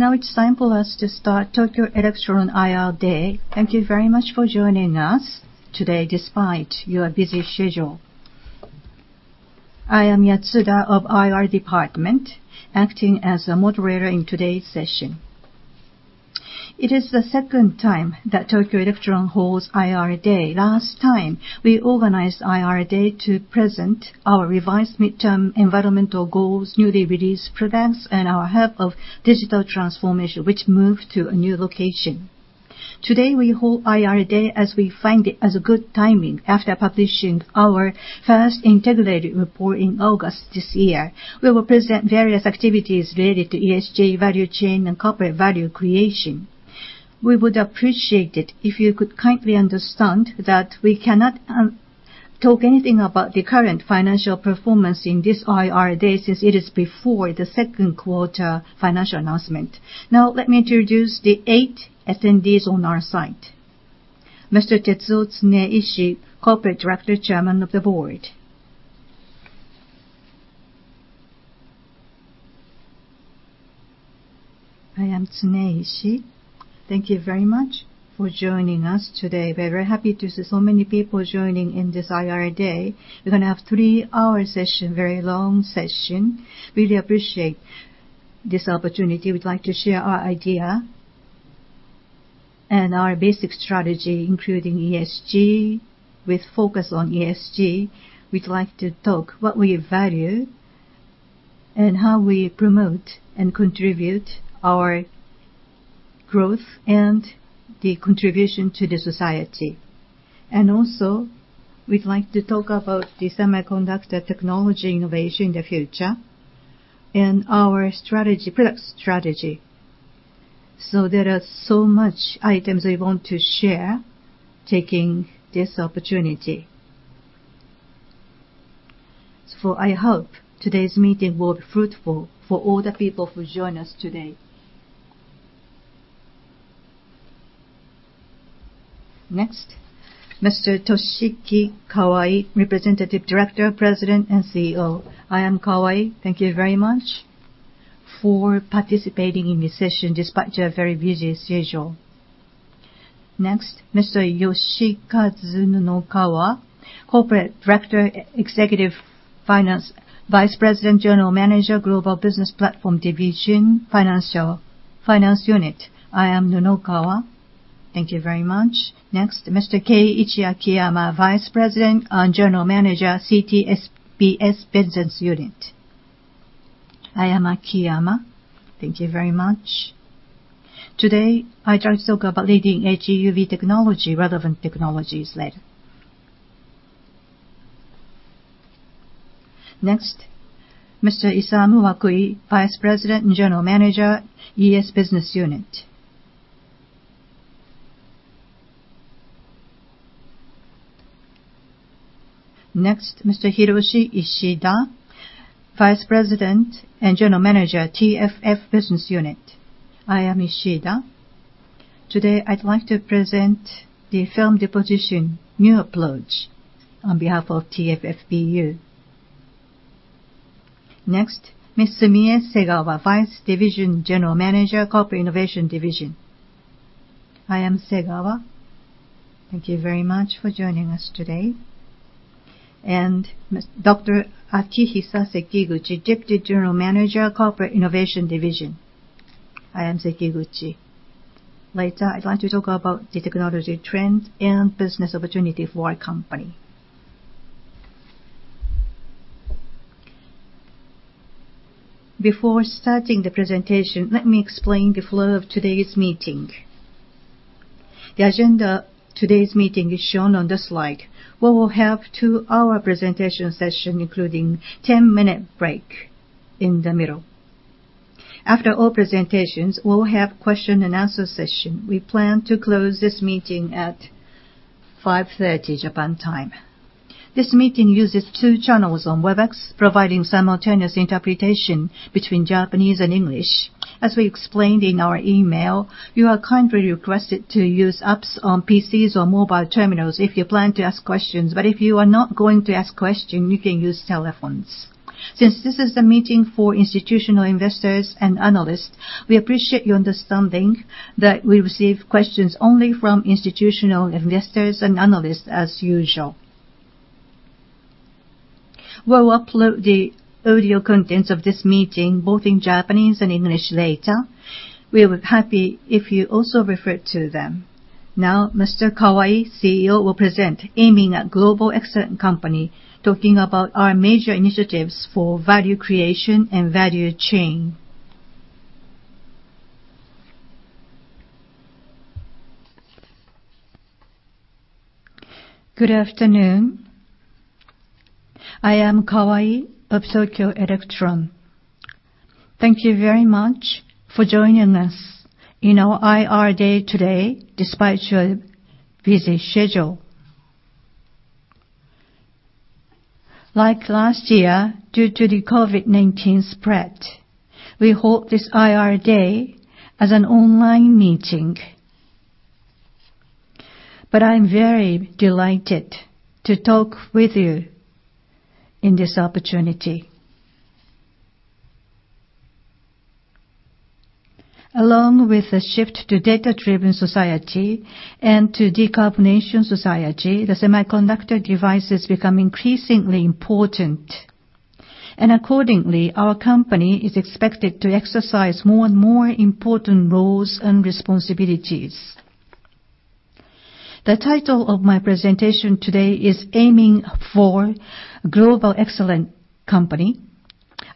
It's time for us to start Tokyo Electron IR Day. Thank you very much for joining us today despite your busy schedule. I am Yatsuda of IR Department, acting as a moderator in today's session. It is the second time that Tokyo Electron holds IR Day. Last time, we organized IR Day to present our revised midterm environmental goals, newly released products, and our hub of digital transformation, which moved to a new location. We hold IR Day as we find it as a good timing after publishing our first integrated report in August this year. We will present various activities related to ESG, value chain, and corporate value creation. We would appreciate it if you could kindly understand that we cannot talk anything about the current financial performance in this IR Day since it is before the second quarter financial announcement. Let me introduce the eight attendees on our site. Mr. Tetsuo Tsuneishi, Corporate Director, Chairman of the Board. I am Tsuneishi. Thank you very much for joining us today. We're very happy to see so many people joining in this IR Day. We're going to have a three-hour session, very long session. Really appreciate this opportunity. We'd like to share our idea and our basic strategy, including ESG, with focus on ESG. We'd like to talk what we value and how we promote and contribute our growth and the contribution to the society. Also, we'd like to talk about the semiconductor technology innovation in the future and our product strategy. There are so much items we want to share, taking this opportunity. I hope today's meeting will be fruitful for all the people who join us today. Next, Mr. Toshiki Kawai, Representative Director, President and CEO. I am Kawai. Thank you very much for participating in this session despite your very busy schedule. Next, Mr. Yoshikazu Nunokawa, Corporate Director, Executive Vice President, General Manager, Global Business Platform Division, Finance Unit. I am Nunokawa. Thank you very much. Next, Mr. Keiichi Akiyama, Vice President and General Manager, CTSPS Business Unit. I am Akiyama. Thank you very much. Today, I try to talk about leading EUV technology, relevant technologies later. Next, Mr. Isamu Wakui, Vice President and General Manager, ES Business Unit. Next, Mr. Hiroshi Ishida, Vice President and General Manager, TFF Business Unit. I am Ishida. Today, I'd like to present the film deposition new approach on behalf of TFF BU. Next, Ms. Mie Segawa, Vice Division General Manager, Corporate Innovation Division. I am Segawa. Thank you very much for joining us today. Dr. Akihisa Sekiguchi, Deputy General Manager, Corporate Innovation Division. I am Sekiguchi.Later, I'd like to talk about the technology trends and business opportunity for our company. Before starting the presentation, let me explain the flow of today's meeting. The agenda today's meeting is shown on this slide. We will have a two-hour presentation session, including 10-minute break in the middle. After all presentations, we'll have question and answer session. We plan to close this meeting at 5:30 p.m. Japan time. This meeting uses two channels on Webex, providing simultaneous interpretation between Japanese and English. As we explained in our email, you are kindly requested to use apps on PCs or mobile terminals if you plan to ask questions. If you are not going to ask question, you can use telephones. Since this is a meeting for institutional investors and analysts, we appreciate your understanding that we receive questions only from institutional investors and analysts as usual. We'll upload the audio contents of this meeting, both in Japanese and English later. We will be happy if you also refer to them. Now, Mr. Kawai, CEO, will present"Aiming for Global Excellent Company," talking about our major initiatives for value creation and value chain. Good afternoon. I am Kawai of Tokyo Electron. Thank you very much for joining us in our IR Day today despite your busy schedule. Like last year, due to the COVID-19 spread, we hold this IR Day as an online meeting. I'm very delighted to talk with you in this opportunity. Along with the shift to data-driven society and to decarbonization society, the semiconductor device is becoming increasingly important. Accordingly, our company is expected to exercise more and more important roles and responsibilities. The title of my presentation today is "Aiming for Global Excellent Company."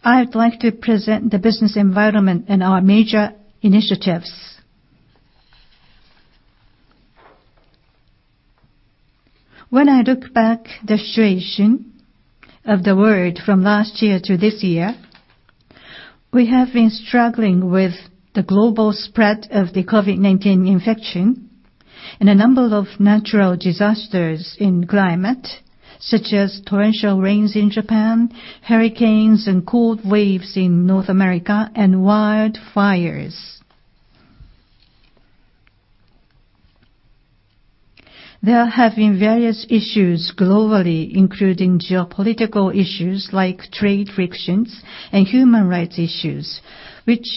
I'd like to present the business environment and our major initiatives. When I look back the situation of the world from last year to this year, we have been struggling with the global spread of the COVID-19 infection and a number of natural disasters in climate, such as torrential rains in Japan, hurricanes and cold waves in North America, and wildfires. There have been various issues globally, including geopolitical issues like trade frictions and human rights issues, which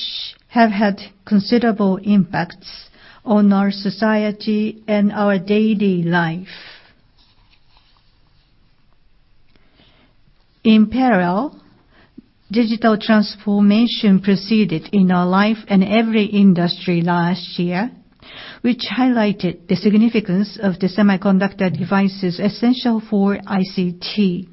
have had considerable impacts on our society and our daily life. In parallel, digital transformation proceeded in our life and every industry last year, which highlighted the significance of the semiconductor devices essential for ICT.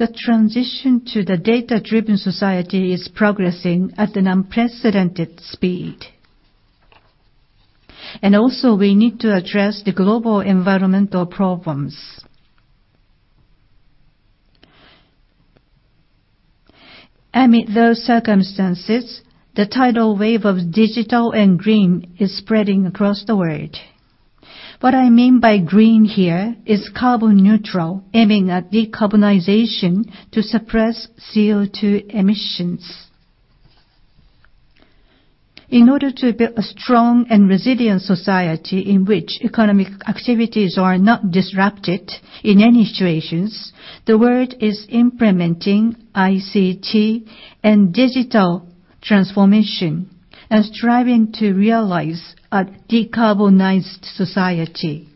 The transition to the data-driven society is progressing at an unprecedented speed. Also, we need to address the global environmental problems. Amid those circumstances, the tidal wave of digital and green is spreading across the world. What I mean by green here is carbon neutral, aiming at decarbonization to suppress CO2 emissions. In order to build a strong and resilient society in which economic activities are not disrupted in any situations, the world is implementing ICT and digital transformation and striving to realize a decarbonized society.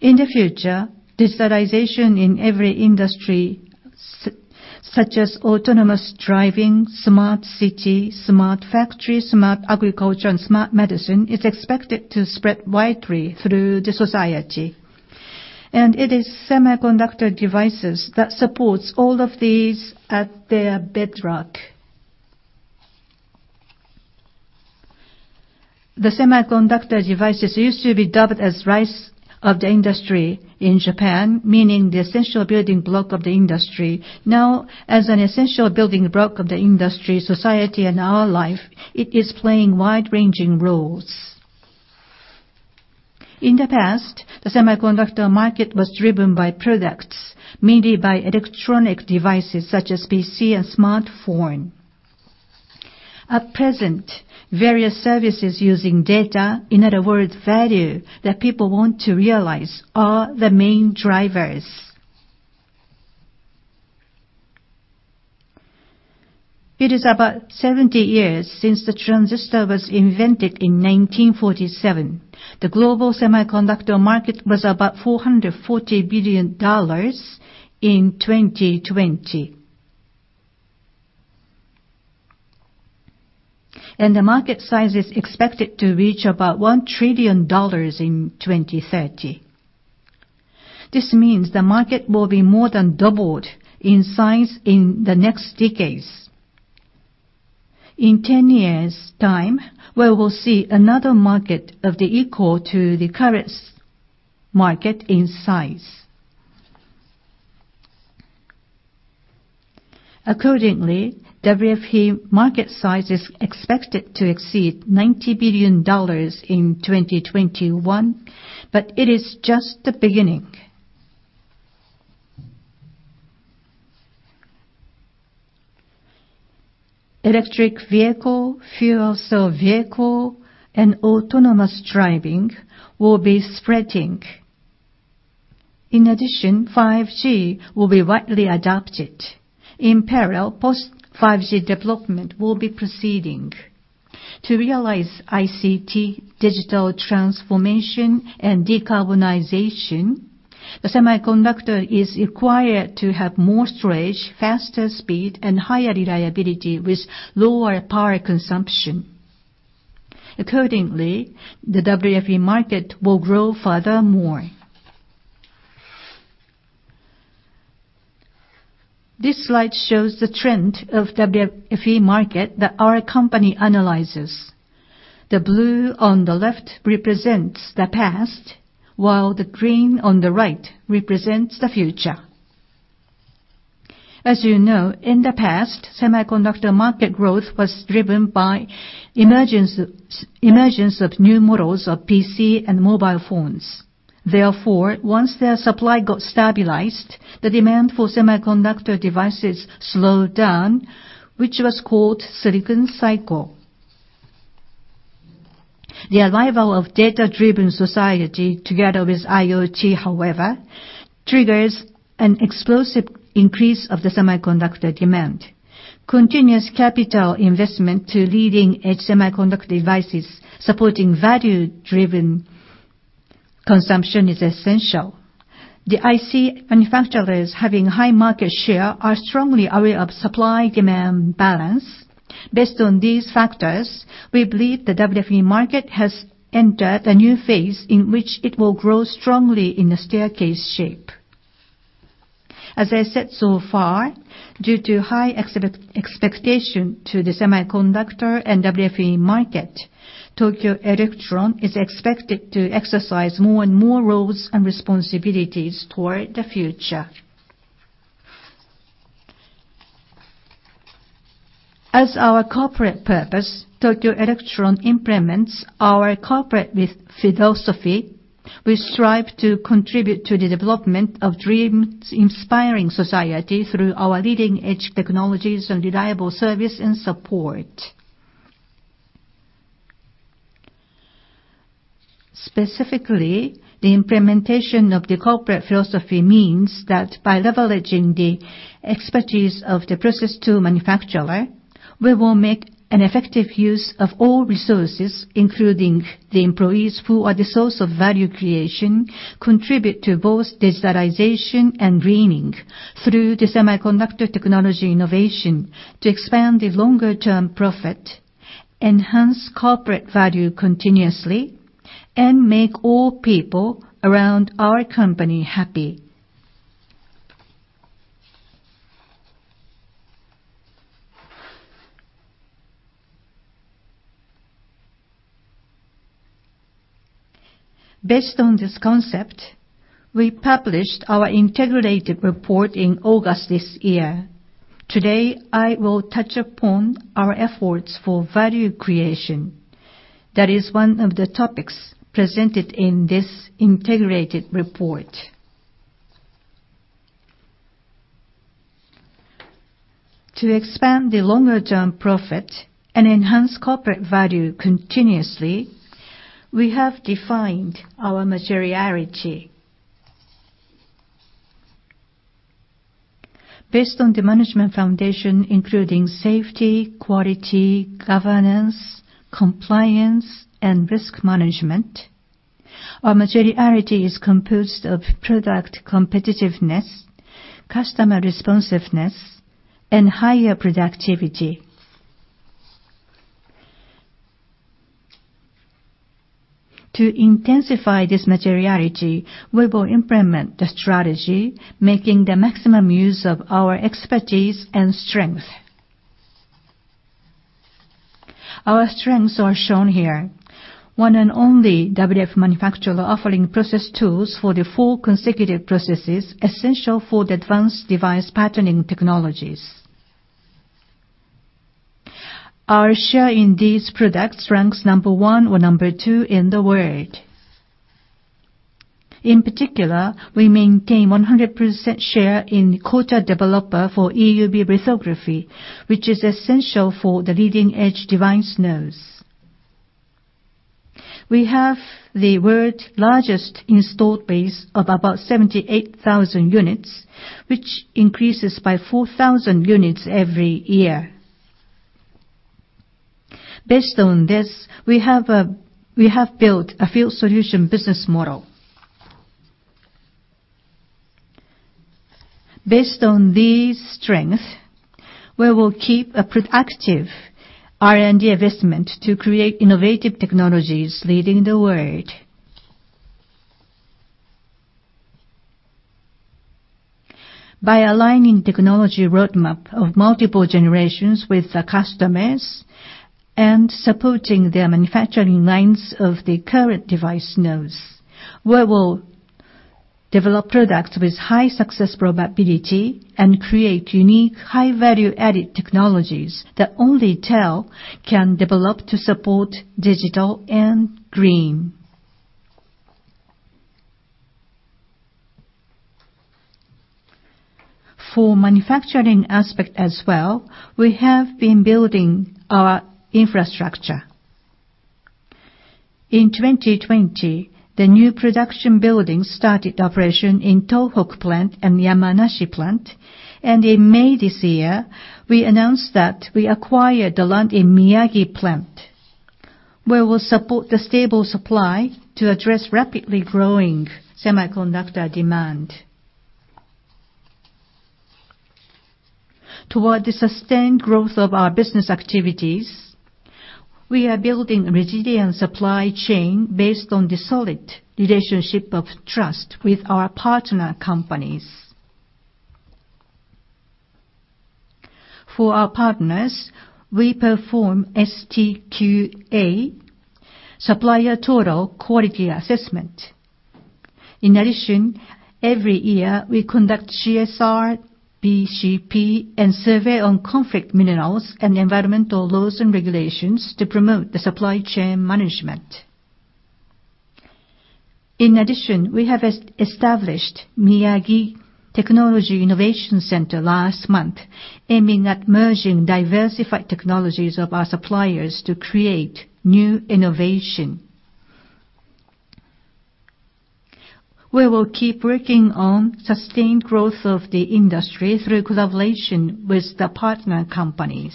In the future, digitalization in every industry, such as autonomous driving, smart city, smart factory, smart agriculture, and smart medicine, is expected to spread widely through the society. It is semiconductor devices that support all of these at their bedrock. The semiconductor devices used to be dubbed as rice of the industry in Japan, meaning the essential building block of the industry. Now, as an essential building block of the industry, society, and our life, it is playing wide-ranging roles. In the past, the semiconductor market was driven by products, mainly by electronic devices such as PC and smartphone. At present, various services using data, in other words, value, that people want to realize are the main drivers. It is about 70 years since the transistor was invented in 1947. The global semiconductor market was about $440 billion in 2020. The market size is expected to reach about $1 trillion in 2030. This means the market will be more than doubled in size in the next decades. In 10 years' time, we will see another market of the equal to the current market in size. Accordingly, WFE market size is expected to exceed $90 billion in 2021, but it is just the beginning. Electric vehicle, fuel cell vehicle, and autonomous driving will be spreading. In addition, 5G will be widely adopted. In parallel, post-5G development will be proceeding. To realize ICT, digital transformation, and decarbonization, the semiconductor is required to have more storage, faster speed, and higher reliability with lower power consumption. Accordingly, the WFE market will grow furthermore. This slide shows the trend of WFE market that our company analyzes. The blue on the left represents the past, while the green on the right represents the future. As you know, in the past, semiconductor market growth was driven by emergence of new models of PC and mobile phones. Therefore, once their supply got stabilized, the demand for semiconductor devices slowed down, which was called silicon cycle. The arrival of data-driven society together with IoT, however, triggers an explosive increase of the semiconductor demand. Continuous capital investment to leading-edge semiconductor devices, supporting value-driven consumption is essential. The IC manufacturers having high market share are strongly aware of supply-demand balance. Based on these factors, we believe the WFE market has entered a new phase in which it will grow strongly in a staircase shape. As I said so far, due to high expectation to the semiconductor and WFE market, Tokyo Electron is expected to exercise more and more roles and responsibilities toward the future. As our corporate purpose, Tokyo Electron implements our corporate philosophy. We strive to contribute to the development of dreams-inspiring society through our leading-edge technologies and reliable service and support. Specifically, the implementation of the corporate philosophy means that by leveraging the expertise of the process to manufacturer, we will make an effective use of all resources, including the employees who are the source of value creation, contribute to both digitalization and greening through the semiconductor technology innovation to expand the longer-term profit, enhance corporate value continuously, and make all people around our company happy. Based on this concept, we published our integrated report in August this year. Today, I will touch upon our efforts for value creation. That is one of the topics presented in this integrated report. To expand the longer-term profit and enhance corporate value continuously, we have defined our materiality. Based on the management foundation, including safety, quality, governance, compliance, and risk management, our materiality is composed of product competitiveness, customer responsiveness, and higher productivity. To intensify this materiality, we will implement the strategy, making the maximum use of our expertise and strength. Our strengths are shown here. One and only WFE manufacturer offering process tools for the four consecutive processes essential for the advanced device patterning technologies. Our share in these products ranks number one or number two in the world. In particular, we maintain 100% share in coater/developer for EUV lithography, which is essential for the leading-edge device nodes. We have the world's largest installed base of about 78,000 units, which increases by 4,000 units every year. Based on this, we have built a Field Solution business model. Based on these strengths, we will keep a productive R&D investment to create innovative technologies leading the world. By aligning technology roadmap of multiple generations with the customers and supporting their manufacturing lines of the current device nodes, we will develop products with high success probability and create unique high-value-added technologies that only TEL can develop to support digital and green. For manufacturing aspect as well, we have been building our infrastructure. In 2020, the new production building started operation in Tohoku Plant and Yamanashi Plant. In May this year, we announced that we acquired the land in Miyagi Plant, where we'll support the stable supply to address rapidly growing semiconductor demand. Toward the sustained growth of our business activities, we are building a resilient supply chain based on the solid relationship of trust with our partner companies. For our partners, we perform STQA, Supplier Total Quality Assessment. Every year, we conduct CSR BCP, and survey on conflict minerals and environmental laws and regulations to promote the supply chain management. We have established Miyagi Technology Innovation Center last month, aiming at merging diversified technologies of our suppliers to create new innovation. We will keep working on sustained growth of the industry through collaboration with the partner companies.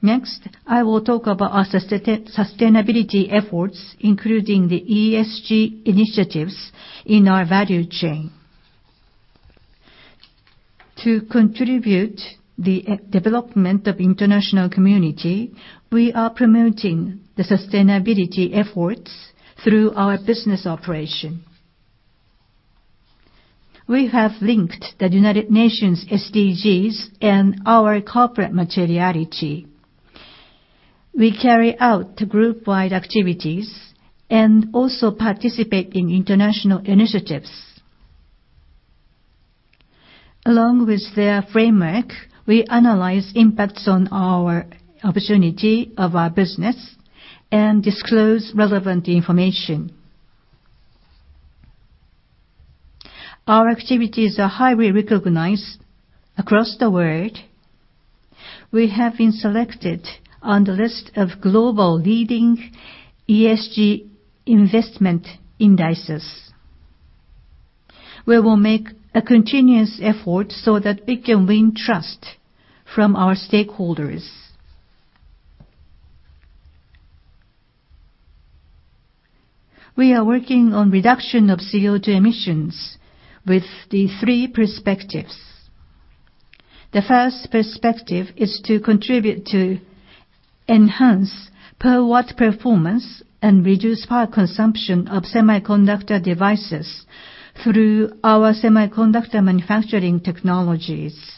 Next, I will talk about our sustainability efforts, including the ESG initiatives in our value chain. To contribute the development of international community, we are promoting the sustainability efforts through our business operation. We have linked the United Nations SDGs and our corporate materiality. We carry out groupwide activities and also participate in international initiatives. Along with their framework, we analyze impacts on our opportunity of our business and disclose relevant information. Our activities are highly recognized across the world. We have been selected on the list of global leading ESG investment indices. We will make a continuous effort so that we can win trust from our stakeholders. We are working on reduction of CO2 emissions with the three perspectives. The first perspective is to contribute to enhance per-watt performance and reduce power consumption of semiconductor devices through our semiconductor manufacturing technologies.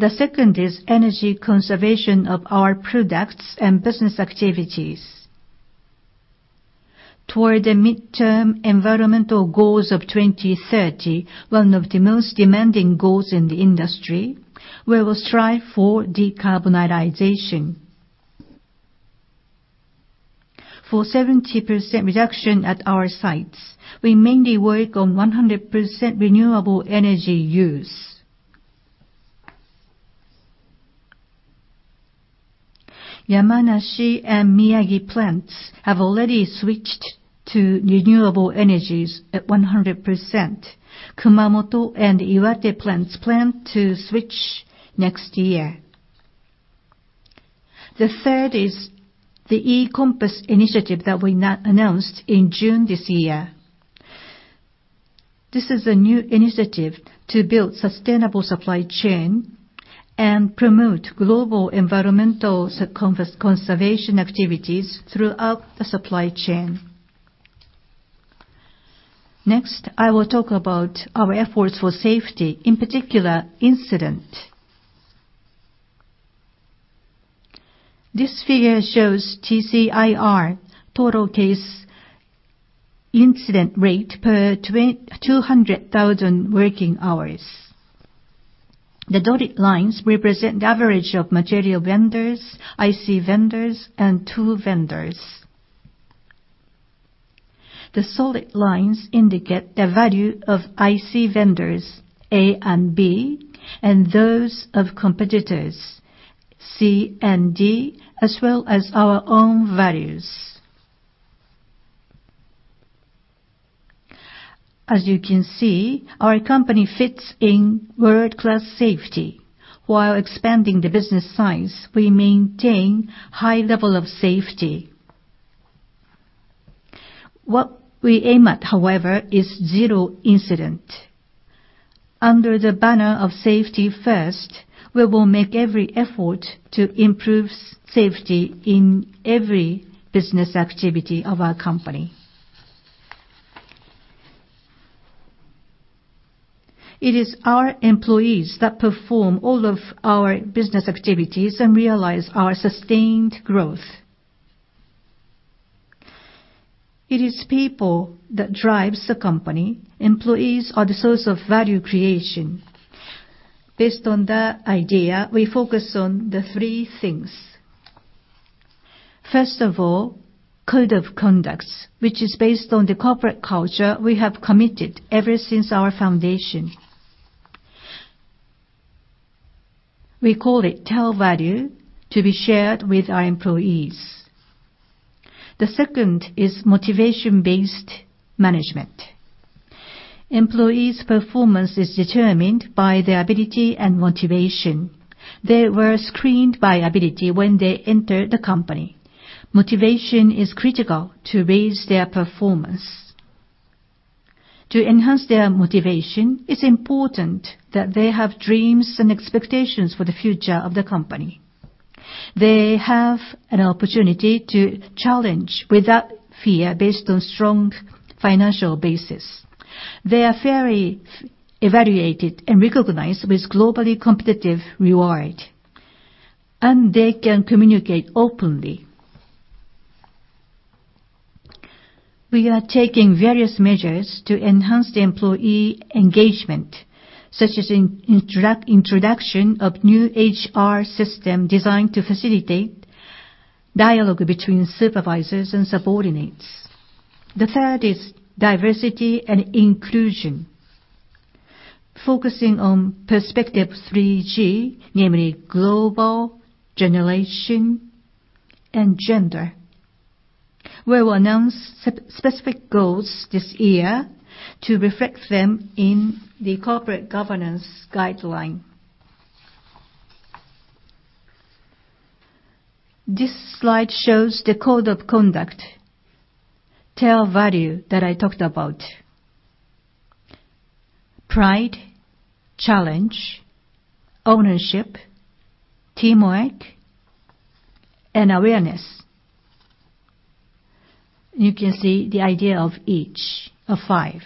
The second is energy conservation of our products and business activities. Toward the midterm environmental goals of 2030, one of the most demanding goals in the industry, we will strive for decarbonization. For 70% reduction at our sites, we mainly work on 100% renewable energy use. Yamanashi and Miyagi Plant have already switched to renewable energies at 100%. Kumamoto and Iwate plants plan to switch next year. The third is the E-COMPASS initiative that we announced in June this year. This is a new initiative to build sustainable supply chain and promote global environmental conservation activities throughout the supply chain. I will talk about our efforts for safety, in particular incident. This figure shows TCIR, total case incident rate, per 200,000 working hours. The dotted lines represent the average of material vendors, IC vendors, and tool vendors. The solid lines indicate the value of IC vendors A and B, and those of competitors C and D, as well as our own values. As you can see, our company fits in world-class safety. While expanding the business size, we maintain high level of safety. What we aim at, however, is zero incident. Under the banner of safety first, we will make every effort to improve safety in every business activity of our company. It is our employees that perform all of our business activities and realize our sustained growth. It is people that drives the company. Employees are the source of value creation. Based on that idea, we focus on the three things. First of all, code of conducts, which is based on the corporate culture we have committed ever since our foundation. We call it TEL Value to be shared with our employees. The second is motivation-based management. Employees' performance is determined by their ability and motivation. They were screened by ability when they entered the company. Motivation is critical to raise their performance. To enhance their motivation, it's important that they have dreams and expectations for the future of the company. They have an opportunity to challenge without fear based on strong financial basis. They are fairly evaluated and recognized with globally competitive reward, and they can communicate openly. We are taking various measures to enhance the employee engagement, such as introduction of new HR system designed to facilitate dialogue between supervisors and subordinates. The third is diversity and inclusion, focusing on perspective 3G, namely global, generation, and gender. We will announce specific goals this year to reflect them in the corporate governance guideline. This slide shows the code of conduct, TEL Value that I talked about. Pride, challenge, ownership, teamwork, and awareness. You can see the idea of each of the five.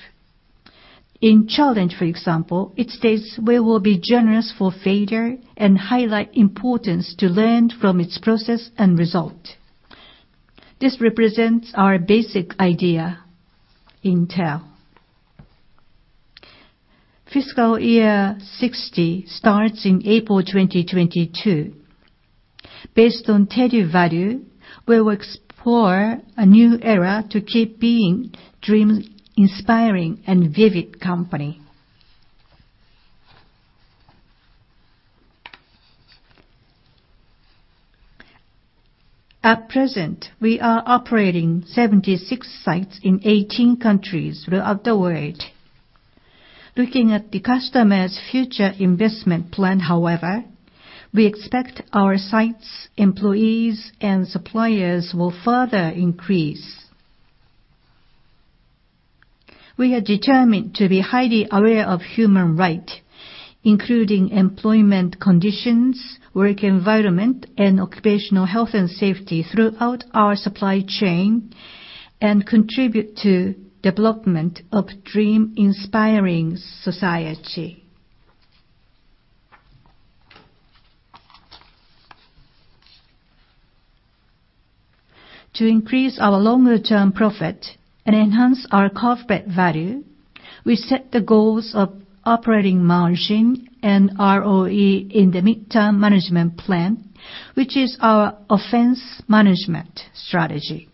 In challenge, for example, it states we will be generous for failure and highlight importance to learn from its process and result. This represents our basic idea in TEL. Fiscal year 60 starts in April 2022. Based on TEL Value, we will explore a new era to keep being dream-inspiring and vivid company. At present, we are operating 76 sites in 18 countries throughout the world. Looking at the customer's future investment plan, however, we expect our sites, employees, and suppliers will further increase. We are determined to be highly aware of human rights, including employment conditions, work environment, and occupational health and safety throughout our supply chain, and contribute to development of dream-inspiring society. To increase our longer-term profit and enhance our corporate value, we set the goals of operating margin and ROE in the midterm management plan, which is our offense management strategy.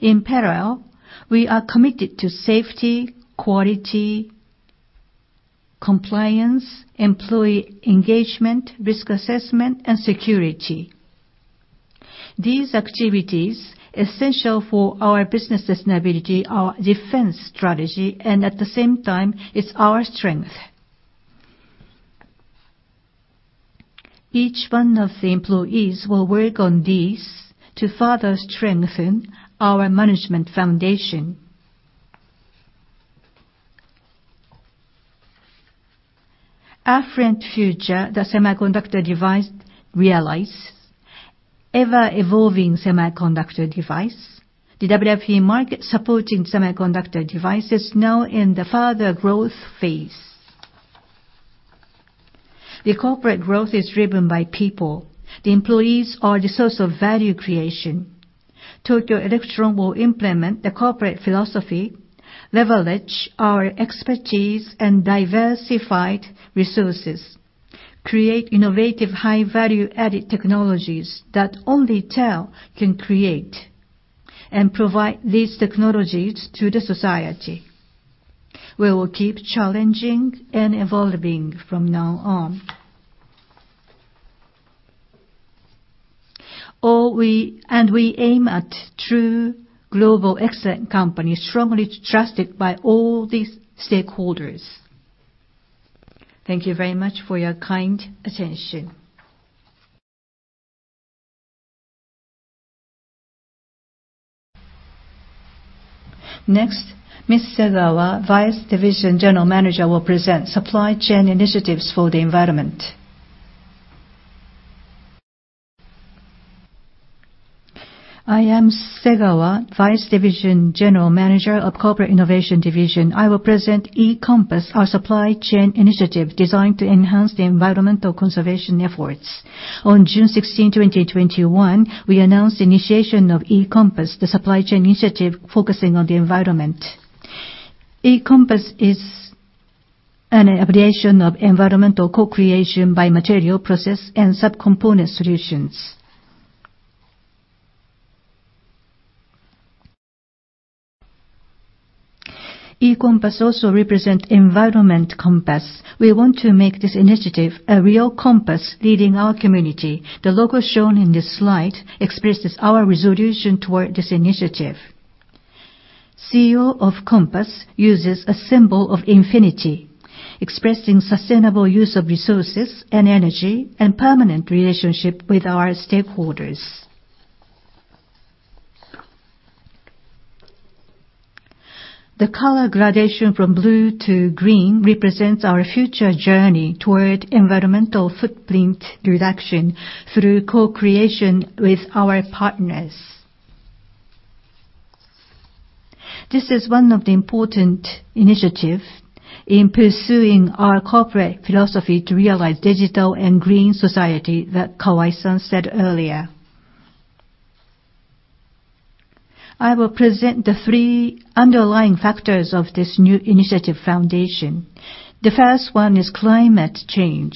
In parallel, we are committed to safety, quality, compliance, employee engagement, risk assessment, and security. These activities, essential for our business sustainability, are defense strategy, and at the same time, it's our strength. Each one of the employees will work on these to further strengthen our management foundation. Affluent future the semiconductor device realize. Ever-evolving semiconductor device. The WFE market supporting semiconductor devices now in the further growth phase. The corporate growth is driven by people. The employees are the source of value creation. Tokyo Electron will implement the corporate philosophy, leverage our expertise and diversified resources, create innovative, high value-added technologies that only TEL can create, and provide these technologies to the society. We will keep challenging and evolving from now on. We aim at true global excellent company, strongly trusted by all the stakeholders. Thank you very much for your kind attention. Next, Ms. Segawa, Vice Division General Manager, will present supply chain initiatives for the environment. I am Segawa, Vice Division General Manager of Corporate Innovation Division. I will present E-COMPASS, our supply chain initiative designed to enhance the environmental conservation efforts. On June 16, 2021, we announced the initiation of E-COMPASS, the supply chain initiative focusing on the environment. E-COMPASS is an abbreviation of environmental co-creation by material process and sub-component solutions. E-COMPASS also represents environment compass. We want to make this initiative a real compass leading our community. The logo shown in this slide expresses our resolution toward this initiative. "C" of E-COMPASS uses a symbol of infinity, expressing sustainable use of resources and energy, and permanent relationship with our stakeholders. The color gradation from blue to green represents our future journey toward environmental footprint reduction through co-creation with our partners. This is one of the important initiatives in pursuing our corporate philosophy to realize digital and green society that Kawai-san said earlier. I will present the three underlying factors of this new initiative foundation. The first one is climate change.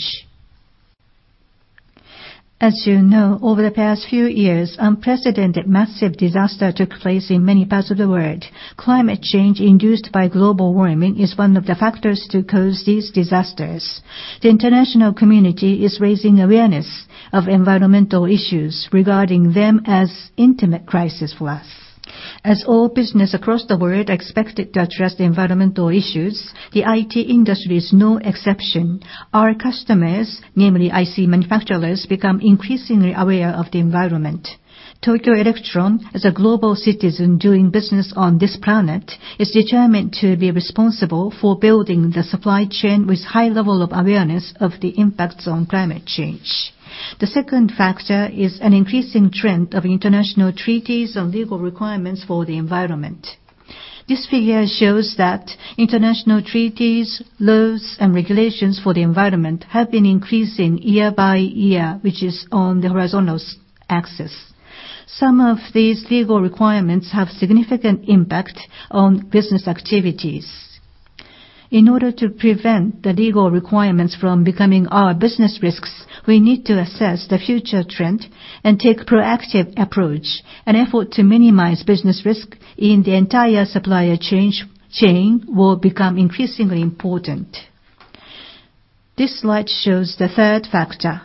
As you know, over the past few years, unprecedented massive disaster took place in many parts of the world. Climate change induced by global warming is one of the factors to cause these disasters. The international community is raising awareness of environmental issues, regarding them as intimate crisis for us. As all business across the world are expected to address the environmental issues, the IT industry is no exception. Our customers, namely IC manufacturers, become increasingly aware of the environment. Tokyo Electron, as a global citizen doing business on this planet, is determined to be responsible for building the supply chain with high level of awareness of the impacts on climate change. The second factor is an increasing trend of international treaties and legal requirements for the environment. This figure shows that international treaties, laws, and regulations for the environment have been increasing year by year, which is on the horizontal axis. Some of these legal requirements have significant impact on business activities. In order to prevent the legal requirements from becoming our business risks, we need to assess the future trend and take proactive approach. An effort to minimize business risk in the entire supply chain will become increasingly important. This slide shows the third factor.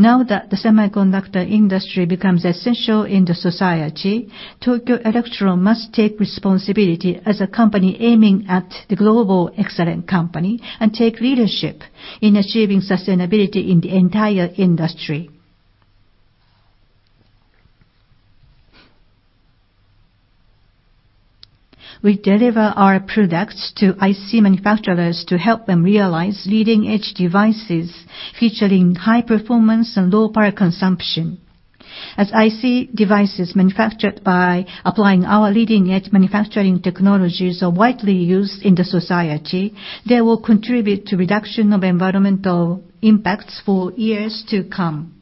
Now that the semiconductor industry becomes essential in the society, Tokyo Electron must take responsibility as a company aiming at the global excellent company and take leadership in achieving sustainability in the entire industry. We deliver our products to IC manufacturers to help them realize leading-edge devices featuring high performance and low power consumption. As IC devices manufactured by applying our leading-edge manufacturing technologies are widely used in the society, they will contribute to reduction of environmental impacts for years to come.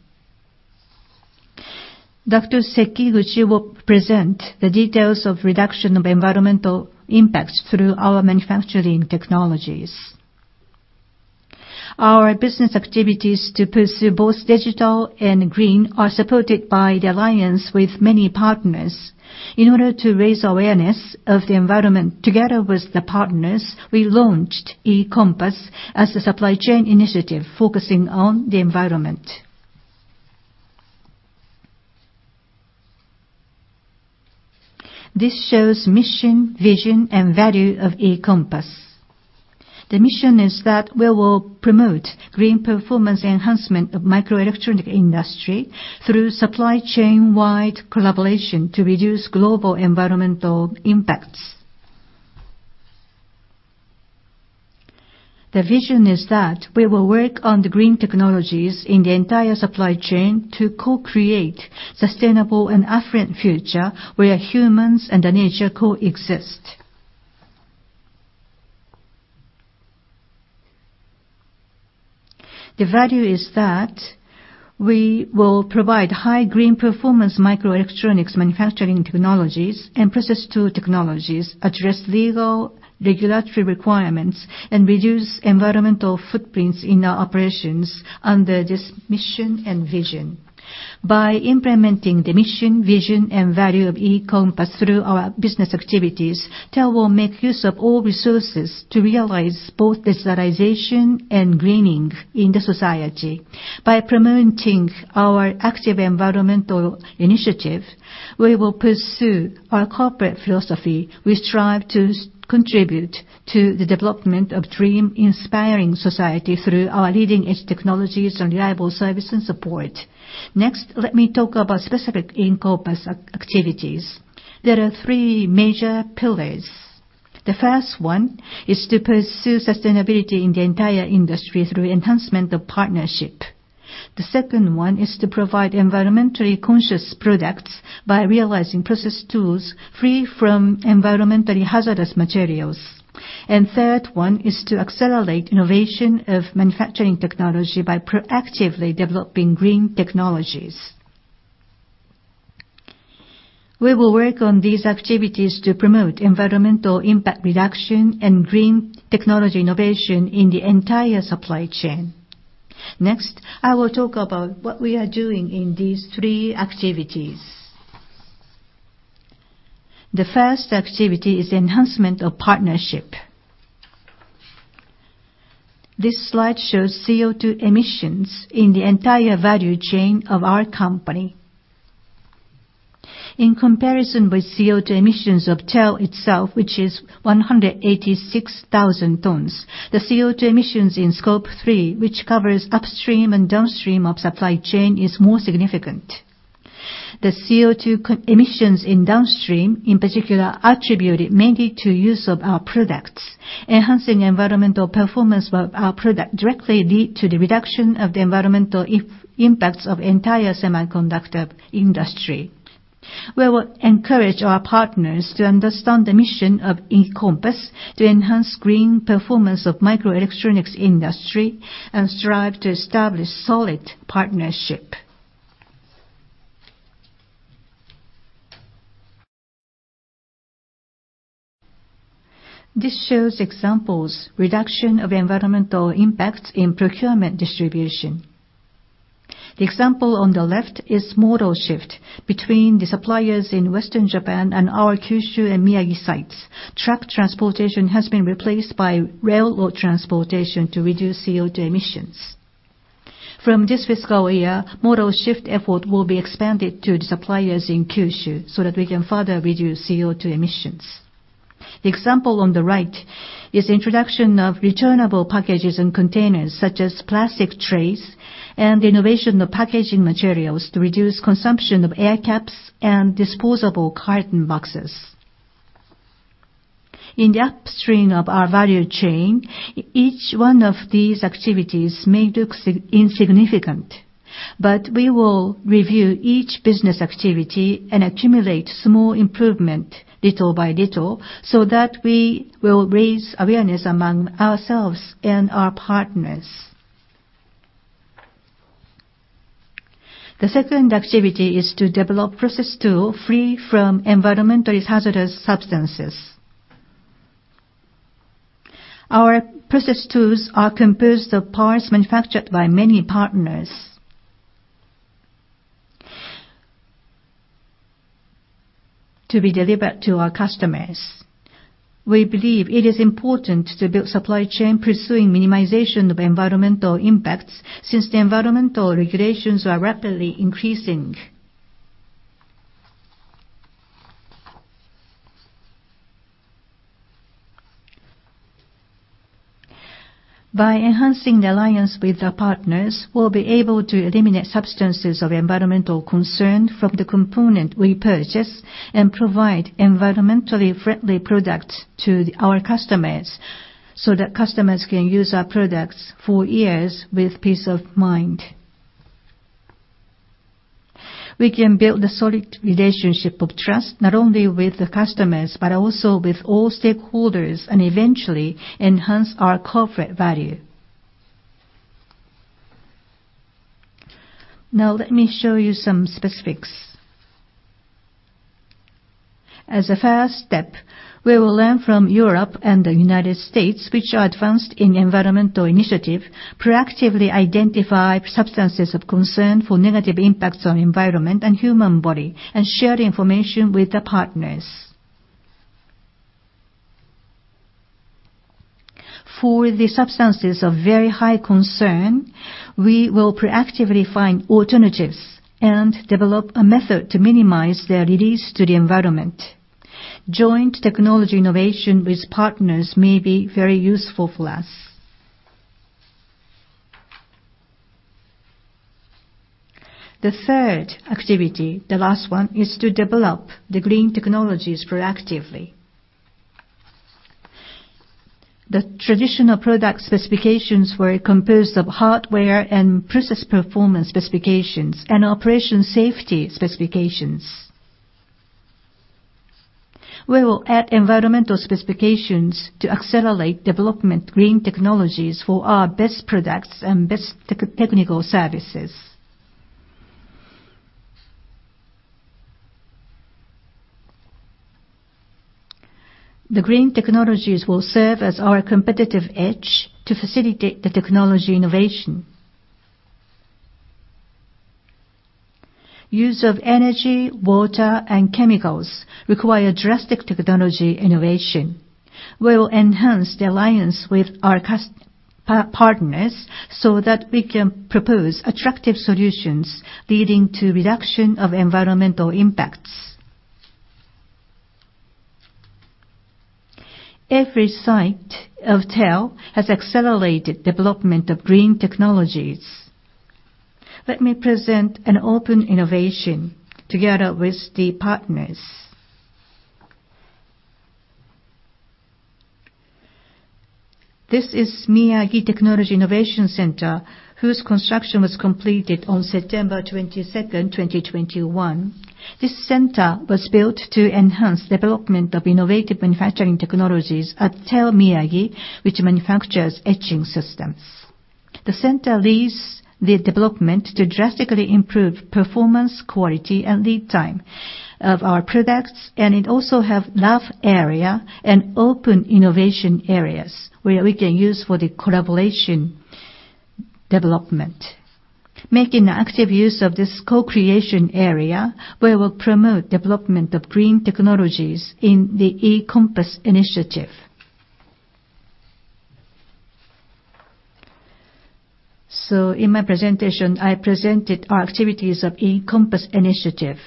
Dr. Sekiguchi will present the details of reduction of environmental impacts through our manufacturing technologies. Our business activities to pursue both digital and green are supported by the alliance with many partners. In order to raise awareness of the environment together with the partners, we launched E-Compass as a supply chain initiative focusing on the environment. This shows mission, vision, and value of E-Compass. The mission is that we will promote green performance enhancement of microelectronic industry through supply chain-wide collaboration to reduce global environmental impacts. The vision is that we will work on the green technologies in the entire supply chain to co-create sustainable and affluent future where humans and nature coexist. The value is that we will provide high green performance microelectronics manufacturing technologies and process tool technologies, address legal regulatory requirements, and reduce environmental footprints in our operations under this mission and vision. By implementing the mission, vision, and value of E-Compass through our business activities, TEL will make use of all resources to realize both digitalization and greening in the society. By promoting our active environmental initiative, we will pursue our corporate philosophy. We strive to contribute to the development of dream-inspiring society through our leading-edge technologies and reliable service and support. Next, let me talk about specific E-Compass activities. There are three major pillars. The first one is to pursue sustainability in the entire industry through enhancement of partnership. The second one is to provide environmentally conscious products by realizing process tools free from environmentally hazardous materials. The third is to accelerate innovation of manufacturing technology by proactively developing green technologies. We will work on these activities to promote environmental impact reduction and green technology innovation in the entire supply chain. Next, I will talk about what we are doing in these three activities. The first activity is enhancement of partnership. This slide shows CO2 emissions in the entire value chain of our company. In comparison with CO2 emissions of TEL itself, which is 186,000 tons, the CO2 emissions in Scope 3, which covers upstream and downstream of supply chain, is more significant. The CO2 emissions in downstream, in particular, attributed mainly to use of our products. Enhancing environmental performance of our product directly leads to the reduction of the environmental impacts of entire semiconductor industry. We will encourage our partners to understand the mission of E-COMPASS, to enhance green performance of microelectronics industry, and strive to establish solid partnership. This shows examples, reduction of environmental impacts in procurement distribution. The example on the left is modal shift between the suppliers in Western Japan and our Kyushu and Miyagi sites. Truck transportation has been replaced by railroad transportation to reduce CO2 emissions. From this fiscal year, modal shift effort will be expanded to the suppliers in Kyushu so that we can further reduce CO2 emissions. The example on the right is introduction of returnable packages and containers, such as plastic trays, and innovation of packaging materials to reduce consumption of air caps and disposable carton boxes. In the upstream of our value chain, each one of these activities may look insignificant, but we will review each business activity and accumulate small improvement, little by little, so that we will raise awareness among ourselves and our partners. The second activity is to develop process tool free from environmentally hazardous substances. Our process tools are composed of parts manufactured by many partners to be delivered to our customers. We believe it is important to build supply chain pursuing minimization of environmental impacts, since the environmental regulations are rapidly increasing. By enhancing the alliance with our partners, we will be able to eliminate substances of environmental concern from the component we purchase and provide environmentally friendly products to our customers, so that customers can use our products for years with peace of mind. We can build a solid relationship of trust, not only with the customers, but also with all stakeholders, and eventually enhance our corporate value. Now, let me show you some specifics. As a first step, we will learn from Europe and the United States, which are advanced in environmental initiative, proactively identify substances of concern for negative impacts on environment and human body, and share the information with the partners. For the substances of very high concern, we will proactively find alternatives and develop a method to minimize their release to the environment. Joint technology innovation with partners may be very useful for us. The third activity, the last one, is to develop the green technologies proactively. The traditional product specifications were composed of hardware and process performance specifications, and operation safety specifications. We will add environmental specifications to accelerate development of green technologies for our best products and best technical services. The green technologies will serve as our competitive edge to facilitate the technology innovation. Use of energy, water, and chemicals require drastic technology innovation. We will enhance the alliance with our partners so that we can propose attractive solutions leading to reduction of environmental impacts. Every site of TEL has accelerated development of green technologies. Let me present an open innovation together with the partners. This is Miyagi Technology Innovation Center, whose construction was completed on September 22nd, 2021. This center was built to enhance development of innovative manufacturing technologies at TEL Miyagi, which manufactures etching systems. The center leads the development to drastically improve performance, quality, and lead time of our products, and it also have lab area and open innovation areas, where we can use for the collaboration development. Making active use of this co-creation area, we will promote development of green technologies in the E-COMPASS initiative. In my presentation, I presented our activities of E-COMPASS initiative.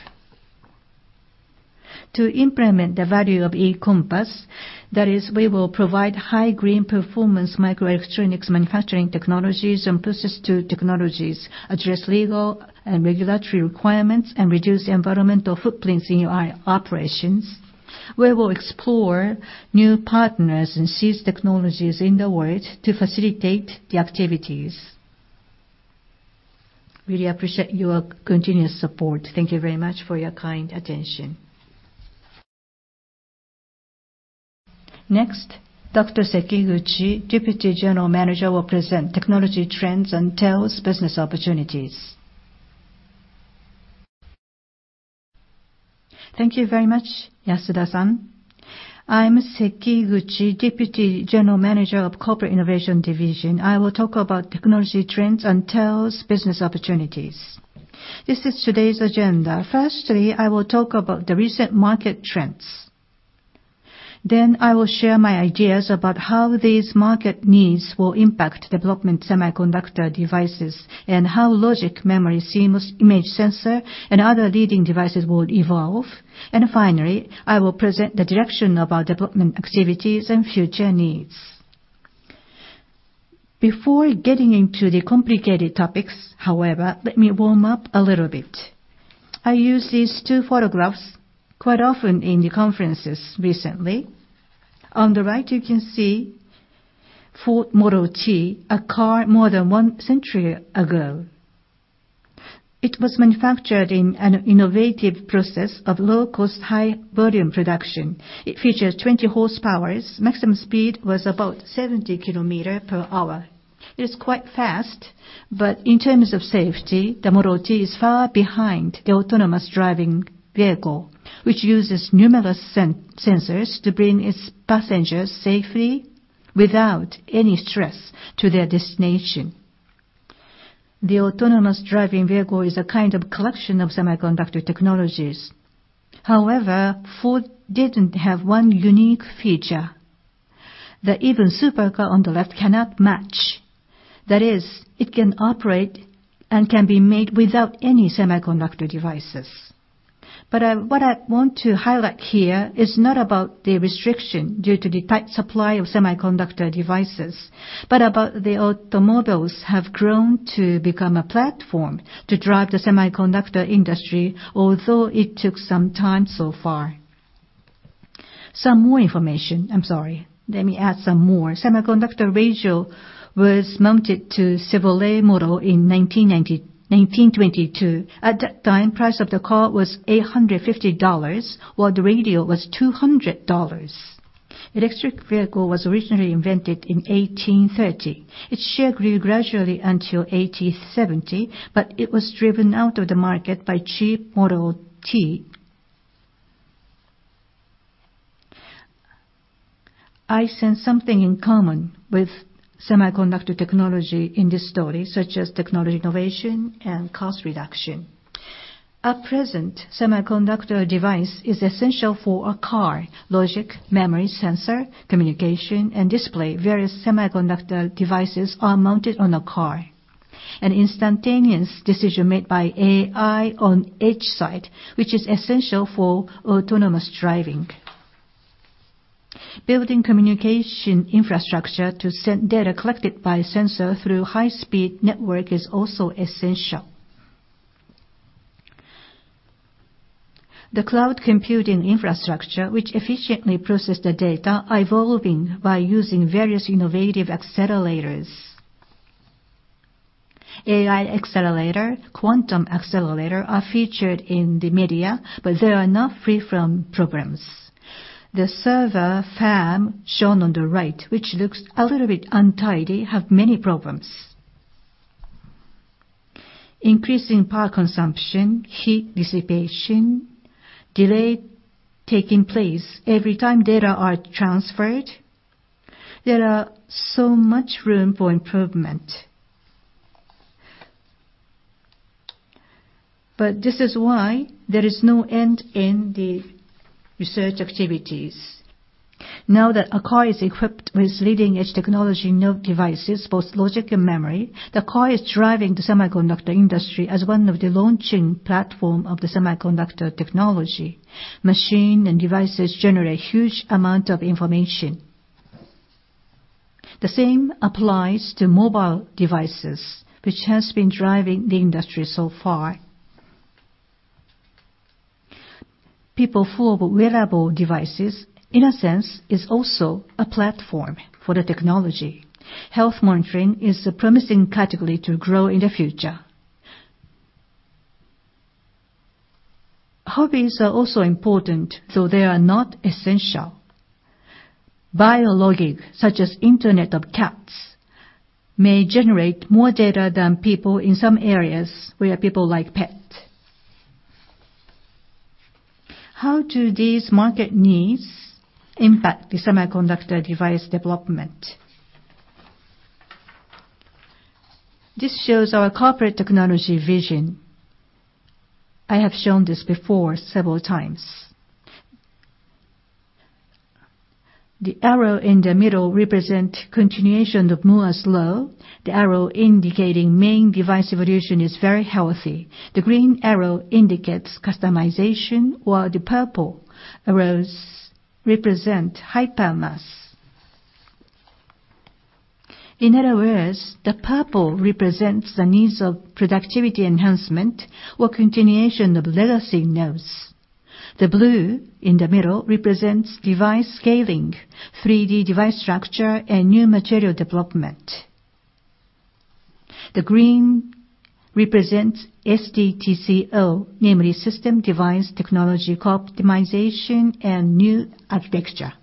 To implement the value of E-COMPASS, that is, we will provide high green performance microelectronics manufacturing technologies and process tool technologies, address legal and regulatory requirements, and reduce the environmental footprints in our operations. We will explore new partners and seize technologies in the world to facilitate the activities. Really appreciate your continuous support. Thank you very much for your kind attention. Next, Dr. Sekiguchi, Deputy General Manager, will present technology trends and TEL's business opportunities. Thank you very much, Yatsuda-san. I'm Sekiguchi, Deputy General Manager of Corporate Innovation Division. I will talk about technology trends and TEL's business opportunities. This is today's agenda. Firstly, I will talk about the recent market trends. I will share my ideas about how these market needs will impact development semiconductor devices, and how logic, memory, CMOS image sensor, and other leading devices will evolve. Finally, I will present the direction of our development activities and future needs. Before getting into the complicated topics, however, let me warm up a little bit. I use these two photographs quite often in conferences recently. On the right, you can see Ford Model T, a car more than one century ago. It was manufactured in an innovative process of low-cost, high-volume production. It features 20 horsepower. Maximum speed was about 70 km per hour. It is quite fast, but in terms of safety, the Model T is far behind the autonomous driving vehicle, which uses numerous sensors to bring its passengers safely without any stress to their destination. The autonomous driving vehicle is a kind of collection of semiconductor technologies. Ford did have one unique feature that even supercar on the left cannot match. That is, it can operate and can be made without any semiconductor devices. What I want to highlight here is not about the restriction due to the tight supply of semiconductor devices, but about the automobiles have grown to become a platform to drive the semiconductor industry, although it took some time so far. Some more information. I am sorry, let me add some more. Semiconductor radio was mounted to Chevrolet model in 1922. At that time, price of the car was $850, while the radio was $200. Electric vehicle was originally invented in 1830. Its share grew gradually until 1870, but it was driven out of the market by cheap Model T. I sense something in common with semiconductor technology in this story, such as technology innovation and cost reduction. At present, semiconductor device is essential for a car, logic, memory, sensor, communication, and display. Various semiconductor devices are mounted on a car. An instantaneous decision made by AI on edge side, which is essential for autonomous driving. Building communication infrastructure to send data collected by sensor through high-speed network is also essential. The cloud computing infrastructure, which efficiently process the data, are evolving by using various innovative accelerators. AI accelerator, quantum accelerator are featured in the media, but they are not free from problems. The server farm shown on the right, which looks a little bit untidy, have many problems. Increasing power consumption, heat dissipation, delay taking place every time data are transferred. There are so much room for improvement. This is why there is no end in the research activities. Now that a car is equipped with leading-edge technology node devices, both logic and memory, the car is driving the semiconductor industry as one of the launching platform of the semiconductor technology. Machine and devices generate huge amount of information. The same applies to mobile devices, which has been driving the industry so far. People full of wearable devices, in a sense, is also a platform for the technology. Health monitoring is a promising category to grow in the future. Hobbies are also important, though they are not essential. Biologging, such as Internet of Animals, may generate more data than people in some areas where people like pet. How do these market needs impact the semiconductor device development? This shows our corporate technology vision. I have shown this before several times. The arrow in the middle represents continuation of Moore's Law. The arrow indicating main device evolution is very healthy. The green arrow indicates customization, while the purple arrows represent HiPerMOS. In other words, the purple represents the needs of productivity enhancement or continuation of legacy nodes. The blue in the middle represents device scaling, 3D device structure, and new material development. The green represents SDTCO, namely system device technology co-optimization and new architecture.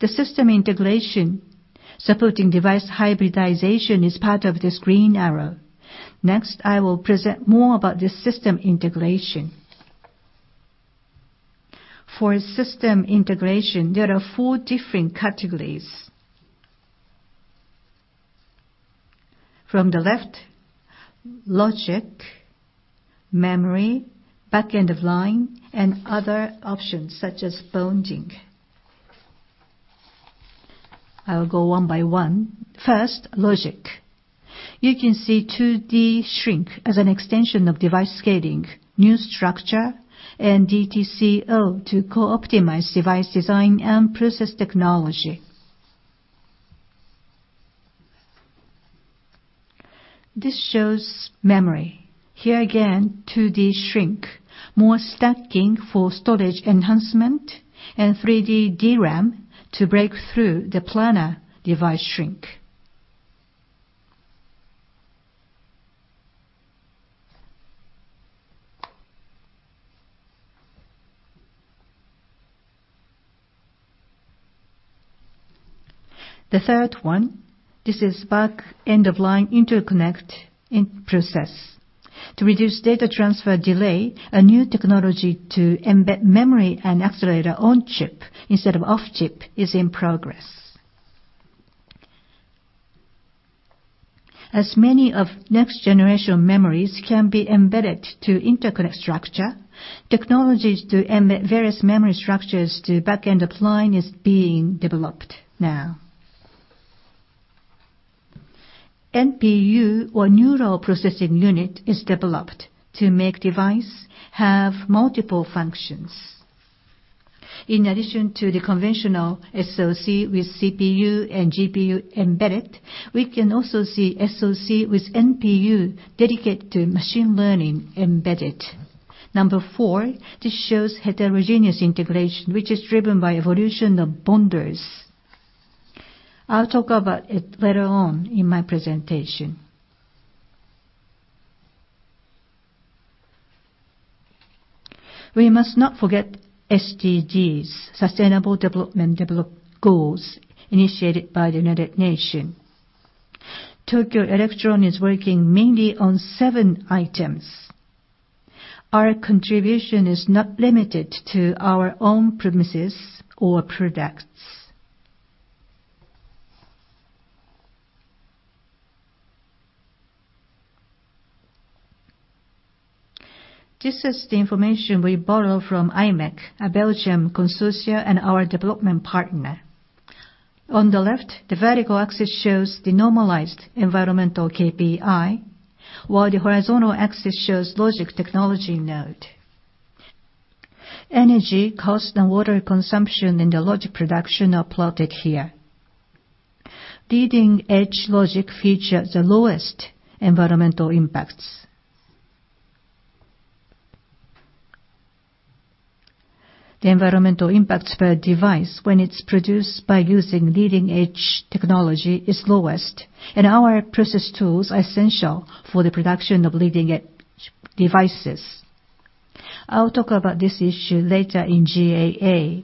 The system integration supporting device hybridization is part of this green arrow. I will present more about this system integration. For system integration, there are four different categories. From the left, logic, memory, back-end of line, and other options such as bonding. I will go one-by-one. First, logic. You can see 2D shrink as an extension of device scaling, new structure, and DTCO to co-optimize device design and process technology. This shows memory. Here again, 2D shrink. More stacking for storage enhancement and 3D DRAM to break through the planar device shrink. The third one, this is back-end of line interconnect in process. To reduce data transfer delay, a new technology to embed memory and accelerator on-chip instead of off-chip is in progress. As many of next-generation memories can be embedded to interconnect structure, technologies to embed various memory structures to back-end of line is being developed now. NPU, or neural processing unit, is developed to make device have multiple functions. In addition to the conventional SoC with CPU and GPU embedded, we can also see SoC with NPU dedicated to machine learning embedded. Number four, this shows heterogeneous integration, which is driven by evolution of bonders. I'll talk about it later on in my presentation. We must not forget SDGs, Sustainable Development Goals, initiated by the United Nations. Tokyo Electron is working mainly on seven items. Our contribution is not limited to our own premises or products. This is the information we borrow from imec, a Belgian consortium and our development partner. On the left, the vertical axis shows the normalized environmental KPI, while the horizontal axis shows logic technology node. Energy cost and water consumption in the logic production are plotted here. Leading-edge logic feature the lowest environmental impacts. The environmental impact per device when it is produced by using leading-edge technology is lowest, and our process tools are essential for the production of leading-edge devices. I will talk about this issue later in GAA.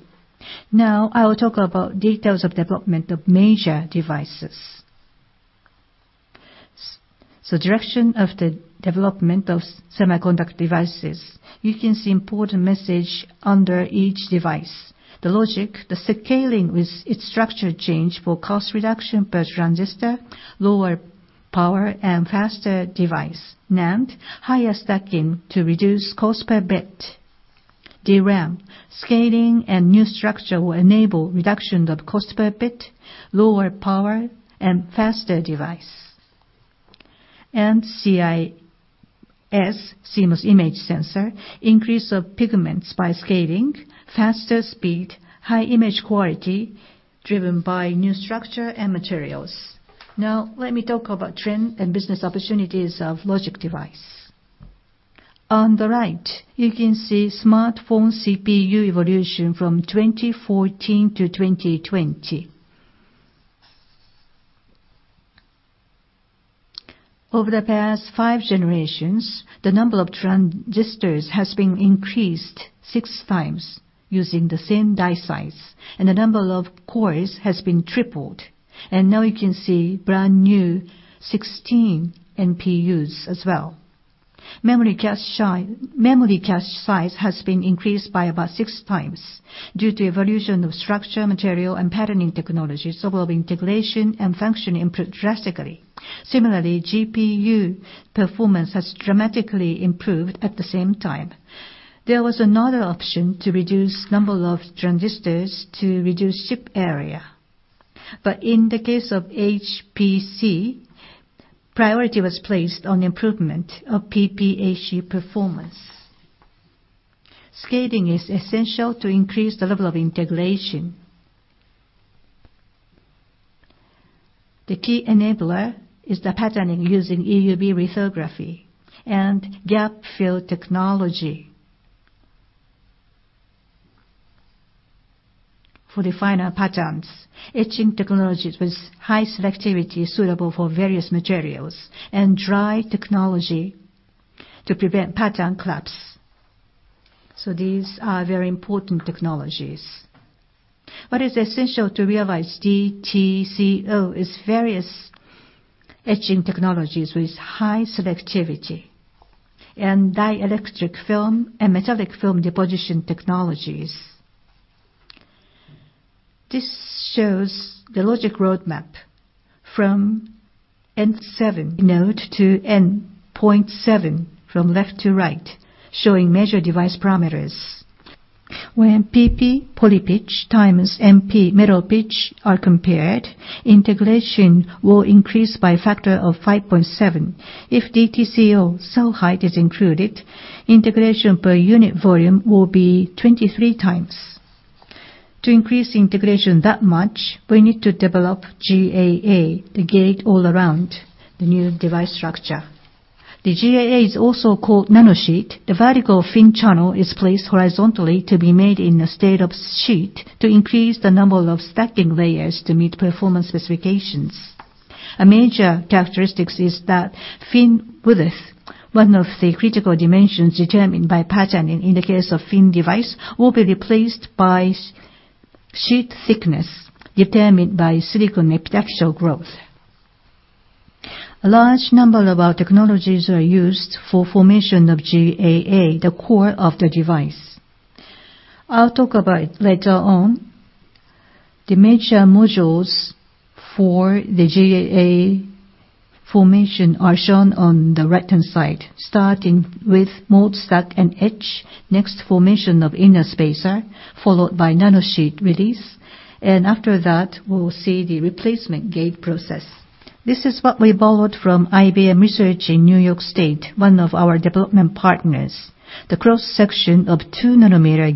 Direction of the development of semiconductor devices. You can see important message under each device. The logic, the scaling with its structure change for cost reduction per transistor, lower power, and faster device. NAND, higher stacking to reduce cost per bit. DRAM, scaling and new structure will enable reduction of cost per bit, lower power, and faster device. CIS, CMOS image sensor, increase of pigments by scaling, faster speed, high image quality driven by new structure and materials. Now, let me talk about trend and business opportunities of logic device. On the right, you can see smartphone CPU evolution from 2014 to 2020. Over the past five generations, the number of transistors has been increased six times using the same die size, and the number of cores has been tripled. Now you can see brand-new 16 NPUs as well. Memory cache size has been increased by about six times. Due to evolution of structure, material, and patterning technology, level of integration and function improved drastically. Similarly, GPU performance has dramatically improved at the same time. There was another option to reduce number of transistors to reduce chip area. In the case of HPC, priority was placed on improvement of PPAC performance. Scaling is essential to increase the level of integration. The key enabler is the patterning using EUV lithography and gap fill technology. For the final patterns, etching technologies with high selectivity suitable for various materials and dry technology to prevent pattern collapse. These are very important technologies. What is essential to realize DTCO is various etching technologies with high selectivity and dielectric film and metallic film deposition technologies. This shows the logic roadmap from N7 node to N0.7 from left to right, showing measure device parameters. When PP, poly pitch, times MP, metal pitch, are compared, integration will increase by a factor of 5.7. If DTCO cell height is included, integration per unit volume will be 23 times. To increase integration that much, we need to develop GAA, the Gate-all-around, the new device structure. The GAA is also called nanosheet. The vertical fin channel is placed horizontally to be made in a state of sheet, to increase the number of stacking layers to meet performance specifications. A major characteristic is that fin width, 1 of the critical dimensions determined by patterning in the case of fin device, will be replaced by sheet thickness, determined by silicon epitaxial growth. A large number of our technologies are used for formation of GAA, the core of the device. I'll talk about it later on. The major modules for the GAA formation are shown on the right-hand side, starting with Multistack and Etch. Next, formation of inner spacer, followed by nanosheet release, and after that, we'll see the replacement gate process. This is what we borrowed from IBM Research in New York State, one of our development partners. The cross-section of 2-nanometer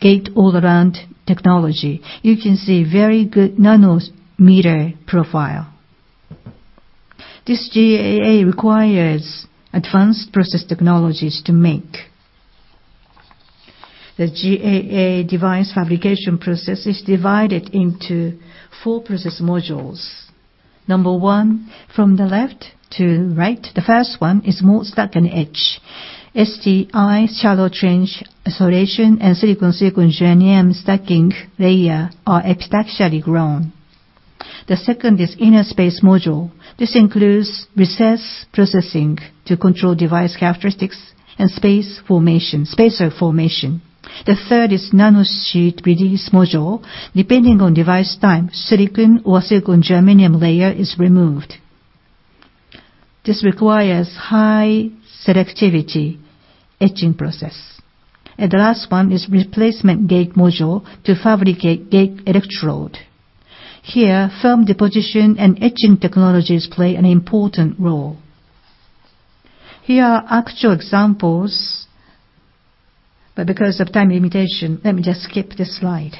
gate-all-around technology. You can see very good nanometer profile. This GAA requires advanced process technologies to make. The GAA device fabrication process is divided into four process modules. Number one, from the left to right, the first one is Multistack and Etch. STI, shallow trench isolation, and silicon-germanium stacking layer are epitaxially grown. The second is inner space module. This includes recess processing to control device characteristics and spacer formation. The third is nanosheet release module. Depending on device type, silicon or silicon-germanium layer is removed. This requires high selectivity etching process. The last one is replacement gate module to fabricate gate electrode. Here, film deposition and etching technologies play an important role. Here are actual examples, but because of time limitation, let me just skip this slide.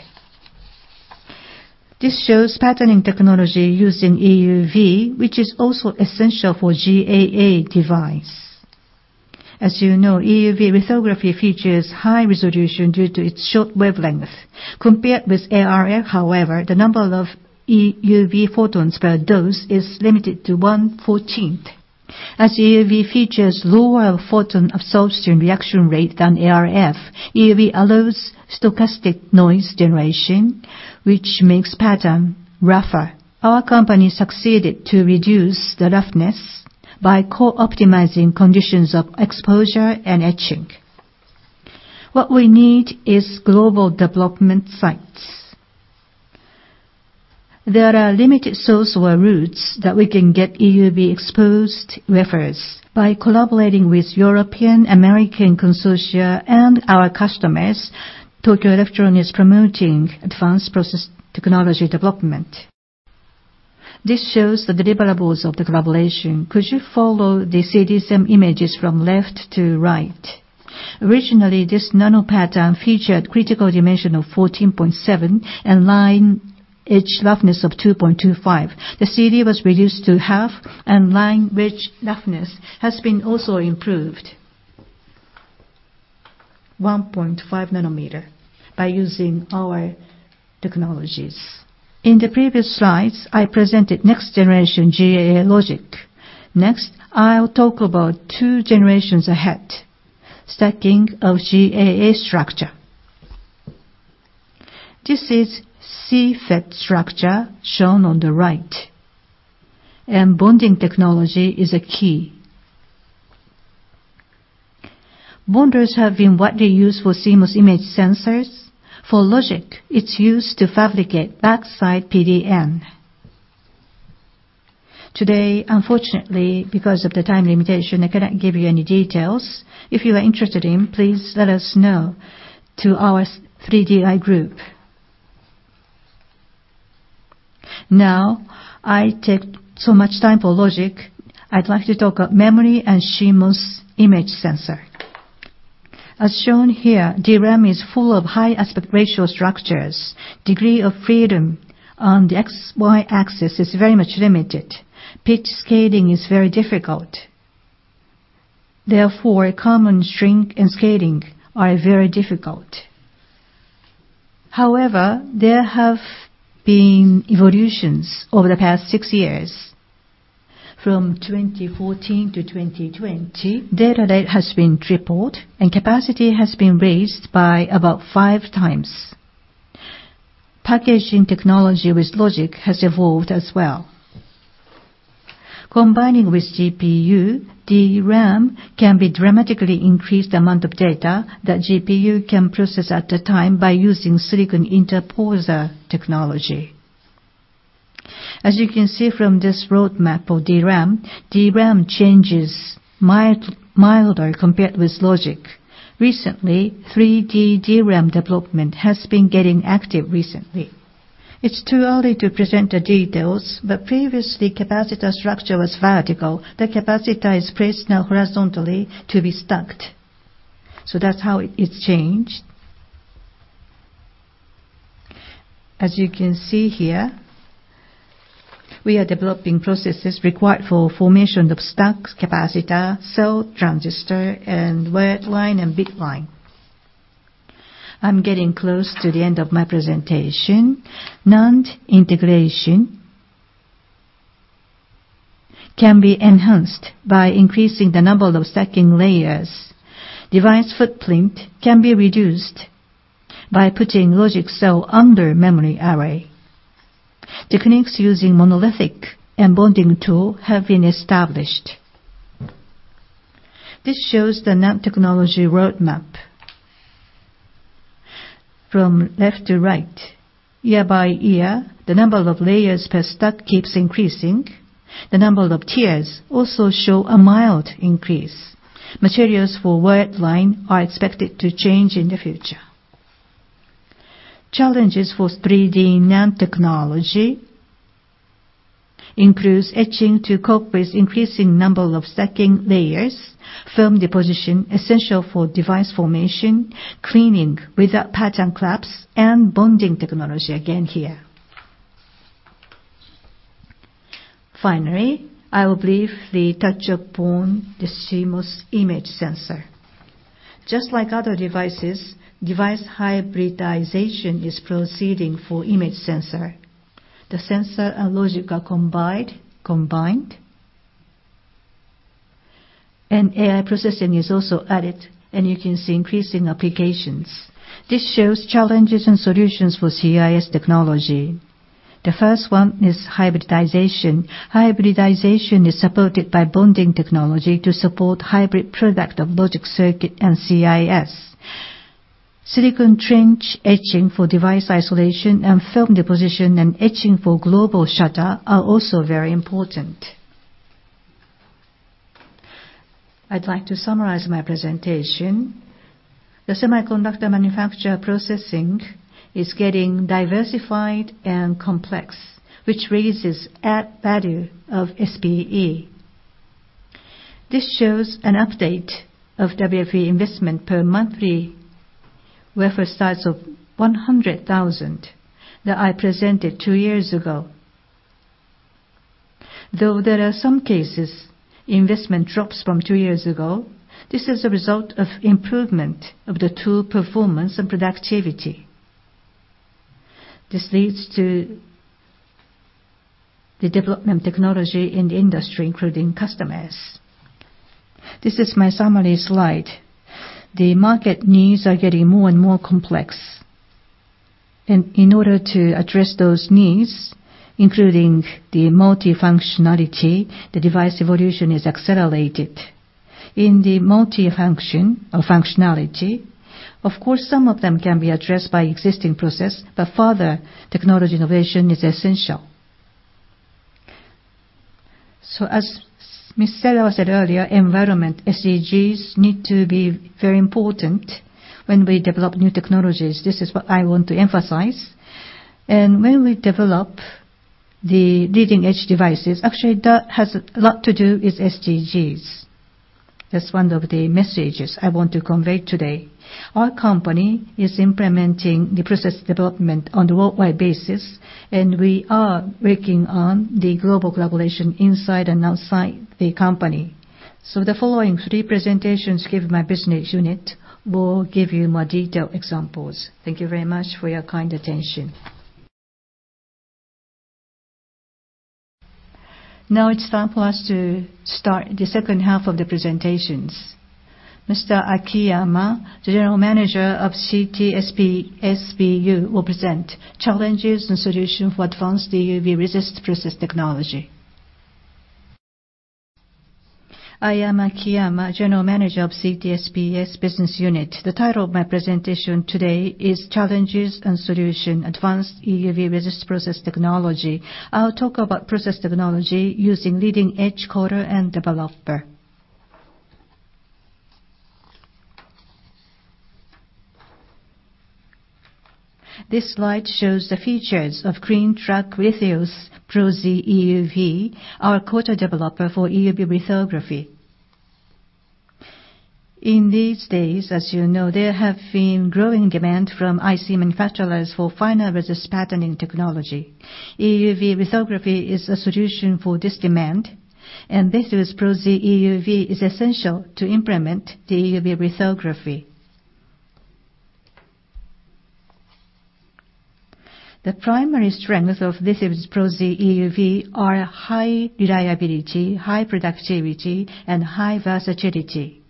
This shows patterning technology using EUV, which is also essential for GAA device. As you know, EUV lithography features high resolution due to its short wavelength. Compared with ArF, however, the number of EUV photons per dose is limited to 1/14. As EUV features lower photon absorption reaction rate than ArF, EUV allows stochastic noise generation, which makes pattern rougher. Our company succeeded to reduce the roughness by co-optimizing conditions of exposure and etching. What we need is global development sites. There are limited source or routes that we can get EUV exposed wafers. By collaborating with European, American consortia and our customers, Tokyo Electron is promoting advanced process technology development. This shows the deliverables of the collaboration. Could you follow the CD SEM images from left to right? Originally, this nanopattern featured critical dimension of 14.7 and line edge roughness of 2.25. The CD was reduced to half and line edge roughness has been also improved, 1.5 nanometer, by using our technologies. In the previous slides, I presented next-generation GAA logic. Next, I'll talk about two generations ahead, stacking of GAA structure. This is CFET structure shown on the right, and bonding technology is a key. Bonders have been widely used for CMOS image sensors. For logic, it's used to fabricate backside PDN. Today, unfortunately, because of the time limitation, I cannot give you any details. If you are interested in, please let us know to our 3DI group. I take so much time for logic. I'd like to talk of memory and CMOS image sensor. As shown here, DRAM is full of high aspect ratio structures. Degree of freedom on the XY axis is very much limited. Pitch scaling is very difficult. Common shrink and scaling are very difficult. There have been evolutions over the past six years. From 2014 to 2020, data rate has been tripled, and capacity has been raised by about five times. Packaging technology with logic has evolved as well. Combining with GPU, DRAM can be dramatically increased the amount of data that GPU can process at a time by using silicon interposer technology. As you can see from this roadmap of DRAM changes milder compared with logic. 3D DRAM development has been getting active recently. It's too early to present the details, but previously, capacitor structure was vertical. The capacitor is placed now horizontally to be stacked. That's how it's changed. As you can see here, we are developing processes required for formation of stacked capacitor, cell, transistor, and wordline and bitline. I'm getting close to the end of my presentation. NAND integration can be enhanced by increasing the number of stacking layers. Device footprint can be reduced by putting logic cell under memory array. Techniques using monolithic and bonding tool have been established. This shows the NAND technology roadmap. From left to right, year by year, the number of layers per stack keeps increasing. The number of tiers also show a mild increase. Materials for wordline are expected to change in the future. Challenges for 3D NAND technology includes etching to cope with increasing number of stacking layers, film deposition, essential for device formation, cleaning without pattern collapse, and bonding technology again here. Finally, I will briefly touch upon the CMOS image sensor. Just like other devices, device hybridization is proceeding for image sensor. The sensor and logic are combined, and AI processing is also added, and you can see increase in applications. This shows challenges and solutions for CIS technology. The first one is hybridization. Hybridization is supported by bonding technology to support hybrid product of logic circuit and CIS. Silicon trench etching for device isolation and film deposition and etching for global shutter are also very important. I'd like to summarize my presentation. The semiconductor manufacturer processing is getting diversified and complex, which raises add value of SPE. This shows an update of WFE investment per monthly wafer size of 100,000 that I presented two years ago. Though there are some cases investment drops from two years ago, this is a result of improvement of the tool performance and productivity. This leads to the development technology in the industry, including customers. This is my summary slide. The market needs are getting more and more complex. In order to address those needs, including the multi-functionality, the device evolution is accelerated. In the multifunction or functionality, of course, some of them can be addressed by existing process. Further technology innovation is essential. As Mie Segawa said earlier, environment, SDGs need to be very important when we develop new technologies. This is what I want to emphasize. When we develop the leading edge devices, actually that has a lot to do with SDGs. That's one of the messages I want to convey today. Our company is implementing the process development on the worldwide basis, and we are working on the global collaboration inside and outside the company. The following three presentations my business unit will give you more detailed examples. Thank you very much for your kind attention. Now it's time for us to start the second half of the presentations. Mr. Akiyama, the General Manager of CTSPS BU will present challenges and solution for advanced EUV resist process technology. I am Keiichi Akiyama, General Manager of CTSPS Business Unit. The title of my presentation today is Challenges and Solution Advanced EUV Resist Process Technology. I'll talk about process technology using leading-edge coater and developer. This slide shows the features of CLEAN TRACK LITHIUS Pro Z EUV, our coater/developer for EUV lithography. In these days, as you know, there have been growing demand from IC manufacturers for finer resist patterning technology. EUV lithography is a solution for this demand, and this Pro Z EUV is essential to implement the EUV lithography. The primary strengths of LITHIUS Pro Z EUV are high reliability, high productivity, and high versatility.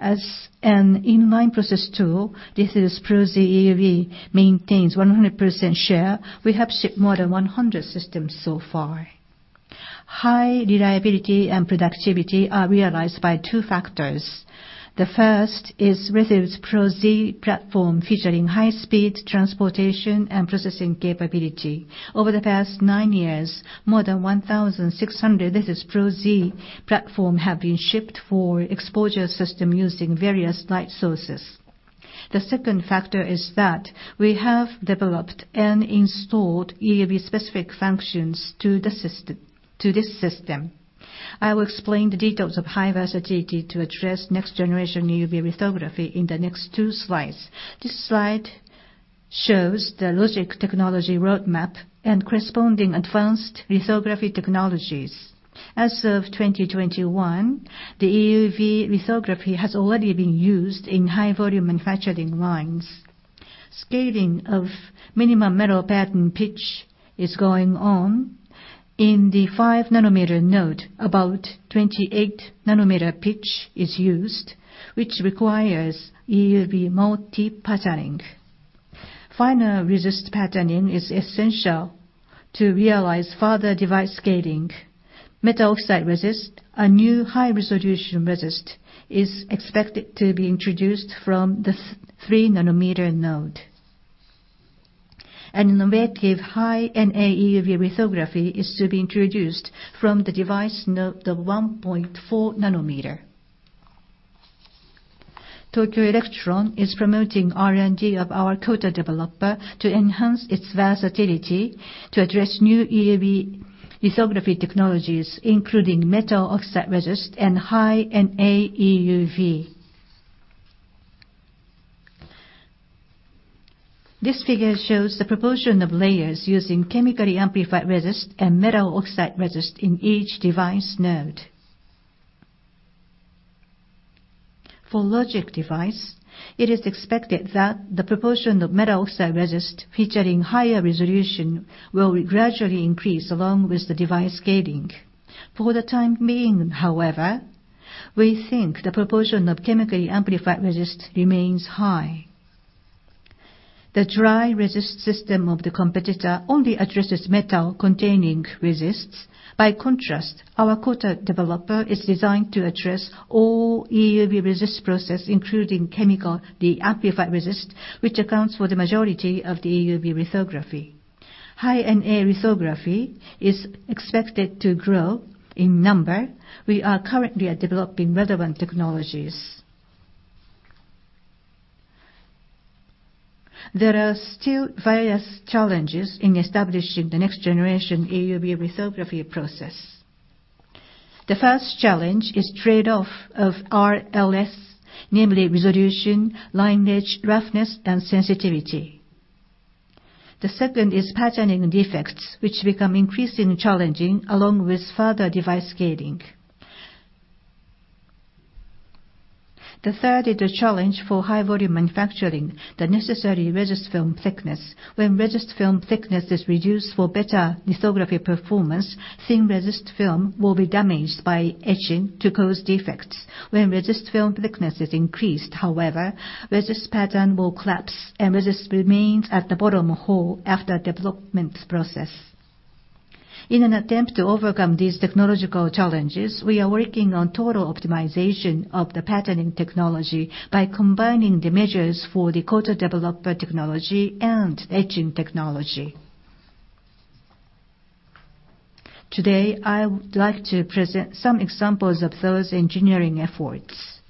As an inline process tool, LITHIUS Pro Z EUV maintains 100% share. We have shipped more than 100 systems so far. High reliability and productivity are realized by 2 factors. The first is LITHIUS Pro Z platform, featuring high speed transportation and processing capability. Over the past nine years, more than 1,600 LITHIUS Pro Z platform, have been shipped for exposure system using various light sources. The second factor is that we have developed and installed EUV specific functions to this system. I will explain the details of high versatility to address next generation EUV lithography in the next two slides. This slide shows the logic technology roadmap and corresponding advanced lithography technologies. As of 2021, the EUV lithography has already been used in high volume manufacturing lines. Scaling of minimum metal pattern pitch is going on. In the 5-nanometer node, about 28-nanometer pitch is used, which requires EUV multi-patterning. Finer resist patterning is essential to realize further device scaling. Metal oxide resist, a new high-resolution resist, is expected to be introduced from the 3-nanometer node. An innovative high NA EUV lithography is to be introduced from the device node, the 1.4-nanometer. Tokyo Electron is promoting R&D of our coater/developer to enhance its versatility to address new EUV lithography technologies, including metal oxide resist and high NA EUV. This figure shows the proportion of layers using chemically amplified resist and metal oxide resist in each device node. For logic device, it is expected that the proportion of metal oxide resist featuring higher resolution will gradually increase along with the device scaling. For the time being, however, we think the proportion of chemically amplified resist remains high. The dry resist system of the competitor only addresses metal-containing resists. By contrast, our coater/developer is designed to address all EUV resist process, including chemically amplified resist, which accounts for the majority of the EUV lithography. high NA lithography is expected to grow in number. We are currently developing relevant technologies. There are still various challenges in establishing the next generation EUV lithography process. The first challenge is trade-off of RLS, namely resolution, line edge roughness, and sensitivity. The second is patterning defects, which become increasingly challenging along with further device scaling. The third is the challenge for high volume manufacturing, the necessary resist film thickness. When resist film thickness is reduced for better lithography performance, thin resist film will be damaged by etching to cause defects. When resist film thickness is increased, however, resist pattern will collapse, and resist remains at the bottom hole after development process. In an attempt to overcome these technological challenges, we are working on total optimization of the patterning technology by combining the measures for the coater/developer technology and etching technology. Today, I would like to present some examples of those engineering efforts.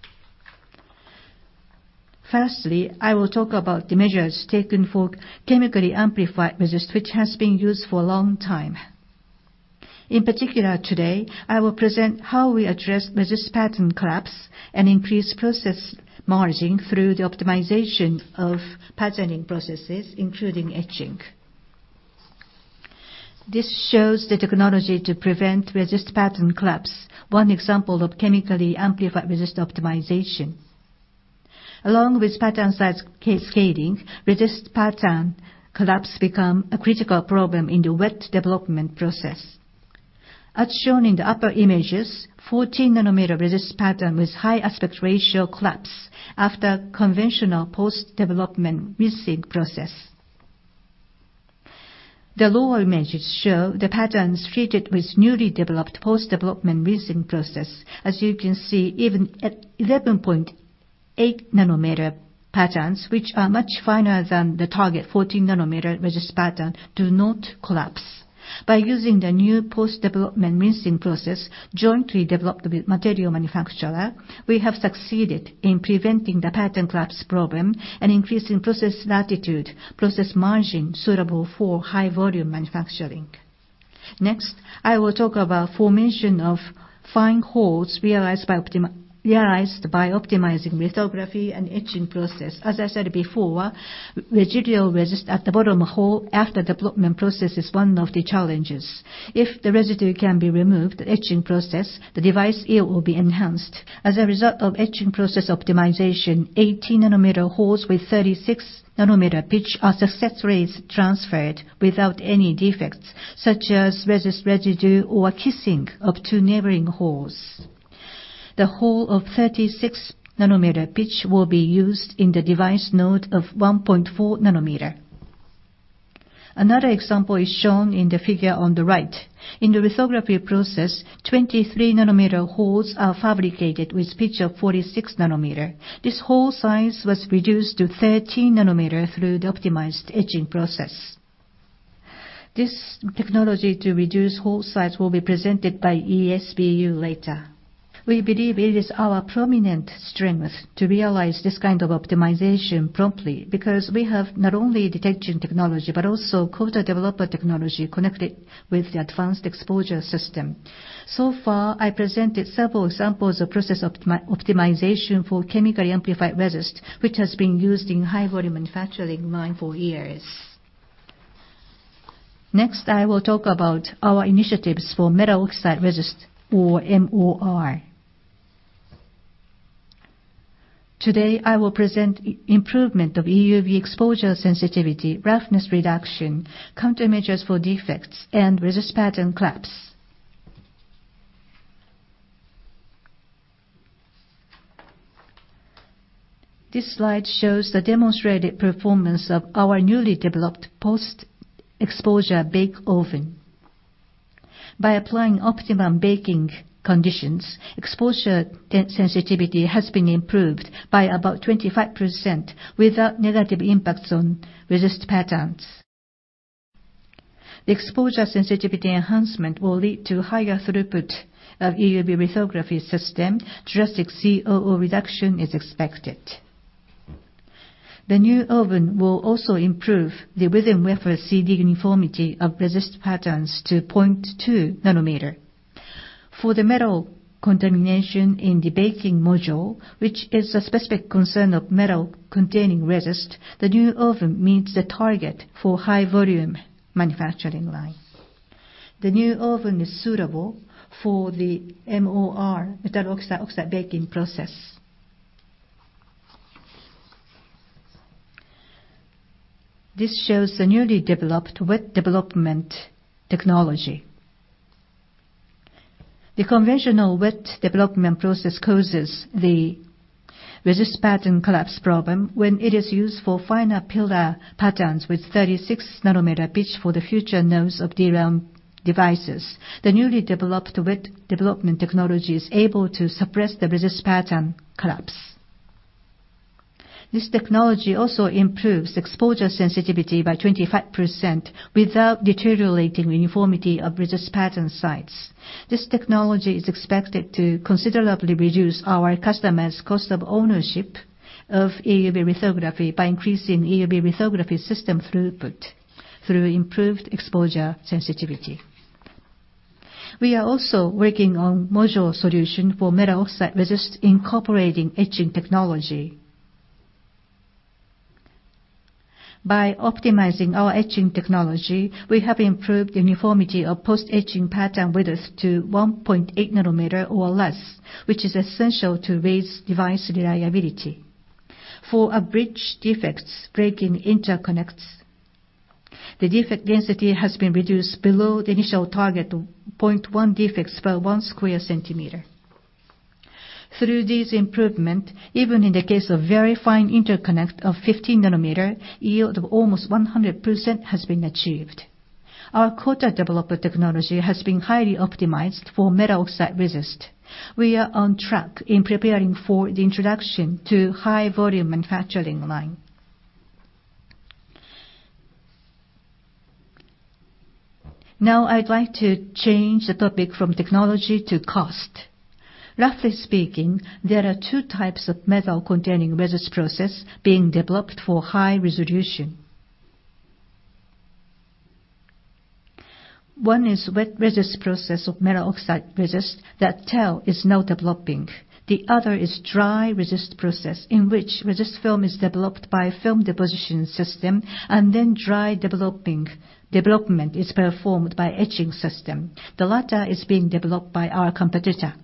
Firstly, I will talk about the measures taken for chemically amplified resist, which has been used for a long time. In particular today, I will present how we address resist pattern collapse and increase process margin through the optimization of patterning processes, including etching. This shows the technology to prevent resist pattern collapse, one example of chemically amplified resist optimization. Along with pattern sites scaling, resist pattern collapse becomes a critical problem in the wet development process. As shown in the upper images, 14-nanometer resist pattern with high aspect ratio collapse after conventional post-development rinsing process. The lower images show the patterns treated with newly developed post-development rinsing process. As you can see, even at 11.8-nanometer patterns, which are much finer than the target 14-nanometer resist pattern, do not collapse. By using the new post-development rinsing process jointly developed with material manufacturer, we have succeeded in preventing the pattern collapse problem and increasing process latitude, process margin suitable for high-volume manufacturing. Next, I will talk about formation of fine holes realized by optimizing lithography and etching process. As I said before, residual resist at the bottom of hole after development process is one of the challenges. If the residue can be removed, the device yield will be enhanced. As a result of etching process optimization, 80-nanometer holes with 36-nanometer pitch are successfully transferred without any defects, such as resist residue or kissing of two neighboring holes. The hole of 36-nanometer pitch will be used in the device node of 1.4 nanometer. Another example is shown in the figure on the right. In the lithography process, 23-nanometer holes are fabricated with pitch of 46-nanometer. This hole size was reduced to 13-nanometer through the optimized etching process. This technology to reduce hole size will be presented by ESBU later. We believe it is our prominent strength to realize this kind of optimization promptly, because we have not only detection technology, but also coater/developer technology connected with the advanced exposure system. Far, I presented several examples of process optimization for chemical amplified resist, which has been used in high volume manufacturing line for years. I will talk about our initiatives for metal oxide resist or MOR. Today, I will present improvement of EUV exposure sensitivity, roughness reduction, countermeasures for defects, and resist pattern collapse. This slide shows the demonstrated performance of our newly developed post-exposure bake oven. By applying optimum baking conditions, exposure sensitivity has been improved by about 25% without negative impacts on resist patterns. The exposure sensitivity enhancement will lead to higher throughput of EUV lithography system. Drastic COO reduction is expected. The new oven will also improve the within-wafer CD uniformity of resist patterns to 0.2 nanometer. For the metal contamination in the baking module, which is a specific concern of metal-containing resist, the new oven meets the target for high volume manufacturing line. The new oven is suitable for the MOR, metal oxide resist baking process. This shows the newly developed wet development technology. The conventional wet development process causes the resist pattern collapse problem when it is used for finer pillar patterns with 36-nanometer pitch for the future nodes of DRAM devices. The newly developed wet development technology is able to suppress the resist pattern collapse. This technology also improves exposure sensitivity by 25% without deteriorating uniformity of resist pattern sites. This technology is expected to considerably reduce our customers' cost of ownership of EUV lithography by increasing EUV lithography system throughput through improved exposure sensitivity. We are also working on module solution for metal oxide resist incorporating etching technology. By optimizing our etching technology, we have improved uniformity of post-etching pattern widths to 1.8 nanometer or less, which is essential to raise device reliability. For a bridge defects break in interconnects, the defect density has been reduced below the initial target of 0.1 defects per 1 square centimeter. Through this improvement, even in the case of very fine interconnect of 50-nanometer, yield of almost 100% has been achieved. Our coater/developer technology has been highly optimized for metal oxide resist. We are on track in preparing for the introduction to high volume manufacturing line. Now, I'd like to change the topic from technology to cost. Roughly speaking, there are two types of metal-containing resist process being developed for high resolution. One is wet resist process of metal oxide resist that TEL is now developing. The other is dry resist process, in which resist film is developed by film deposition system and then dry development is performed by etching system. The latter is being developed by our competitor.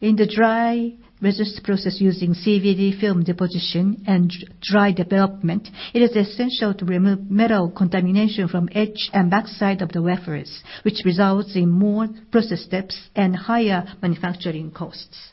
In the dry resist process using CVD film deposition and dry development, it is essential to remove metal contamination from etch and backside of the wafers, which results in more process steps and higher manufacturing costs.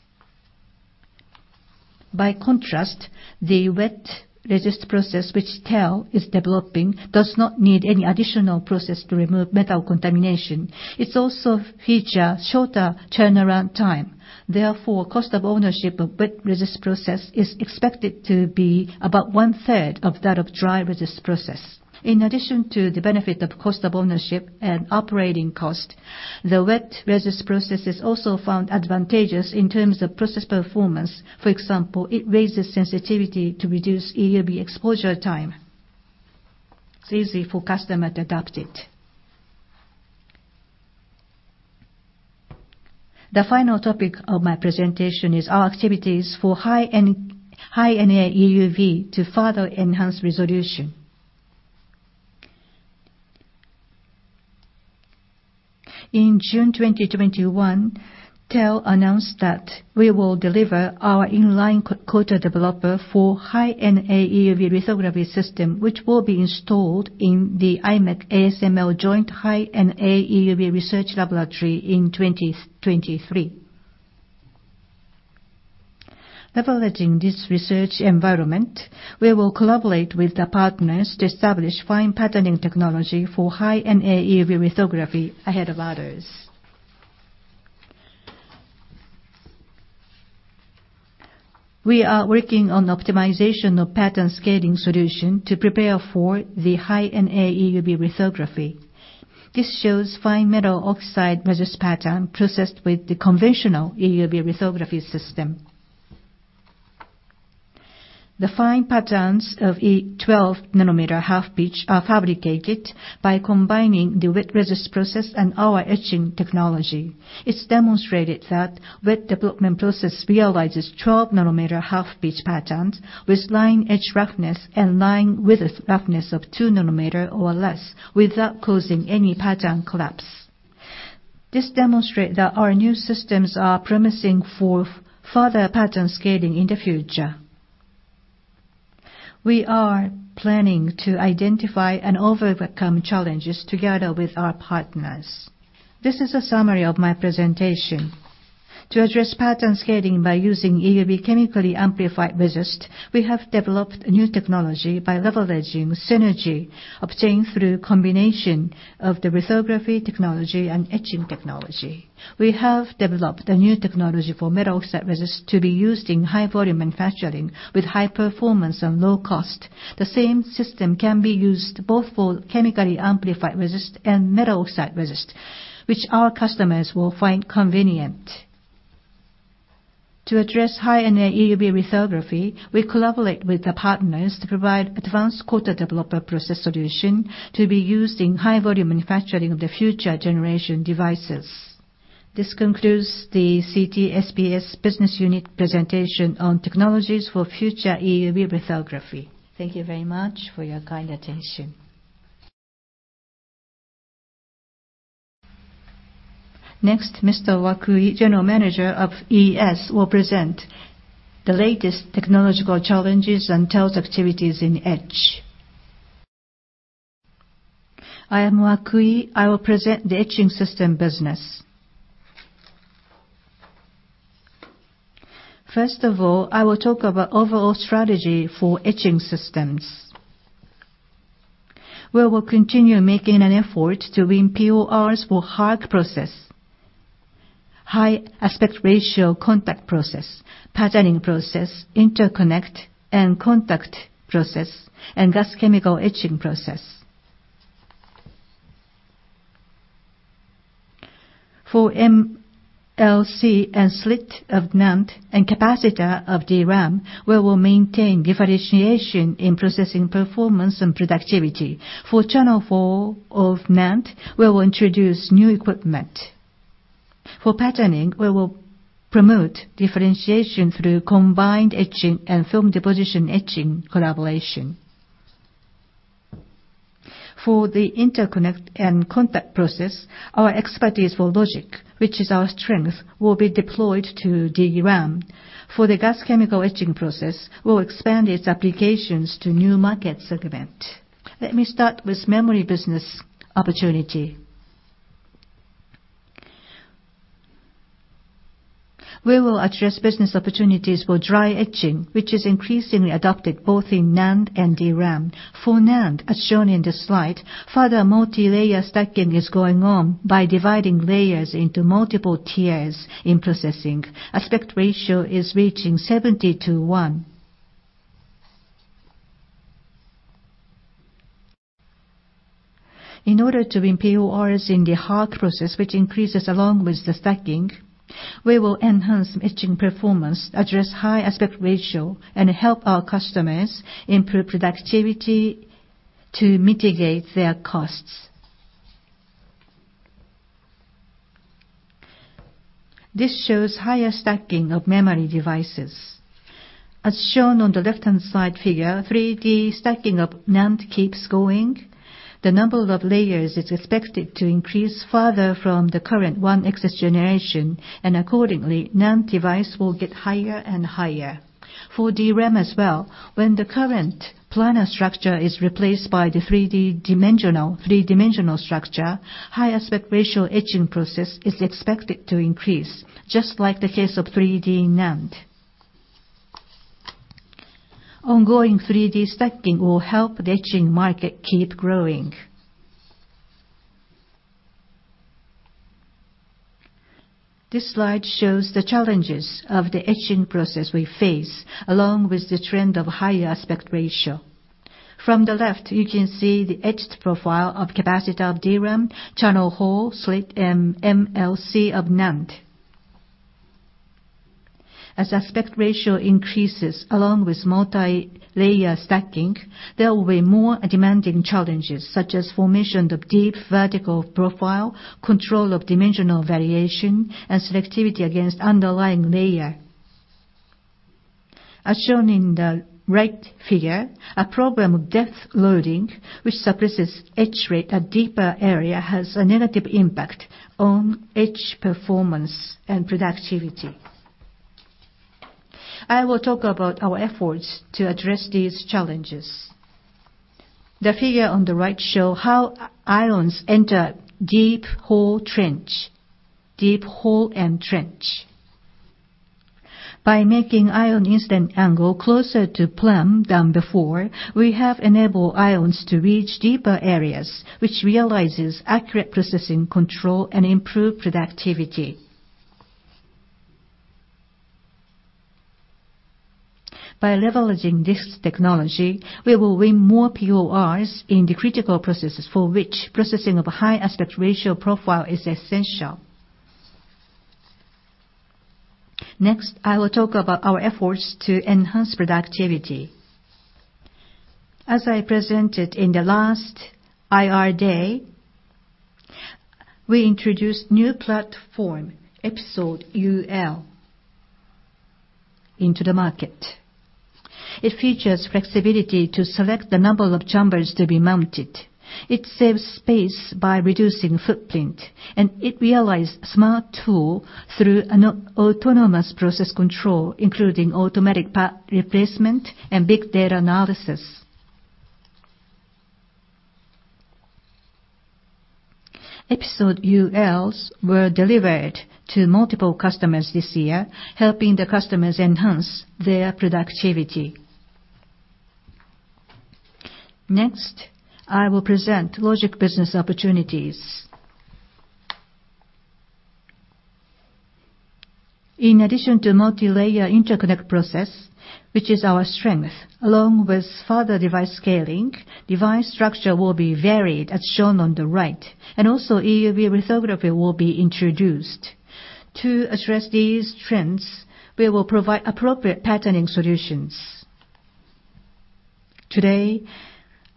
By contrast, the wet resist process, which TEL is developing, does not need any additional process to remove metal contamination. It also features shorter turnaround time. Cost of ownership of wet resist process is expected to be about 1/3 of that of dry resist process. In addition to the benefit of cost of ownership and operating cost, the wet resist process is also found advantageous in terms of process performance. For example, it raises sensitivity to reduce EUV exposure time. It's easy for customer to adopt it. The final topic of my presentation is our activities for high-NA EUV to further enhance resolution. In June 2021, TEL announced that we will deliver our inline coater/developer for high NA EUV lithography system, which will be installed in the imec ASML Joint High-NA EUV Research Laboratory in 2023. Leveraging this research environment, we will collaborate with the partners to establish fine patterning technology for high NA EUV lithography ahead of others. We are working on optimization of pattern scaling solution to prepare for the high NA EUV lithography. This shows fine metal oxide resist pattern processed with the conventional EUV lithography system. The fine patterns of a 12-nanometer half pitch are fabricated by combining the wet resist process and our etching technology. It is demonstrated that wet development process realizes 12-nanometer half pitch patterns with line edge roughness and line width roughness of 2 nanometer or less without causing any pattern collapse. This demonstrate that our new systems are promising for further pattern scaling in the future. We are planning to identify and overcome challenges together with our partners. This is a summary of my presentation. To address pattern scaling by using EUV chemically amplified resist, we have developed a new technology by leveraging synergy obtained through combination of the lithography technology and etching technology. We have developed a new technology for metal oxide resist to be used in high-volume manufacturing with high performance and low cost. The same system can be used both for chemically amplified resist and metal oxide resist, which our customers will find convenient. To address high-NA EUV lithography, we collaborate with the partners to provide advanced coater/developer process solution to be used in high-volume manufacturing of the future generation devices. This concludes the CTSPS Business Unit presentation on technologies for future EUV lithography. Thank you very much for your kind attention. Next, Mr. Wakui, General Manager of ES, will present the latest technological challenges and TEL's activities in etch. I am Wakui. I will present the etching system business. First of all, I will talk about overall strategy for etching systems, where we'll continue making an effort to win PORs for HARC process, high aspect ratio contact process, patterning process, interconnect and contact process, and gas chemical etching process. For MLC and slit of NAND and capacitor of DRAM, we will maintain differentiation in processing performance and productivity. For channel four of NAND, we will introduce new equipment. For patterning, we will promote differentiation through combined etching and film deposition etching collaboration. For the interconnect and contact process, our expertise for logic, which is our strength, will be deployed to DRAM. For the gas chemical etching process, we will expand its applications to new market segment. Let me start with memory business opportunity. We will address business opportunities for dry etching, which is increasingly adopted both in NAND and DRAM. For NAND, as shown in the slide, further multilayer stacking is going on by dividing layers into multiple tiers in processing. Aspect ratio is reaching 70:1. In order to win PORs in the HARC process, which increases along with the stacking, we will enhance etching performance, address high aspect ratio, and help our customers improve productivity to mitigate their costs. This shows higher stacking of memory devices. As shown on the left-hand side figure, 3D stacking of NAND keeps going. The number of layers is expected to increase further from the current 1xx generation, and accordingly, NAND device will get higher and higher. For DRAM as well, when the current planar structure is replaced by the three-dimensional structure, high aspect ratio etching process is expected to increase, just like the case of 3D NAND. Ongoing 3D stacking will help the etching market keep growing. This slide shows the challenges of the etching process we face, along with the trend of higher aspect ratio. From the left, you can see the etched profile of capacitor of DRAM, channel hole, slit, and MLC of NAND. As aspect ratio increases along with multilayer stacking, there will be more demanding challenges, such as formation of deep vertical profile, control of dimensional variation, and selectivity against underlying layer. As shown in the right figure, a problem of depth loading, which suppresses etch rate at deeper area, has a negative impact on etch performance and productivity. I will talk about our efforts to address these challenges. The figure on the right shows how ions enter deep hole and trench. By making ion incident angle closer to plumb than before, we have enabled ions to reach deeper areas, which realizes accurate processing control and improved productivity. By leveraging this technology, we will win more PORs in the critical processes for which processing of a high aspect ratio profile is essential. Next, I will talk about our efforts to enhance productivity. As I presented in the last IR Day, we introduced new platform, Episode UL, into the market. It features flexibility to select the number of chambers to be mounted. It saves space by reducing footprint, and it realize smart tool through an autonomous process control, including automatic replacement and big data analysis. Episode ULs were delivered to multiple customers this year, helping the customers enhance their productivity. Next, I will present logic business opportunities. In addition to multilayer interconnect process, which is our strength, along with further device scaling, device structure will be varied as shown on the right, and also EUV lithography will be introduced. To address these trends, we will provide appropriate patterning solutions. Today,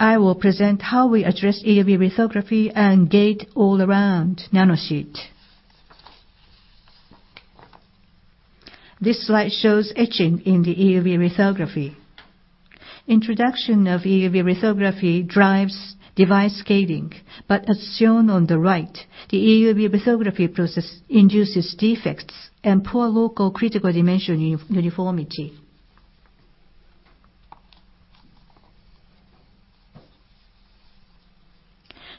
I will present how we address EUV lithography and gate-all-around nanosheet. This slide shows etching in the EUV lithography. Introduction of EUV lithography drives device scaling, but as shown on the right, the EUV lithography process induces defects and poor local critical dimension uniformity.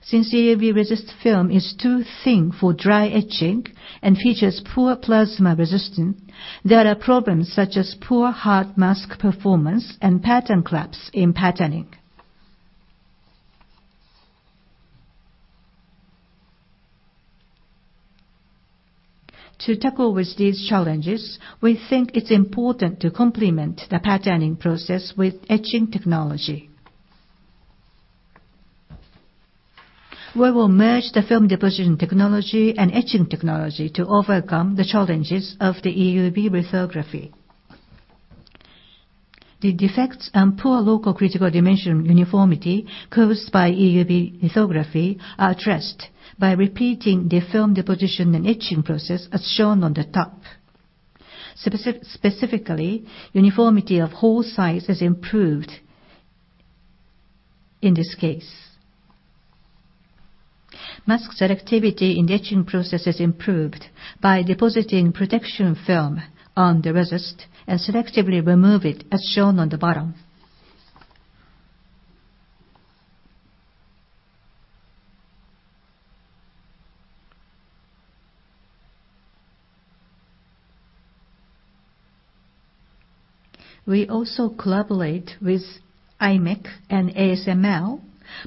Since EUV resist film is too thin for dry etching and features poor plasma resistance, there are problems such as poor hard mask performance and pattern collapse in patterning. To tackle with these challenges, we think it's important to complement the patterning process with etching technology. We will merge the film deposition technology and etching technology to overcome the challenges of the EUV lithography. The defects and poor local critical dimension uniformity caused by EUV lithography are addressed by repeating the film deposition and etching process, as shown on the top. Specifically, uniformity of hole size is improved in this case. Mask selectivity in etching process is improved by depositing protection film on the resist, and selectively remove it, as shown on the bottom. We also collaborate with imec and ASML,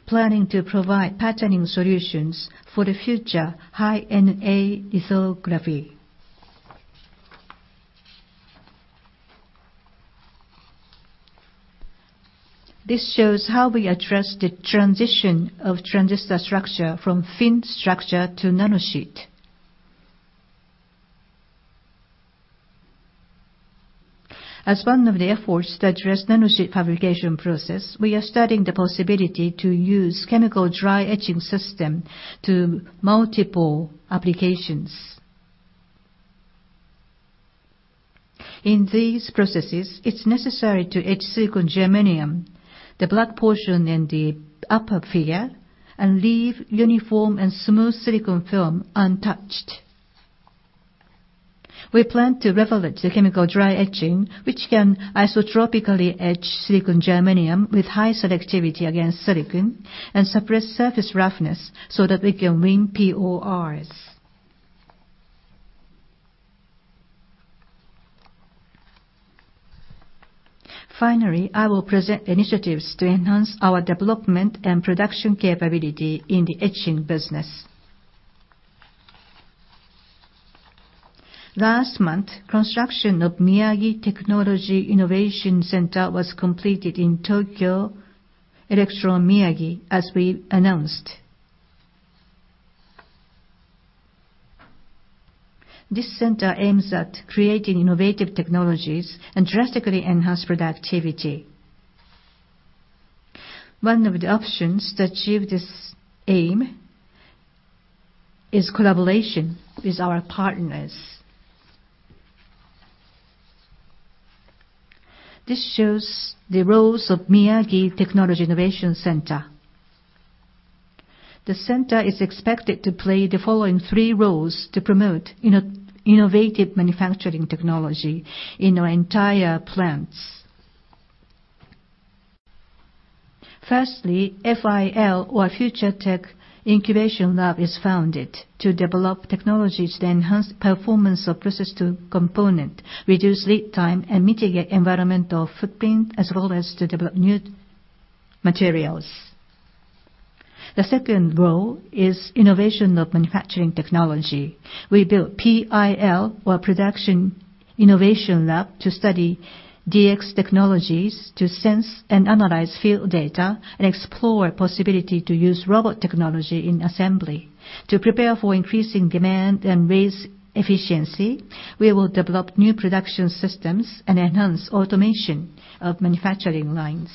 planning to provide patterning solutions for the future high-NA lithography. This shows how we address the transition of transistor structure from fin structure to nanosheet. As one of the efforts to address nanosheet fabrication process, we are studying the possibility to use chemical dry etching system to multiple applications. In these processes, it's necessary to etch silicon germanium, the black portion in the upper figure, and leave uniform and smooth silicon film untouched. We plan to leverage the chemical dry etching, which can isotropically etch silicon germanium with high selectivity against silicon and suppress surface roughness so that we can win PORs. Finally, I will present initiatives to enhance our development and production capability in the etching business. Last month, construction of Miyagi Technology Innovation Center was completed in Tokyo Electron Miyagi, as we announced. This center aims at creating innovative technologies and drastically enhance productivity. One of the options to achieve this aim is collaboration with our partners. This shows the roles of Miyagi Technology Innovation Center. The center is expected to play the following three roles to promote innovative manufacturing technology in our entire plants. Firstly, Future Tech Incubation Lab is founded to develop technologies that enhance performance of process to component, reduce lead time, and mitigate environmental footprint, as well as to develop new materials. The second role is innovation of manufacturing technology. We built Production Innovation Lab to study DX technologies to sense and analyze field data and explore possibility to use robot technology in assembly. To prepare for increasing demand and raise efficiency, we will develop new production systems and enhance automation of manufacturing lines.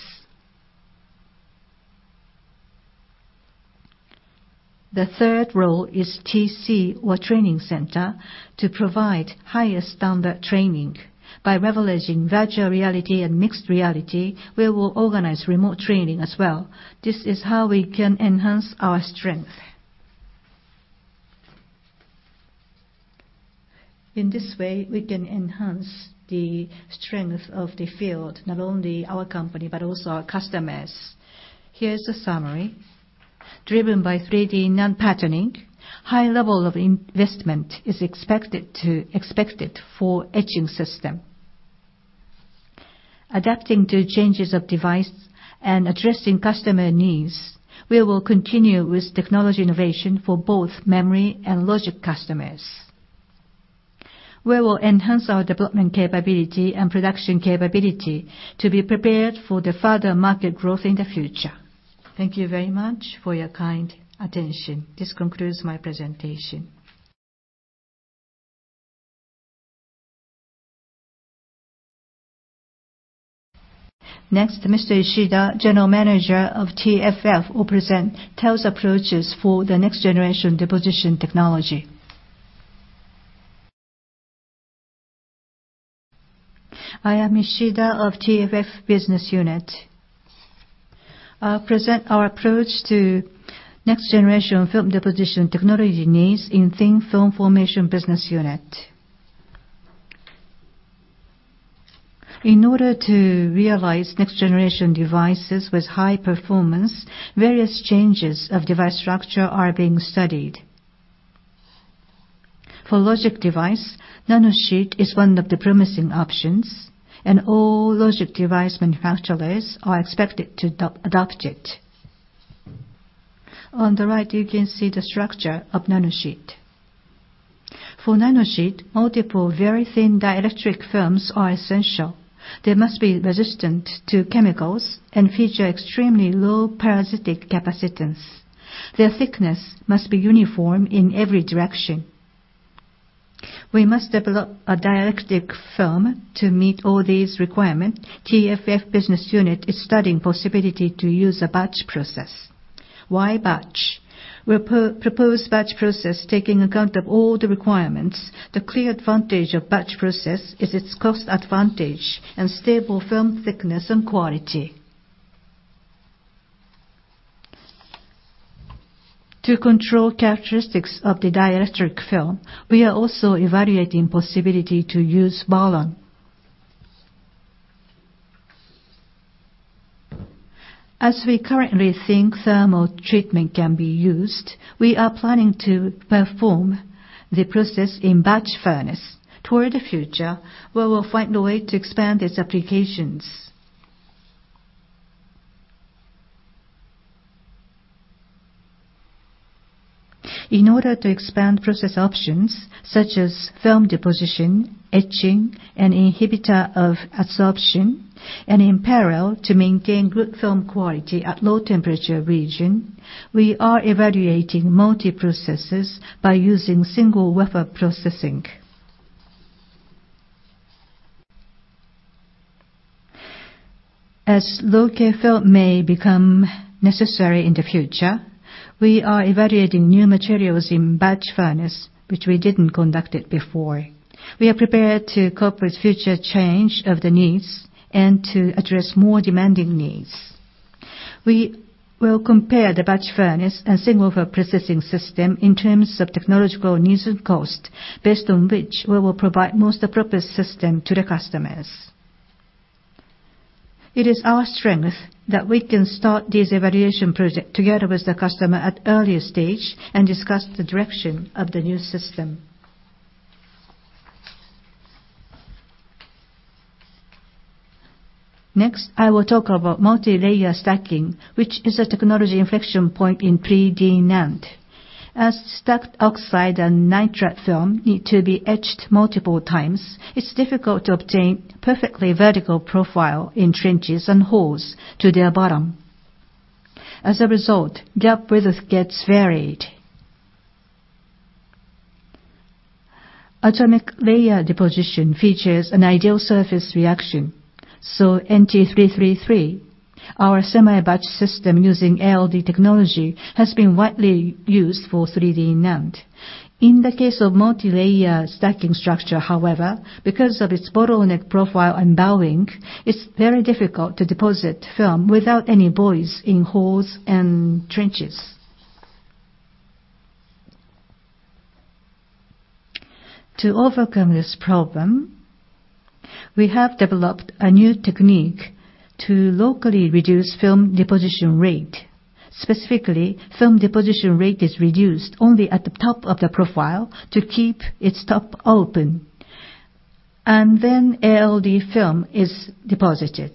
The third role is Training Center to provide higher standard training. By leveraging virtual reality and mixed reality, we will organize remote training as well. This is how we can enhance our strength. In this way, we can enhance the strength of the field, not only our company, but also our customers. Here's a summary. Driven by 3D NAND patterning, high level of investment is expected for etching system. Adapting to changes of device and addressing customer needs, we will continue with technology innovation for both memory and logic customers. We will enhance our development capability and production capability to be prepared for the further market growth in the future. Thank you very much for your kind attention. This concludes my presentation. Next, Mr. Ishida, General Manager of TFF, will present TEL's approaches for the next-generation deposition technology. I am Ishida of TFF Business Unit. I'll present our approach to next-generation film deposition technology needs in Thin Film Formation Business Unit. In order to realize next-generation devices with high performance, various changes of device structure are being studied. For logic device, nanosheet is one of the promising options, and all logic device manufacturers are expected to adopt it. On the right, you can see the structure of nanosheet. For nanosheet, multiple very thin dielectric films are essential. They must be resistant to chemicals and feature extremely low parasitic capacitance. Their thickness must be uniform in every direction. We must develop a dielectric film to meet all these requirements. TFF Business Unit is studying possibility to use a batch process. Why batch? We propose batch process taking account of all the requirements. The clear advantage of batch process is its cost advantage and stable film thickness and quality. To control characteristics of the dielectric film, we are also evaluating possibility to use BALON. As we currently think thermal treatment can be used, we are planning to perform the process in batch furnace. Toward the future, we will find a way to expand its applications. In order to expand process options, such as film deposition, etching, and inhibitor of absorption, and in parallel, to maintain good film quality at low temperature region, we are evaluating multi-processes by using single wafer processing. As low-k film may become necessary in the future, we are evaluating new materials in batch furnace, which we didn't conduct it before. We are prepared to cope with future change of the needs and to address more demanding needs. We will compare the batch furnace and single wafer processing system in terms of technological needs and cost, based on which we will provide most appropriate system to the customers. It is our strength that we can start this evaluation project together with the customer at earlier stage and discuss the direction of the new system. Next, I will talk about multilayer stacking, which is a technology inflection point in 3D NAND. As stacked oxide and nitrate film need to be etched multiple times, it is difficult to obtain perfectly vertical profile in trenches and holes to their bottom. As a result, gap width gets varied. Atomic layer deposition features an ideal surface reaction. NT333, our semi-batch system using ALD technology, has been widely used for 3D NAND. In the case of multilayer stacking structure, however, because of its bottleneck profile and bowing, it is very difficult to deposit film without any voids in holes and trenches. To overcome this problem, we have developed a new technique to locally reduce film deposition rate. Specifically, film deposition rate is reduced only at the top of the profile to keep its top open. Then ALD film is deposited.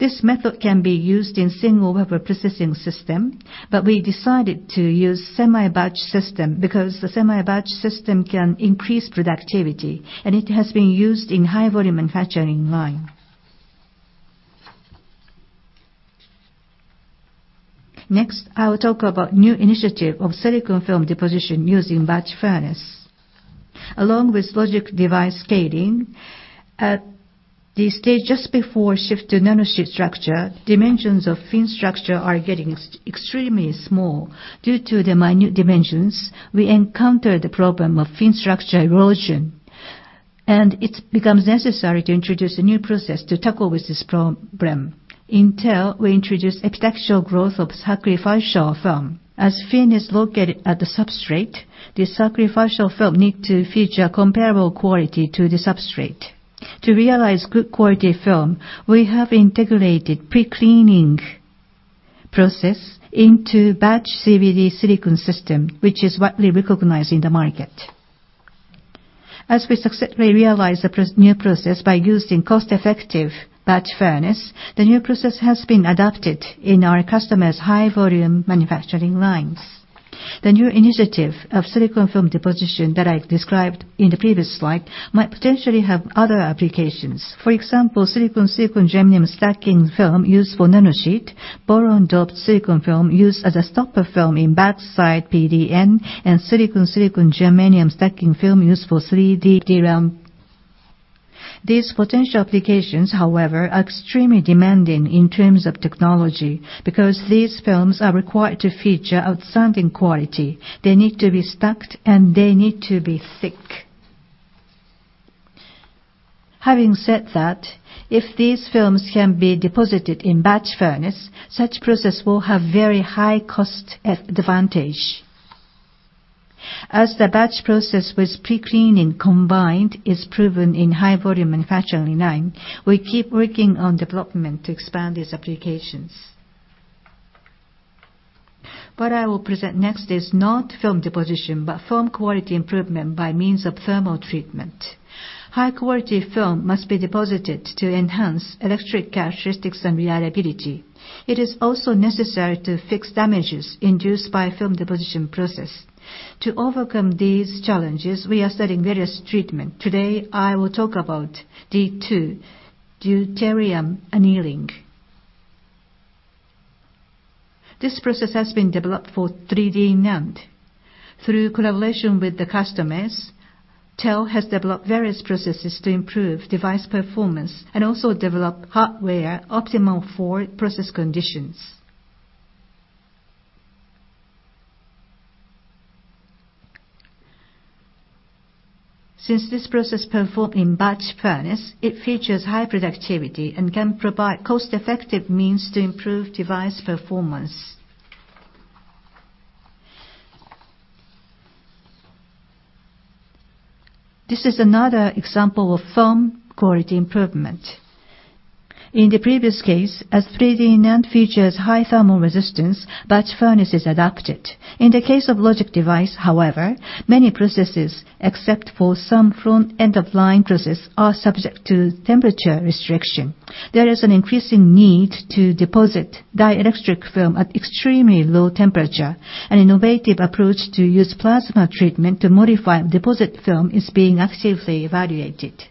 This method can be used in single wafer processing system, but we decided to use semi-batch system because the semi-batch system can increase productivity, and it has been used in high volume manufacturing line. Next, I will talk about new initiative of silicon film deposition using batch furnace. Along with logic device scaling, at the stage just before shift to nanosheet structure, dimensions of fin structure are getting extremely small. Due to the minute dimensions, we encounter the problem of fin structure erosion, and it becomes necessary to introduce a new process to tackle with this problem. Intel will introduce epitaxial growth of sacrificial film. As fin is located at the substrate, the sacrificial film need to feature comparable quality to the substrate. To realize good quality film, we have integrated pre-cleaning process into batch CVD silicon system, which is widely recognized in the market. As we successfully realize the new process by using cost-effective batch furnace, the new process has been adopted in our customers' high volume manufacturing lines. The new initiative of silicon film deposition that I described in the previous slide might potentially have other applications. For example, silicon germanium stacking film used for nanosheet, boron-doped silicon film used as a stopper film in backside PDN, and silicon germanium stacking film used for 3D DRAM. These potential applications, however, are extremely demanding in terms of technology because these films are required to feature outstanding quality. They need to be stacked, and they need to be thick. Having said that, if these films can be deposited in batch furnace, such process will have very high cost advantage. As the batch process with pre-cleaning combined is proven in high volume manufacturing line, we keep working on development to expand these applications. What I will present next is not film deposition, but film quality improvement by means of thermal treatment. High quality film must be deposited to enhance electric characteristics and reliability. It is also necessary to fix damages induced by film deposition process. To overcome these challenges, we are studying various treatment. Today, I will talk about D2, deuterium annealing. This process has been developed for 3D NAND. Through collaboration with the customers, TEL has developed various processes to improve device performance and also develop hardware optimal for process conditions. Since this process performed in batch furnace, it features high productivity and can provide cost-effective means to improve device performance. This is another example of film quality improvement. In the previous case, as 3D NAND features high thermal resistance, batch furnace is adopted. In the case of logic device, however, many processes, except for some front-end-of-line processes, are subject to temperature restriction. There is an increasing need to deposit dielectric film at extremely low temperature. An innovative approach to use plasma treatment to modify deposit film is being actively evaluated.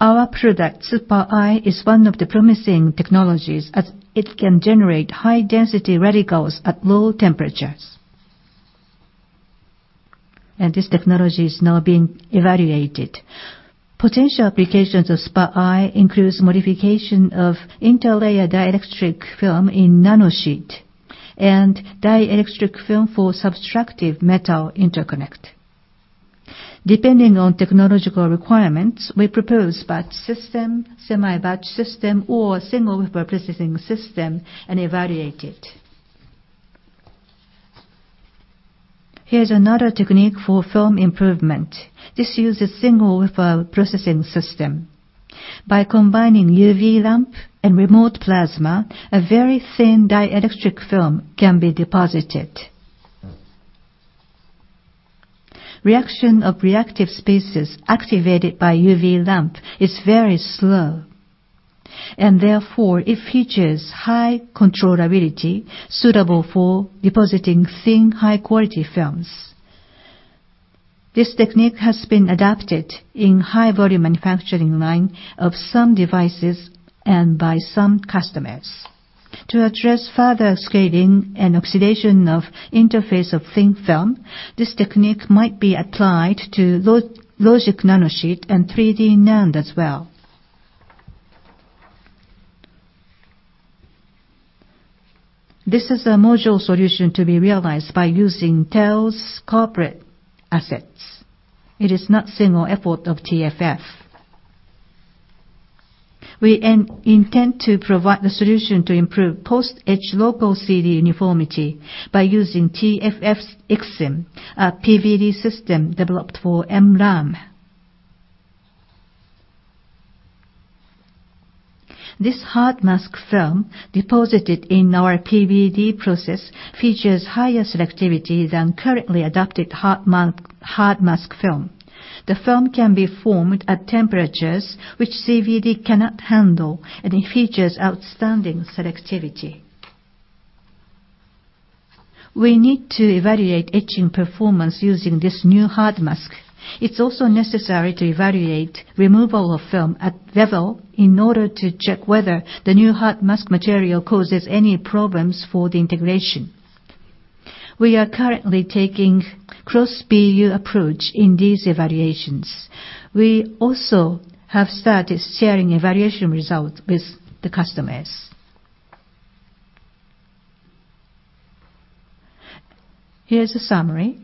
Our product, Super I/O, is one of the promising technologies, as it can generate high density radicals at low temperatures. This technology is now being evaluated. Potential applications of Super I/O includes modification of interlayer dielectric film in nanosheet and dielectric film for subtractive metal interconnect. Depending on technological requirements, we propose batch system, semi-batch system, or single wafer processing system and evaluate it. Here's another technique for film improvement. This uses single wafer processing system. By combining UV lamp and remote plasma, a very thin dielectric film can be deposited. Reaction of reactive species activated by UV lamp is very slow, and therefore, it features high controllability, suitable for depositing thin, high-quality films. This technique has been adapted in high-volume manufacturing line of some devices and by some customers. To address further scaling and oxidation of interface of thin film, this technique might be applied to logic nanosheet and 3D NAND as well. This is a module solution to be realized by using TEL's corporate assets. It is not single effort of TFF. We intend to provide the solution to improve post-etch local CD uniformity by using TFF's EXIM, a PVD system developed for MRAM. This hard mask film, deposited in our PVD process, features higher selectivity than currently adapted hard mask film. The film can be formed at temperatures which CVD cannot handle, and it features outstanding selectivity. We need to evaluate etching performance using this new hard mask. It's also necessary to evaluate removal of film at level, in order to check whether the new hard mask material causes any problems for the integration. We are currently taking cross-BU approach in these evaluations. We also have started sharing evaluation result with the customers. Here's a summary.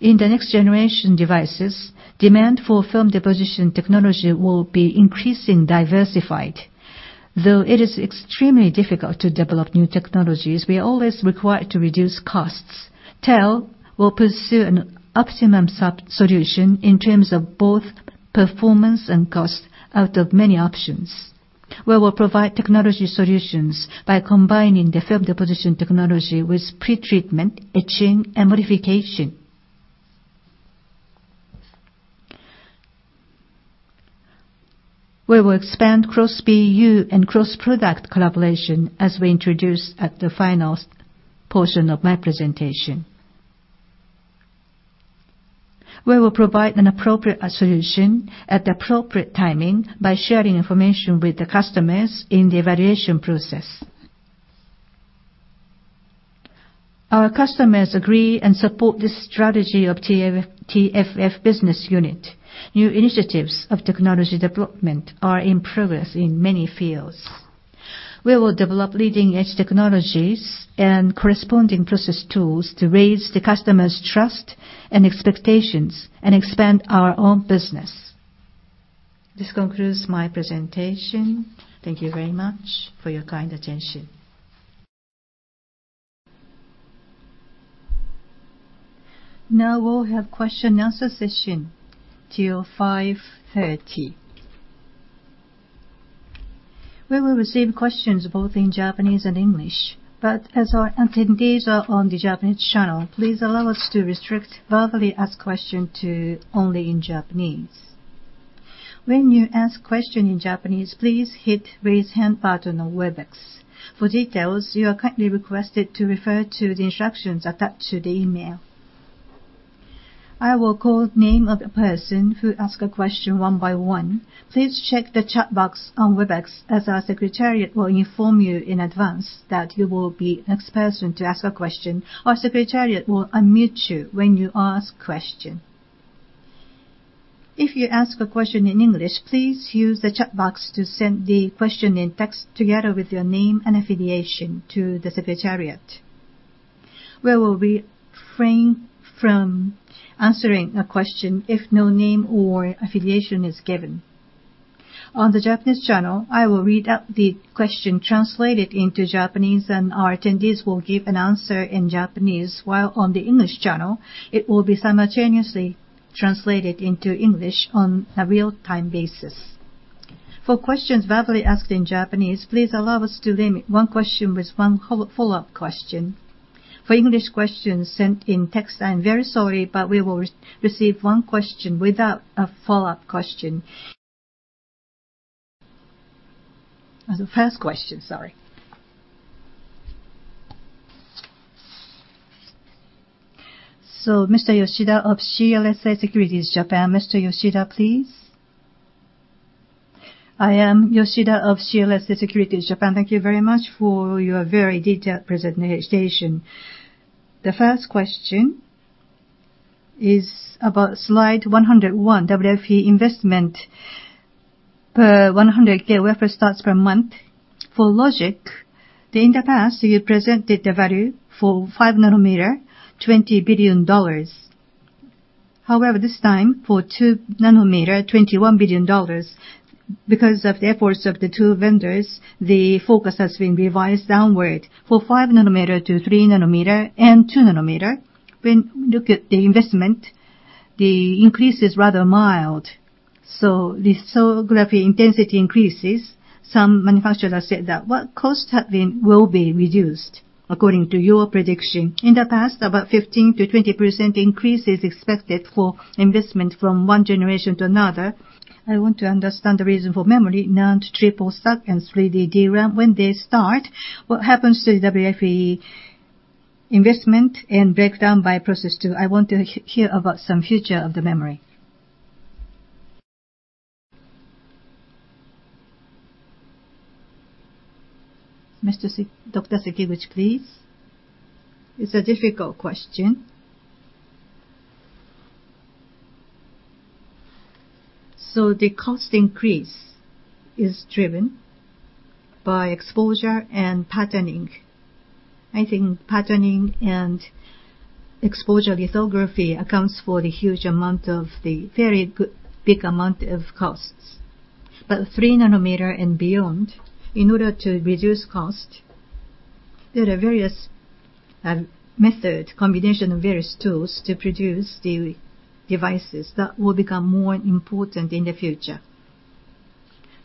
In the next-generation devices, demand for film deposition technology will be increasing diversified. Though it is extremely difficult to develop new technologies, we are always required to reduce costs. TEL will pursue an optimum solution in terms of both performance and cost, out of many options. We will provide technology solutions by combining the film deposition technology with pretreatment etching and modification. We will expand cross-BU and cross-product collaboration as we introduce at the final portion of my presentation. We will provide an appropriate solution at the appropriate timing by sharing information with the customers in the evaluation process. Our customers agree and support this strategy of TFF Business Unit. New initiatives of technology development are in progress in many fields. We will develop leading-edge technologies and corresponding process tools to raise the customers' trust and expectations and expand our own business. This concludes my presentation. Thank you very much for your kind attention. Now we'll have question answer session till 17:30. We will receive questions both in Japanese and English, but as our attendees are on the Japanese channel, please allow us to restrict verbally asked question to only in Japanese. When you ask question in Japanese, please hit raise hand button on Webex. For details, you are kindly requested to refer to the instructions attached to the email. I will call name of the person who ask a question one by one. Please check the chat box on Webex, as our secretariat will inform you in advance that you will be next person to ask a question. Our secretariat will unmute you when you ask question. If you ask a question in English, please use the chat box to send the question and text, together with your name and affiliation, to the secretariat. We will refrain from answering a question if no name or affiliation is given. On the Japanese channel, I will read out the question translated into Japanese, and our attendees will give an answer in Japanese. While on the English channel, it will be simultaneously translated into English on a real-time basis. For questions verbally asked in Japanese, please allow us to limit one question with one follow-up question. For English questions sent in text, I am very sorry, but we will receive one question without a follow-up question. The first question, sorry. Mr. Yoshida of CLSA Securities, Japan. Mr. Yoshida, please. I am Yoshida of CLSA Securities, Japan. Thank you very much for your very detailed presentation. The first question is about slide 101, WFE investment per 100K wafer starts per month. For logic, in the past, you presented a value for 5-nanometer, JPY 20 billion. However, this time, for 2-nanometer, JPY 21 billion. Because of the efforts of the two vendors, the focus has been revised downward for 5-nanometer to 3-nanometer and 2-nanometer. When look at the investment, the increase is rather mild. The cell graph intensity increases. Some manufacturers have said that. What cost will be reduced according to your prediction? In the past, about 15%-20% increase is expected for investment from one generation to another. I want to understand the reason for memory, NAND, triple stack and 3D DRAM. When they start, what happens to the WFE investment and breakdown by process, too? I want to hear about some future of the memory. Dr. Sekiguchi, please. It's a difficult question. The cost increase is driven by exposure and patterning. I think patterning and exposure lithography accounts for the huge amount of the very big amount of costs. 3-nanometer and beyond, in order to reduce cost, there are various method, combination of various tools to produce the devices that will become more important in the future.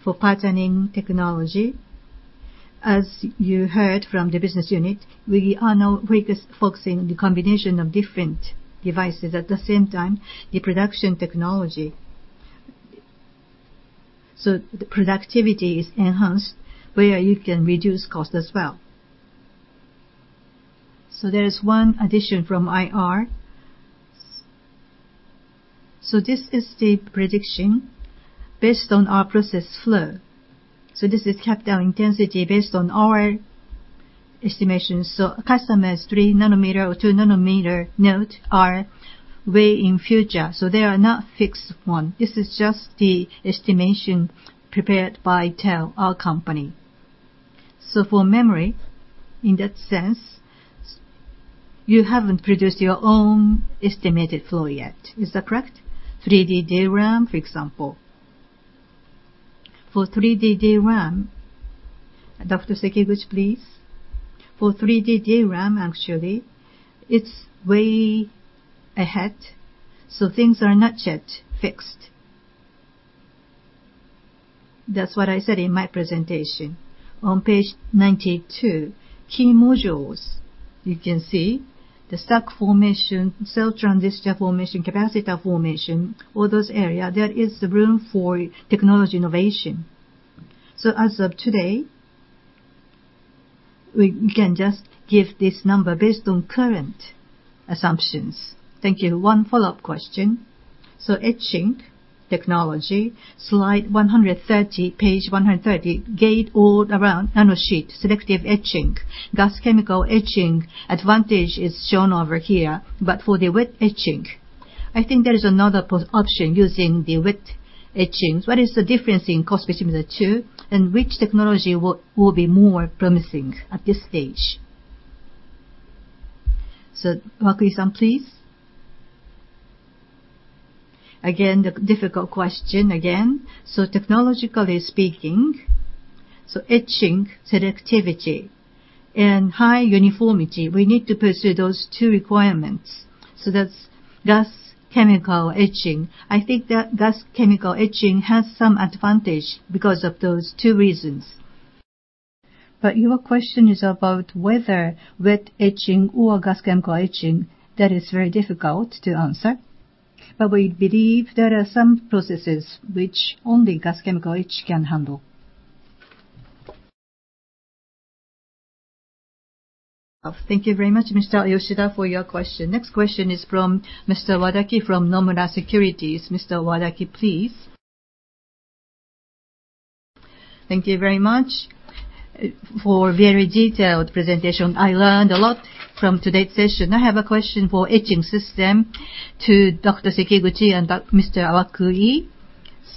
For patterning technology, as you heard from the business unit, we are now focusing on the combination of different devices. At the same time, the production technology, the productivity is enhanced where you can reduce cost as well. There is one addition from IR. This is the prediction based on our process flow. This is capital intensity based on our estimations. Customers 3-nanometer or 2-nanometer node are way in future, so they are not fixed one. This is just the estimation prepared by TEL, our company. For memory, in that sense, you haven't produced your own estimated flow yet. Is that correct? 3D DRAM, for example. For 3D DRAM Dr. Sekiguchi, please. For 3D DRAM, actually, it's way ahead, so things are not yet fixed. That's what I said in my presentation on page 92. Key modules, you can see the stack formation, cell transistor formation, capacitor formation, all those area, there is room for technology innovation. As of today, we can just give this number based on current assumptions. Thank you. One follow-up question. Etching technology, slide 130, page 130, Gate-all-around nanosheet, selective etching, gas chemical etching advantage is shown over here. For the wet etching, I think there is another option using the wet etching. What is the difference in cost between the two, and which technology will be more promising at this stage? Wakui-san, please. Again, difficult question again. Technologically speaking, so etching selectivity and high uniformity, we need to pursue those two requirements. That's gas chemical etching. I think that gas chemical etching has some advantage because of those two reasons. Your question is about whether wet etching or gas chemical etching, that is very difficult to answer. We believe there are some processes which only gas chemical etch can handle. Thank you very much, Mr. Yoshida, for your question. Next question is from Mr. Wadaki from Nomura Securities. Mr. Wadaki, please. Thank you very much for very detailed presentation. I learned a lot from today's session. I have a question for etching system to Dr. Sekiguchi and Mr. Wakui.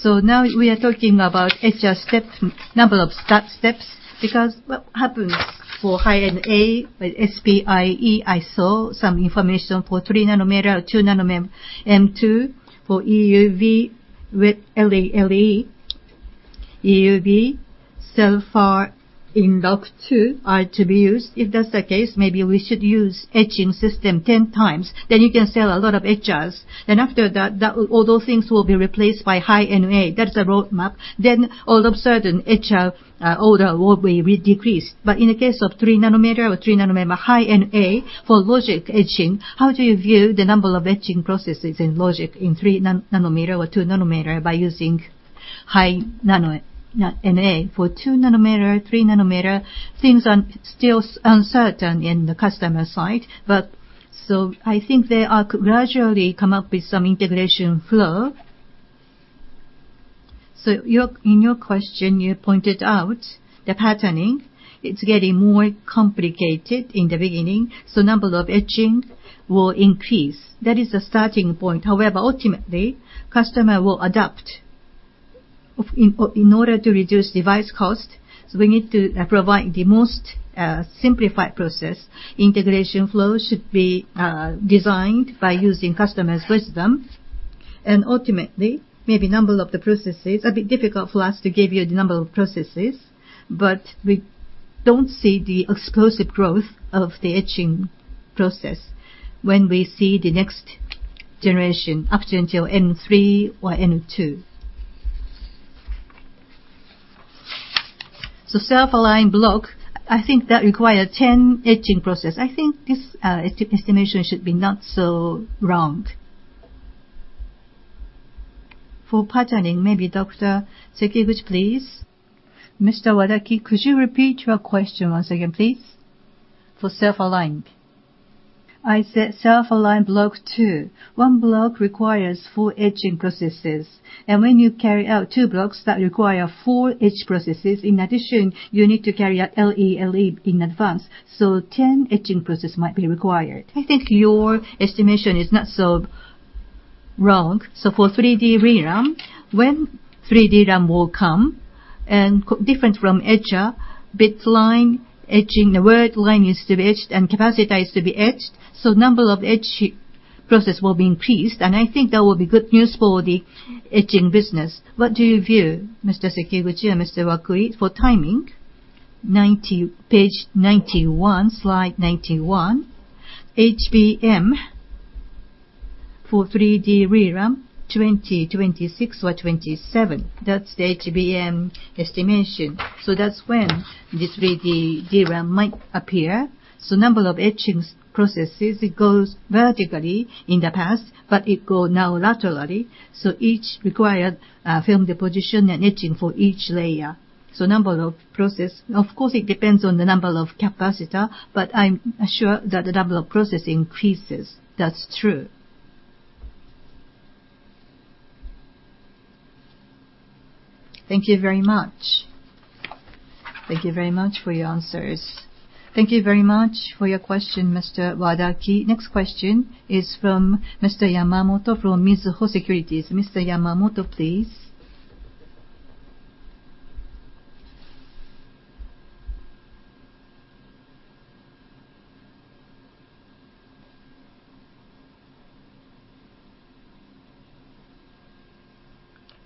Now we are talking about etcher step, number of stack steps, because what happens for high NA with SPIE, I saw some information for 3-nanometer or 2-nanometer M2 for EUV with LELE. EUV so far in double are to be used. If that's the case, maybe we should use etching system 10 times. You can sell a lot of etchers. After that, all those things will be replaced by high NA. That's a roadmap. All of a sudden, etcher order will be decreased. In the case of 3-nanometer or 3-nanometer high NA for logic etching, how do you view the number of etching processes in logic in 3-nanometer or 2-nanometer by using high NA? For 2-nanometer, 3-nanometer, things are still uncertain in the customer side, but so I think they are gradually come up with some integration flow. In your question, you pointed out the patterning, it's getting more complicated in the beginning, so number of etching will increase. That is the starting point. However, ultimately, customer will adapt in order to reduce device cost, so we need to provide the most simplified process. Integration flow should be designed by using customer's wisdom. Ultimately, maybe number of the processes, a bit difficult for us to give you the number of processes, but we don't see the explosive growth of the etching process when we see the next generation up until N3 or N2. Self-aligned block, I think that require 10 etching process. I think this estimation should be not so wrong. For patterning, maybe Dr. Sekiguchi, please. Mr. Wadaki, could you repeat your question once again, please? I said self-aligned block 2. One block requires four etching processes, and when you carry out two blocks, that requires four etch processes. In addition, you need to carry out LE in advance, so 10 etching processes might be required. I think your estimation is not so wrong. For 3D ReRAM, when 3D RAM will come, and different from etcher, bit line etching, the word line is to be etched, and capacitor is to be etched. The number of etch processes will be increased. I think that will be good news for the etching business. What do you view, Mr. Sekiguchi or Mr. Wakui, for timing? Page 91, slide 91. HBM for 3D ReRAM, 2020, 2026 or 2027. That's the HBM estimation. That's when this 3D ReRAM might appear. The number of etchings processes, it goes vertically in the past, but it go now laterally. Each require film deposition and etching for each layer. The number of process, of course, it depends on the number of capacitor, but I'm sure that the number of process increases. That's true. Thank you very much. Thank you very much for your answers. Thank you very much for your question, Mr. Wadaki. Next question is from Mr. Yamamoto from Mizuho Securities. Mr. Yamamoto, please.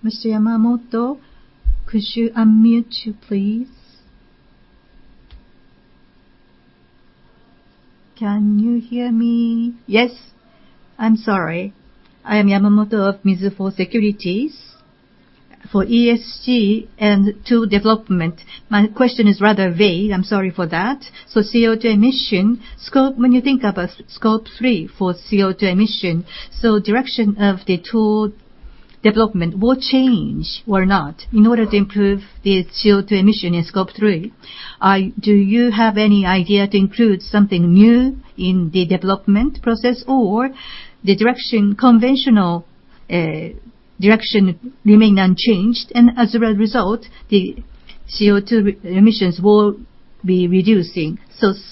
Mr. Yamamoto, could you unmute, please? Can you hear me? Yes. I'm sorry. I am Yamamoto of Mizuho Securities. For ESG and tool development, my question is rather vague. I'm sorry for that. CO2 emission, when you think about Scope 3 for CO2 emission, direction of the tool development will change or not? In order to improve the CO2 emission in Scope 3, do you have any idea to include something new in the development process, or the direction, conventional direction remain unchanged, and as a result, the CO2 emissions will be reducing.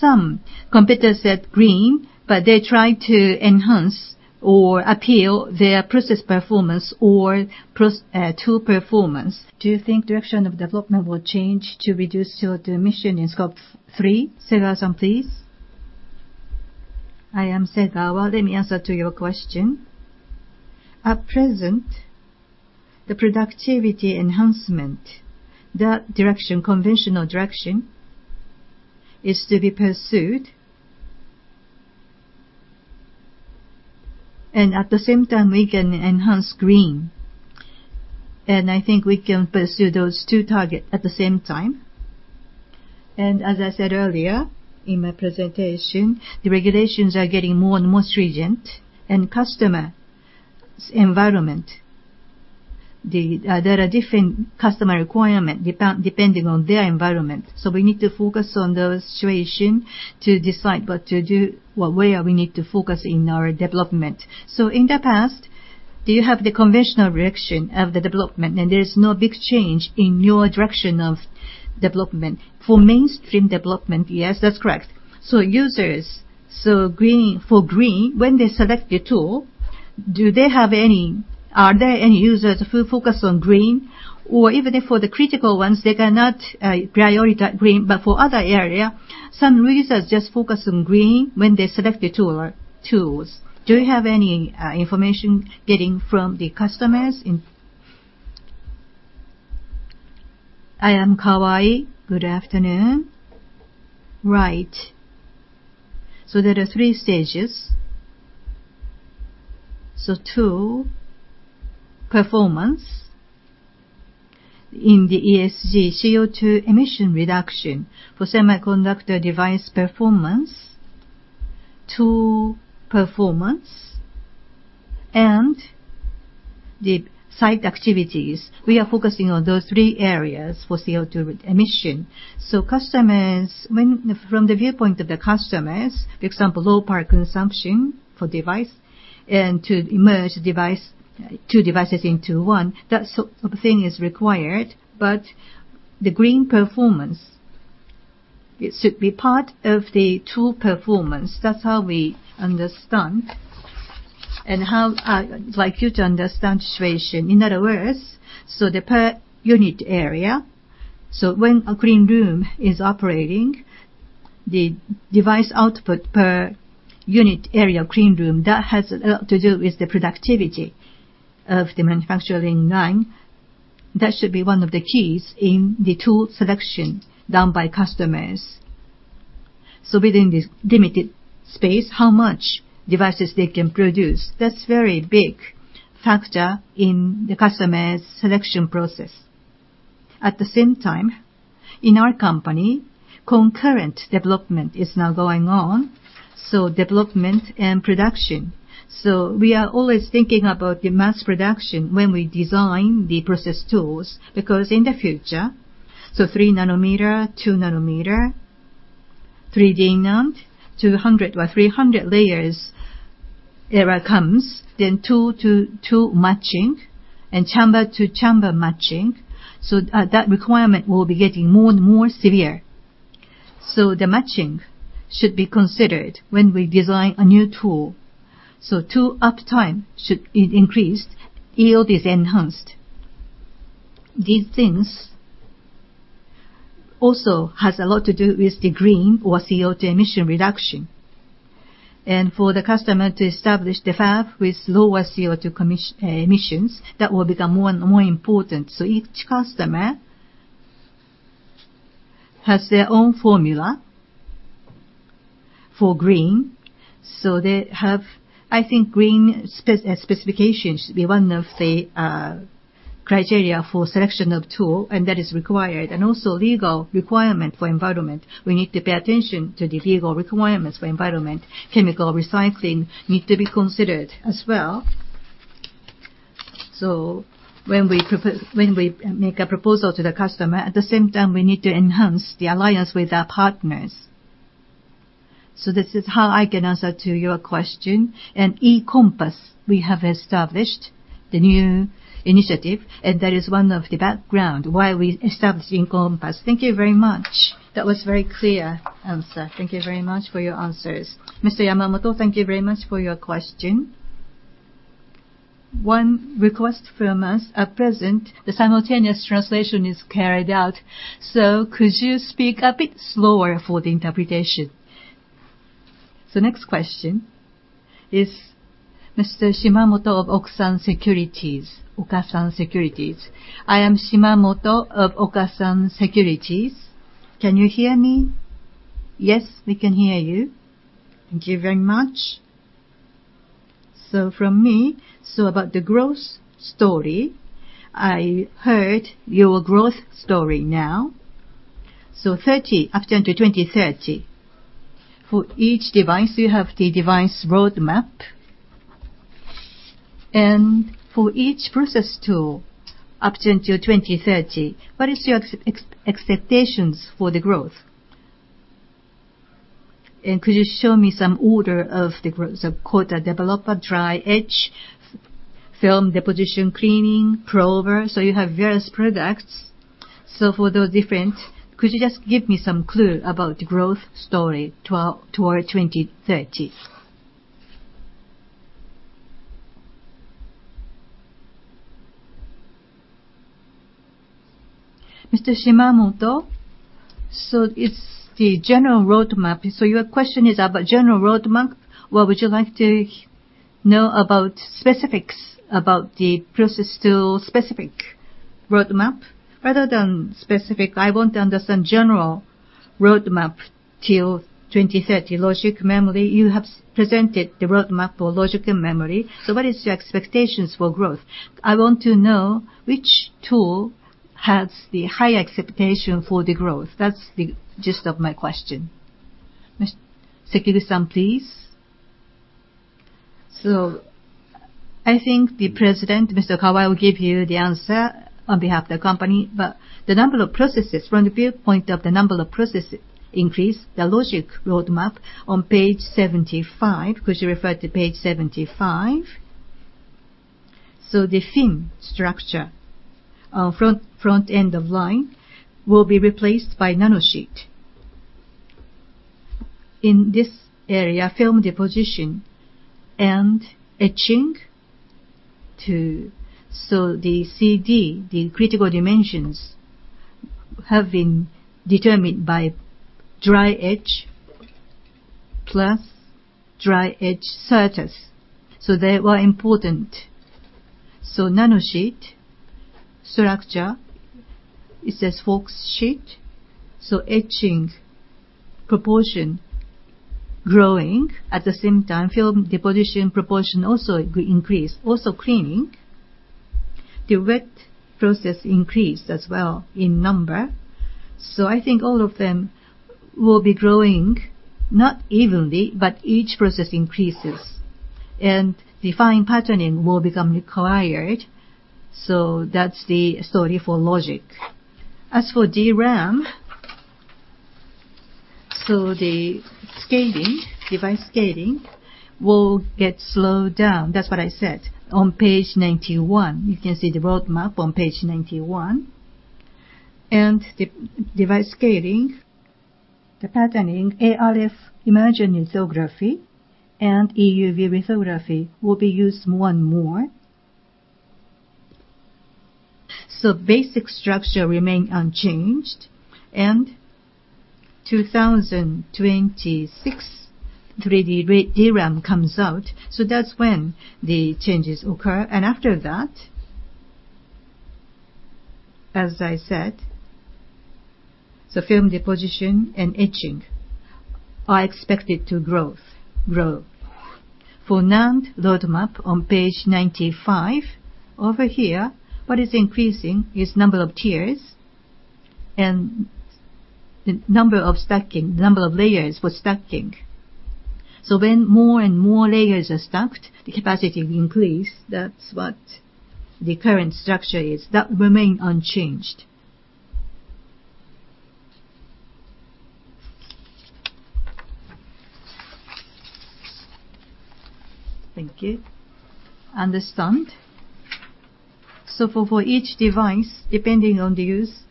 Some competitors said green, but they try to enhance or appeal their process performance or tool performance. Do you think direction of development will change to reduce CO2 emission in Scope 3? Segawa-san, please. I am Segawa. Let me answer to your question. At present, the productivity enhancement, that direction, conventional direction, is to be pursued. At the same time, we can enhance green. I think we can pursue those two targets at the same time. As I said earlier in my presentation, the regulations are getting more and more stringent, and customer's environment, there are different customer requirement depending on their environment. We need to focus on those situation to decide what to do, what way we need to focus in our development. In the past, do you have the conventional direction of the development and there is no big change in your direction of development? For mainstream development, yes, that's correct. Users, so for green, when they select the tool, are there any users who focus on green? Even if for the critical ones, they cannot prioritize green, but for other area, some users just focus on green when they select the tools. Do you have any information getting from the customers in? I am Kawai. Good afternoon. Right. There are three stages. Tool performance in the ESG CO2 emission reduction for semiconductor device performance, tool performance, and the site activities. We are focusing on those three areas for CO2 emission. From the viewpoint of the customers, for example, low power consumption for device and to merge two devices into one, that thing is required. The green performance, it should be part of the tool performance. That's how we understand and how I'd like you to understand situation. In other words, the per unit area, when a clean room is operating, the device output per unit area clean room, that has a lot to do with the productivity of the manufacturing line. That should be one of the keys in the tool selection done by customers. Within this limited space, how much devices they can produce, that's very big factor in the customer's selection process. At the same time, in our company, concurrent development is now going on, development and production. We are always thinking about the mass production when we design the process tools, because in the future 3-nanometer, 2-nanometer, 3D NAND to 100 or 300 layers era comes, then tool to tool matching and chamber to chamber matching. That requirement will be getting more and more severe. The matching should be considered when we design a new tool. Tool uptime should be increased, yield is enhanced. These things also have a lot to do with the green or CO2 emission reduction. For the customer to establish the fab with lower CO2 emissions, that will become more and more important. Each customer has their own formula for green. They have, I think, green specifications to be one of the criteria for selection of tool, and that is required. Also legal requirement for environment. We need to pay attention to the legal requirements for environment. Chemical recycling need to be considered as well. When we make a proposal to the customer, at the same time, we need to enhance the alliance with our partners. This is how I can answer to your question. E-COMPASS, we have established the new initiative, and that is one of the background why we're establishing E-COMPASS.Thank you very much. That was very clear answer. Thank you very much for your answers. Mr. Yamamoto, thank you very much for your question. One request from us. At present, the simultaneous translation is carried out, could you speak a bit slower for the interpretation? Next question is Mr. Shimamoto of Okasan Securities. I am Shimamoto of Okasan Securities. Can you hear me? Yes, we can hear you. Thank you very much. From me, about the growth story, I heard your growth story now. Up until 2030, for each device, you have the device roadmap. For each process tool up until 2030, what is your expectations for the growth? Could you show me some order of the coater/developer, dry etch, film deposition, cleaning, prover. You have various products. For those different, could you just give me some clue about growth story toward 2030? Mr. Shimamoto, it's the general roadmap. Your question is about general roadmap, or would you like to know about specifics about the process tool specific roadmap? Rather than specific, I want to understand general roadmap till 2030. Logic, memory, you have presented the roadmap for logic and memory. What is your expectations for growth? I want to know which tool has the high expectation for the growth. That's the gist of my question. Sekiguchi-san, please. I think the President, Mr. Kawai, will give you the answer on behalf of the company. The number of processes, from the viewpoint of the number of processes increase, the logic roadmap on page 75. Could you refer to page 75? The FIN structure, front end of line, will be replaced by nanosheet. In this area, film deposition and etching, the CD, the critical dimensions, have been determined by dry etch + dry etch Certas. They were important. Nanosheet structure is a forksheet, so etching proportion growing. At the same time, film deposition proportion also increased. Cleaning. Direct process increased as well in number. I think all of them will be growing, not evenly, but each process increases. Defined patterning will become required. That's the story for logic. As for DRAM, the scaling, device scaling, will get slowed down. That's what I said. On page 91, you can see the roadmap on page 91. The device scaling, the patterning, ArF immersion lithography and EUV lithography will be used more and more. Basic structure remain unchanged. 2026, 3D DRAM comes out, that's when the changes occur. After that, as I said, film deposition and etching are expected to grow. For NAND roadmap on page 95, over here, what is increasing is number of tiers. The number of stacking, the number of layers for stacking. When more and more layers are stacked, the capacity increase. That's what the current structure is. That remain unchanged. Thank you. Understand. For each device, depending on the use,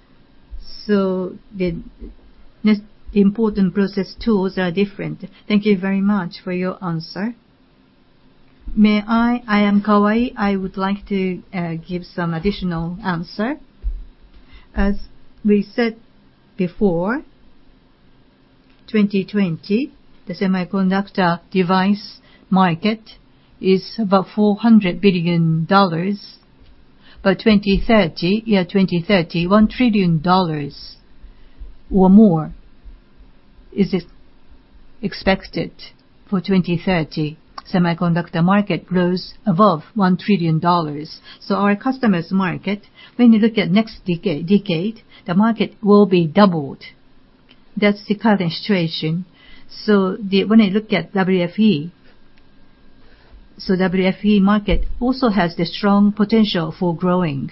the important process tools are different. Thank you very much for your answer. May I am Kawai, I would like to give some additional answer. As we said before, 2020, the semiconductor device market is about $400 billion. By 2030, JPY 1 trillion or more is expected. For 2030, semiconductor market grows above JPY 1 trillion. Our customers' market, when you look at next decade, the market will be doubled. That's the current situation. When I look at WFE market also has the strong potential for growing.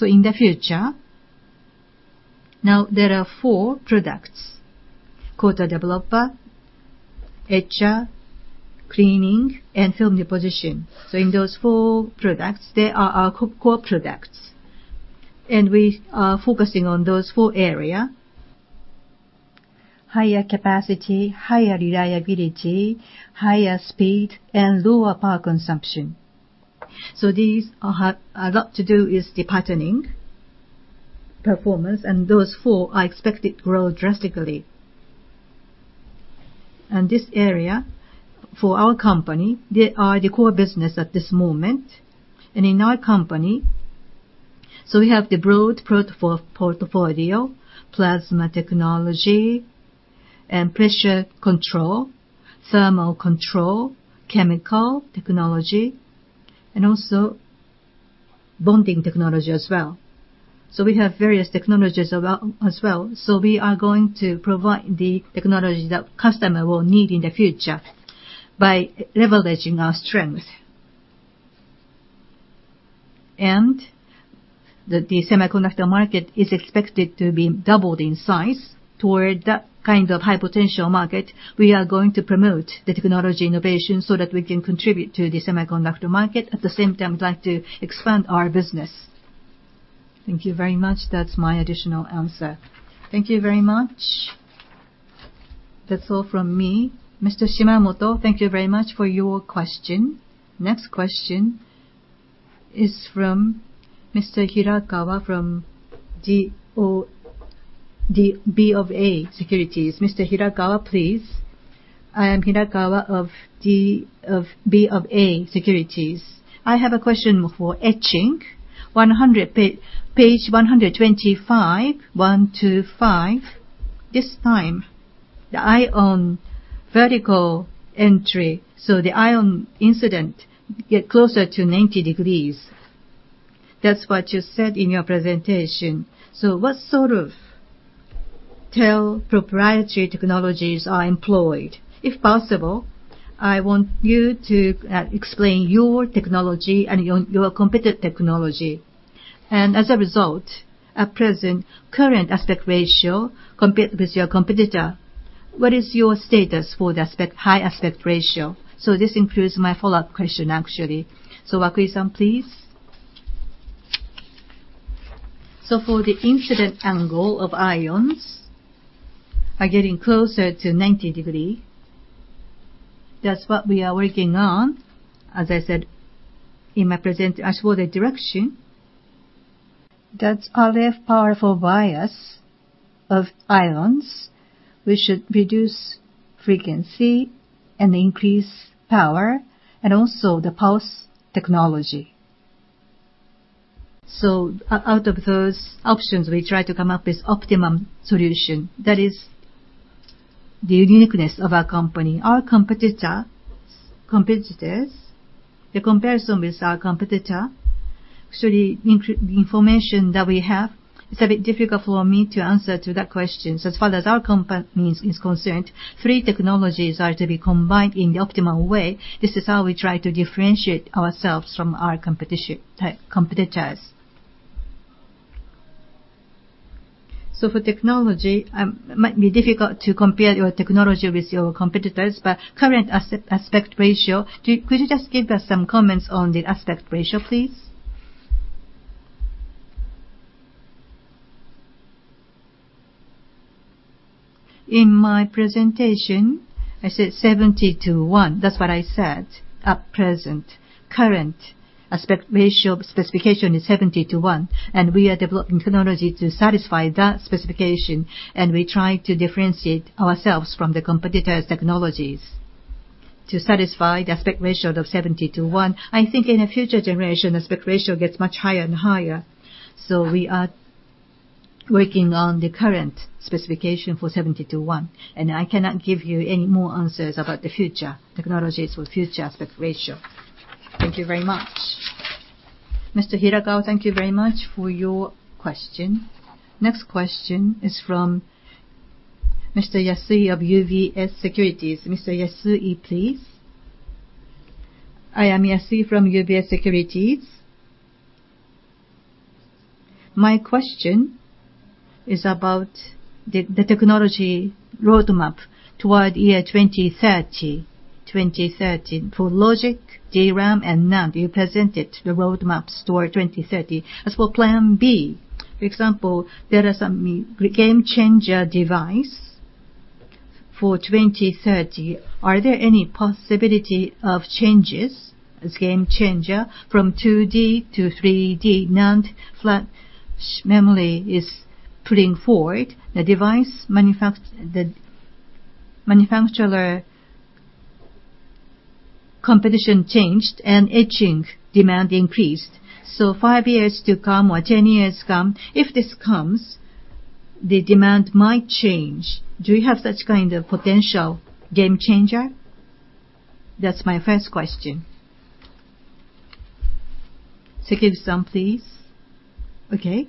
In the future, now there are four products, coater/developer, etcher, cleaning, and film deposition. In those four products, they are our core products, and we are focusing on those four area: higher capacity, higher reliability, higher speed, and lower power consumption. These are a lot to do with the patterning performance, and those four are expected to grow drastically. This area, for our company, they are the core business at this moment. In our company, we have the broad portfolio, plasma technology and pressure control, thermal control, chemical technology, and also bonding technology as well. We have various technologies as well. We are going to provide the technology that customer will need in the future by leveraging our strength. The semiconductor market is expected to be doubled in size. Toward that kind of high potential market, we are going to promote the technology innovation so that we can contribute to the semiconductor market. At the same time, we'd like to expand our business. Thank you very much. That's my additional answer. Thank you very much. That's all from me. Mr. Shimamoto, thank you very much for your question. Next question is from Mr. Hirakawa from BofA Securities. Mr. Hirakawa, please. I am Hirakawa of BofA Securities. I have a question for etching. Page 125. 125.This time, the ion vertical entry, so the ion incident get closer to 90 degrees. That's what you said in your presentation. What sort of TEL's proprietary technologies are employed? If possible, I want you to explain your technology and your competitor technology. As a result, at present, current aspect ratio compared with your competitor, what is your status for the high aspect ratio? This includes my follow-up question, actually. Isamu Wakui, please. For the incident angle of ions are getting closer to 90 degrees. That's what we are working on. As I said in my presentation, as for the direction, that's RF powerful bias of ions. We should reduce frequency and increase power, and also the pulse technology. Out of those options, we try to come up with optimum solution. That is the uniqueness of our company. Our competitors, the comparison with our competitor, actually the information that we have, it's a bit difficult for me to answer to that question. As far as our company is concerned, three technologies are to be combined in the optimal way. This is how we try to differentiate ourselves from our competitors. For technology, it might be difficult to compare your technology with your competitors, but current aspect ratio, could you just give us some comments on the aspect ratio, please? In my presentation, I said 70:1. That's what I said. At present, current aspect ratio specification is 70:1, and we are developing technology to satisfy that specification, and we try to differentiate ourselves from the competitors' technologies to satisfy the aspect ratio of 70:1. I think in the future generation, aspect ratio gets much higher and higher. Working on the current specification for 70:1, and I cannot give you any more answers about the future technologies or future aspect ratio. Thank you very much. Mr. Hirakawa, thank you very much for your question. Next question is from Mr. Yasui of UBS Securities. Mr. Yasui, please. I am Yasui from UBS Securities. My question is about the technology roadmap toward year 2030. 2030 for logic, DRAM, and NAND, you presented the roadmaps toward 2030. As for plan B, for example, there are some game changer device for 2030. Are there any possibility of changes as game changer from 2D to 3D NAND flash memory is putting forward the device? The manufacturer competition changed, and etching demand increased. Five years to come or 10 years come, if this comes, the demand might change. Do you have that kind of potential game changer? That's my first question. Sekiguchi-san, please. Okay.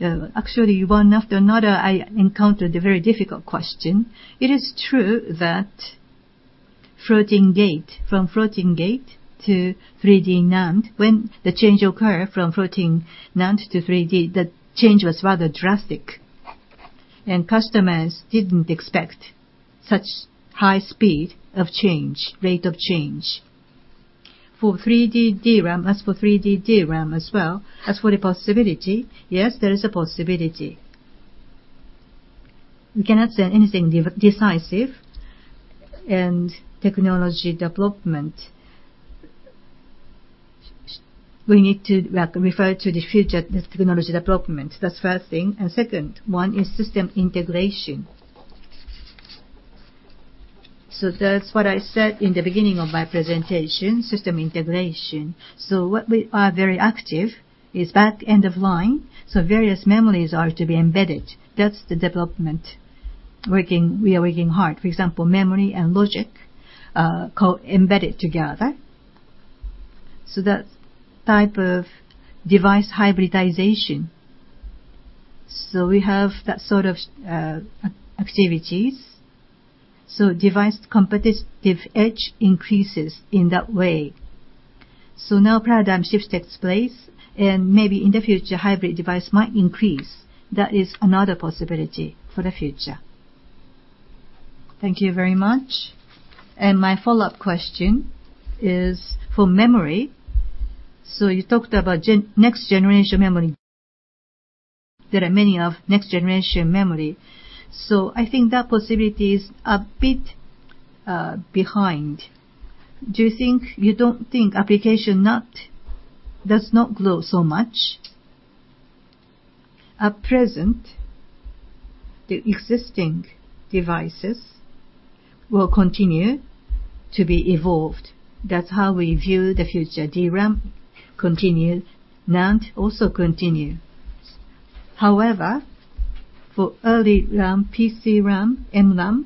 Actually, one after another, I encountered a very difficult question. It is true that floating gate, from floating gate to 3D NAND, when the change occurred from floating NAND to 3D, the change was rather drastic, and customers didn't expect such high speed of change, rate of change. For 3D DRAM, as for 3D DRAM as well, as for the possibility, yes, there is a possibility. We cannot say anything decisive. Technology development, we need to refer to the future technology development. That's first thing. Second one is system integration. That's what I said in the beginning of my presentation, system integration. What we are very active is back-end of line, so various memories are to be embedded. That's the development. We are working hard. For example, memory and logic are embedded together. That type of device hybridization. We have that sort of activities, device competitive edge increases in that way. Now paradigm shift takes place, and maybe in the future, hybrid device might increase. That is another possibility for the future. Thank you very much. My follow-up question is for memory. You talked about next generation memory. There are many of next generation memory, so I think that possibility is a bit behind. You don't think application does not grow so much? At present, the existing devices will continue to be evolved. That's how we view the future. DRAM continues, NAND also continues. However, for FeRAM, PCRAM, MRAM,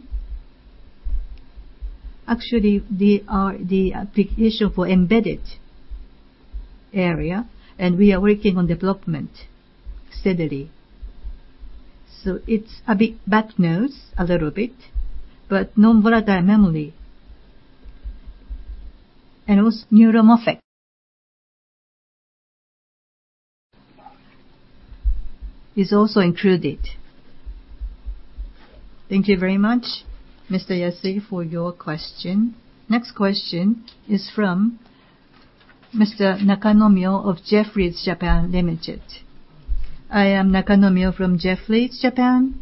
actually, they are the application for embedded area, and we are working on development steadily. It's a bit bad news, a little bit, but non-volatile memory and also neuromorphic is also included. Thank you very much, Mr. Yatsuda, for your question. Next question is from Mr. Nakanomyo of Jefferies Japan Limited. I am Nakanomyo from Jefferies Japan.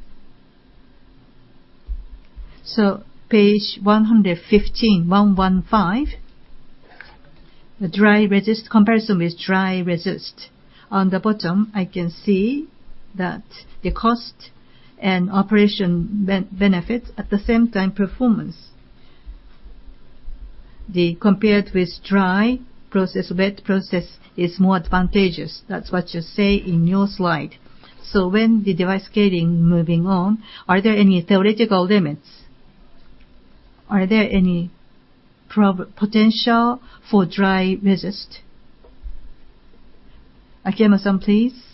Page 115, 1-1-5. The dry resist comparison with dry resist. On the bottom, I can see that the cost and operation benefits, at the same time, performance. Compared with dry process, wet process is more advantageous. That's what you say in your slide. When the device scaling moving on, are there any theoretical limits? Are there any potential for dry resist? Akiyama-san, please.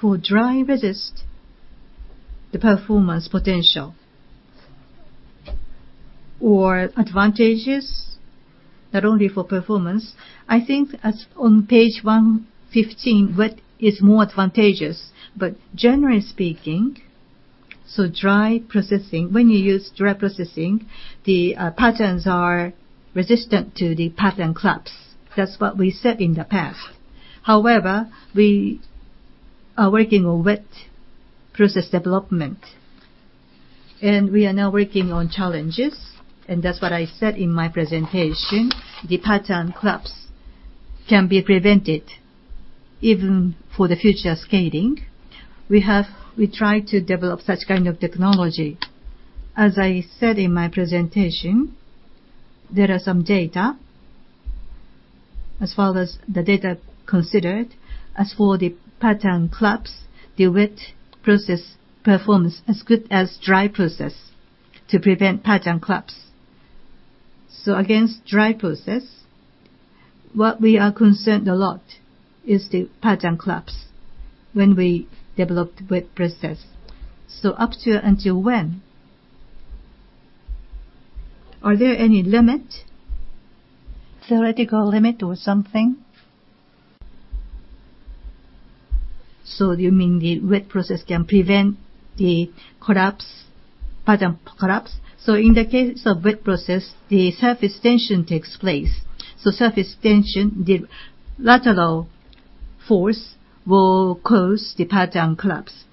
For dry resist, the performance potential or advantages, not only for performance, I think as on page 115, wet is more advantageous. Generally speaking, dry processing, when you use dry processing, the patterns are resistant to the pattern collapse. That's what we said in the past. We are working on wet process development. We are now working on challenges. That's what I said in my presentation. The pattern collapse can be prevented. Even for the future scaling, we try to develop such kind of technology. I said in my presentation, there are some data, as well as the data considered. For the pattern collapse, the wet process performance as good as dry process to prevent pattern collapse. Against dry process, what we are concerned a lot is the pattern collapse when we developed wet process. Up to until when, are there any theoretical limit or something? You mean the wet process can prevent the pattern collapse? In the case of wet process, the surface tension takes place. Surface tension, the lateral force will cause the pattern collapse.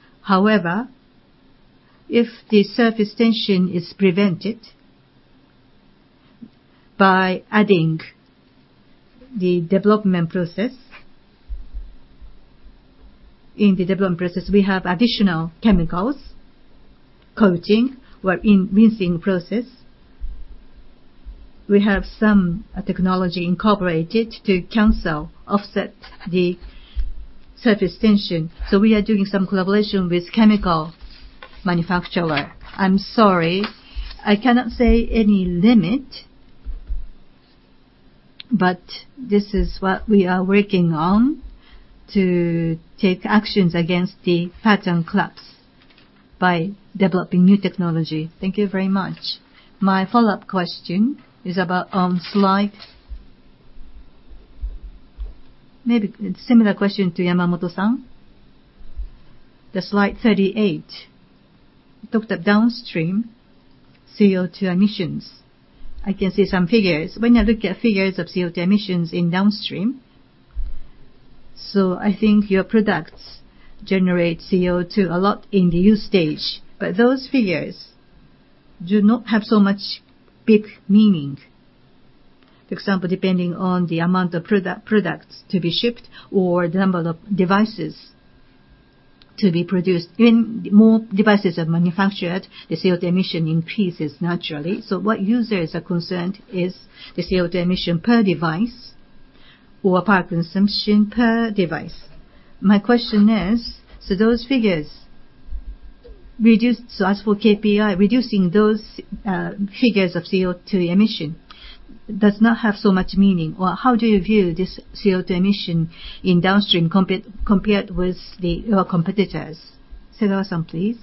If the surface tension is prevented by adding the development process, in the development process, we have additional chemicals coating, where in rinsing process, we have some technology incorporated to cancel, offset the surface tension. We are doing some collaboration with chemical manufacturer. I'm sorry, I cannot say any limit, but this is what we are working on to take actions against the pattern collapse by developing new technology. Thank you very much. My follow-up question is about on slide 38, Downstream CO2 emissions. Maybe similar question to Yamamoto-san. I can see some figures. When I look at figures of CO2 emissions in downstream, I think your products generate CO2 a lot in the use stage. Those figures do not have so much big meaning. For example, depending on the amount of products to be shipped or the number of devices to be produced. When more devices are manufactured, the CO2 emission increases naturally. What users are concerned is the CO2 emission per device or power consumption per device. My question is, those figures reduced? As for KPI, reducing those figures of CO2 emission does not have so much meaning, or how do you view this CO2 emission in downstream compared with your competitors? Mie Segawa, please.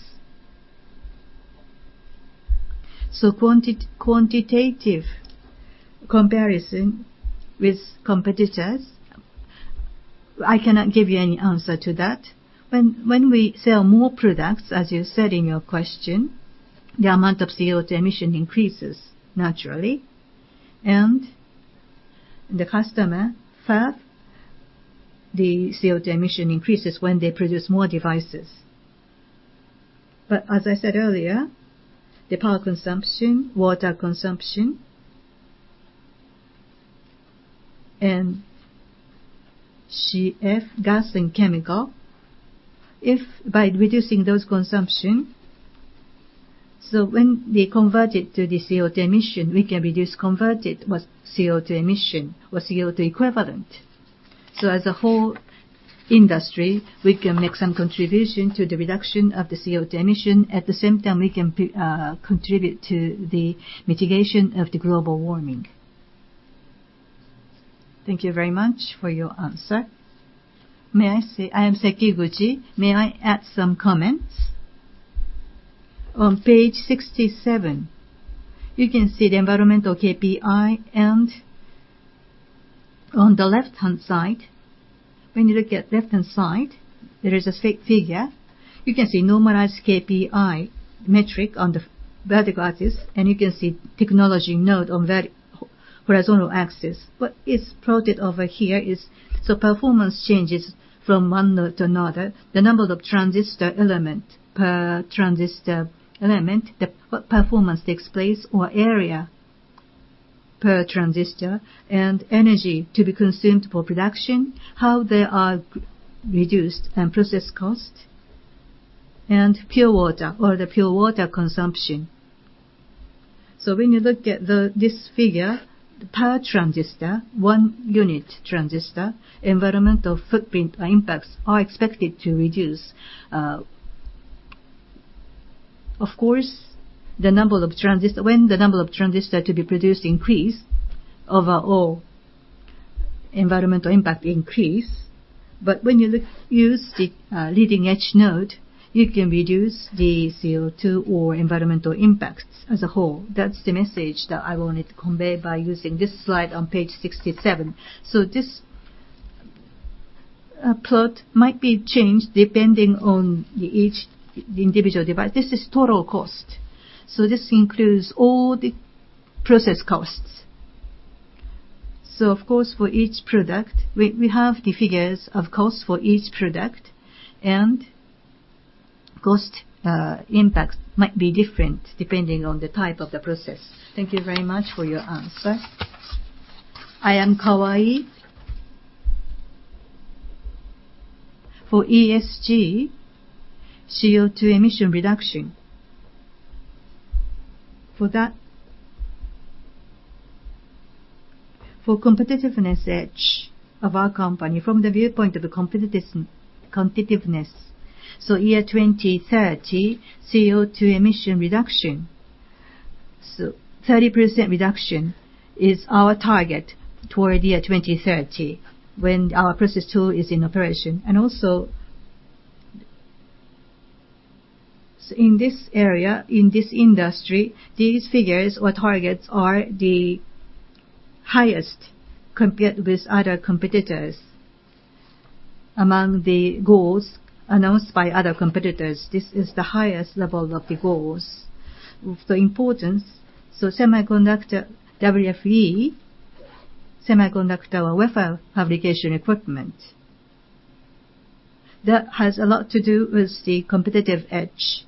Quantitative comparison with competitors, I cannot give you any answer to that. When we sell more products, as you said in your question, the amount of CO2 emission increases naturally, and the customer fab, the CO2 emission increases when they produce more devices. As I said earlier, the power consumption, water consumption, and CF, gas and chemical, if by reducing those consumption, when we convert it to the CO2 emission, we can reduce convert it with CO2 emission with CO2 equivalent. As a whole industry, we can make some contribution to the reduction of the CO2 emission. At the same time, we can contribute to the mitigation of the global warming. Thank you very much for your answer. May I say, I am Sekiguchi, may I add some comments? On page 67, you can see the environmental KPI, on the left-hand side, there is a state figure. You can see normalized KPI metric on the vertical axis, you can see technology node on horizontal axis. What is plotted over here is the performance changes from one node to another, the number of transistor element per transistor element, what performance takes place, or area per transistor, and energy to be consumed for production, how they are reduced, and process cost, and pure water or the pure water consumption. When you look at this figure, the per transistor, 1-unit transistor, environmental footprint impacts are expected to reduce. Of course, when the number of transistor to be produced increase, overall environmental impact increase, when you use the leading edge node, you can reduce the CO2 or environmental impacts as a whole. That's the message that I wanted to convey by using this slide on page 67. This plot might be changed depending on each individual device. This is total cost. This includes all the process costs. Of course, for each product, we have the figures of cost for each product. Cost impacts might be different depending on the type of the process. Thank you very much for your answer. I am Kawai-san. For ESG, CO2 emission reduction. For competitiveness edge of our company, from the viewpoint of the competitiveness. Year 2030, CO2 emission reduction, 30% reduction is our target toward year 2030, when our process tool is in operation. Also, in this area, in this industry, these figures or targets are the highest compared with other competitors. Among the goals announced by other competitors, this is the highest level of the goals. Importance, semiconductor WFE, semiconductor wafer fabrication equipment. That has a lot to do with the competitive edge.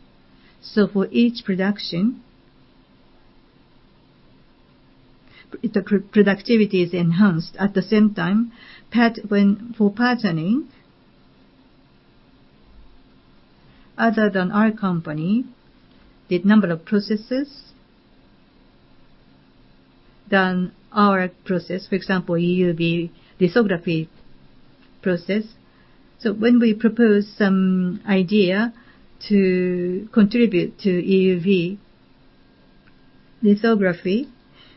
For each product, the productivity is enhanced at the same time. For patterning, other than our company, the number of processes than our process, for example, EUV lithography process. When we propose some idea to contribute to EUV lithography,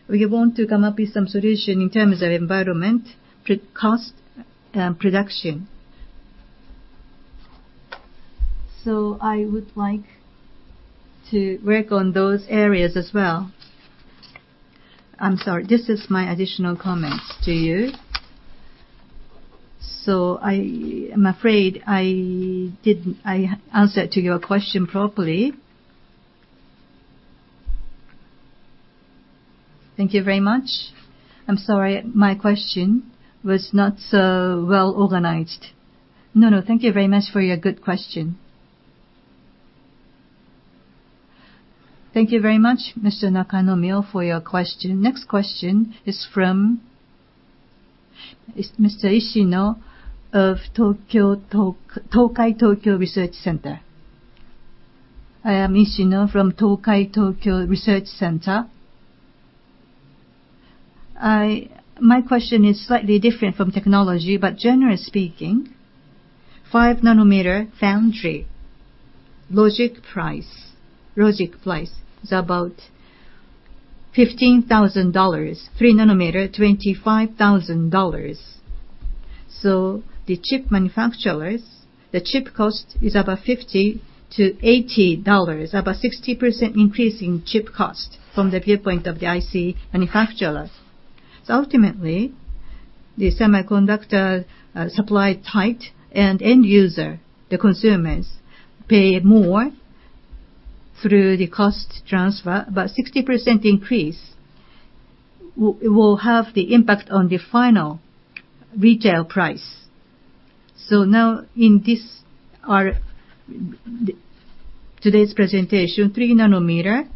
we want to come up with some solution in terms of environment, cost, and production. I would like to work on those areas as well. I'm sorry, this is my additional comments to you. I am afraid I didn't answer to your question properly. Thank you very much. I'm sorry my question was not so well organized. No, no. Thank you very much for your good question. Thank you very much, Mr. Nakanomyo, for your question. Next question is from Mr. Ishino of Tokai Tokyo Research Center. I am Ishino from Tokai Tokyo Research Center. My question is slightly different from technology, but generally speaking, 5-nanometer foundry logic price is about JPY 15,000, 3-nanometer JPY 25,000. The chip manufacturers, the chip cost is about JPY 50-JPY 80, about 60% increase in chip cost from the viewpoint of the IC manufacturers. Ultimately, the semiconductor supply tight and end user, the consumers, pay more through the cost transfer. About 60% increase will have the impact on the final retail price. Now in today's presentation, 3-nanometer,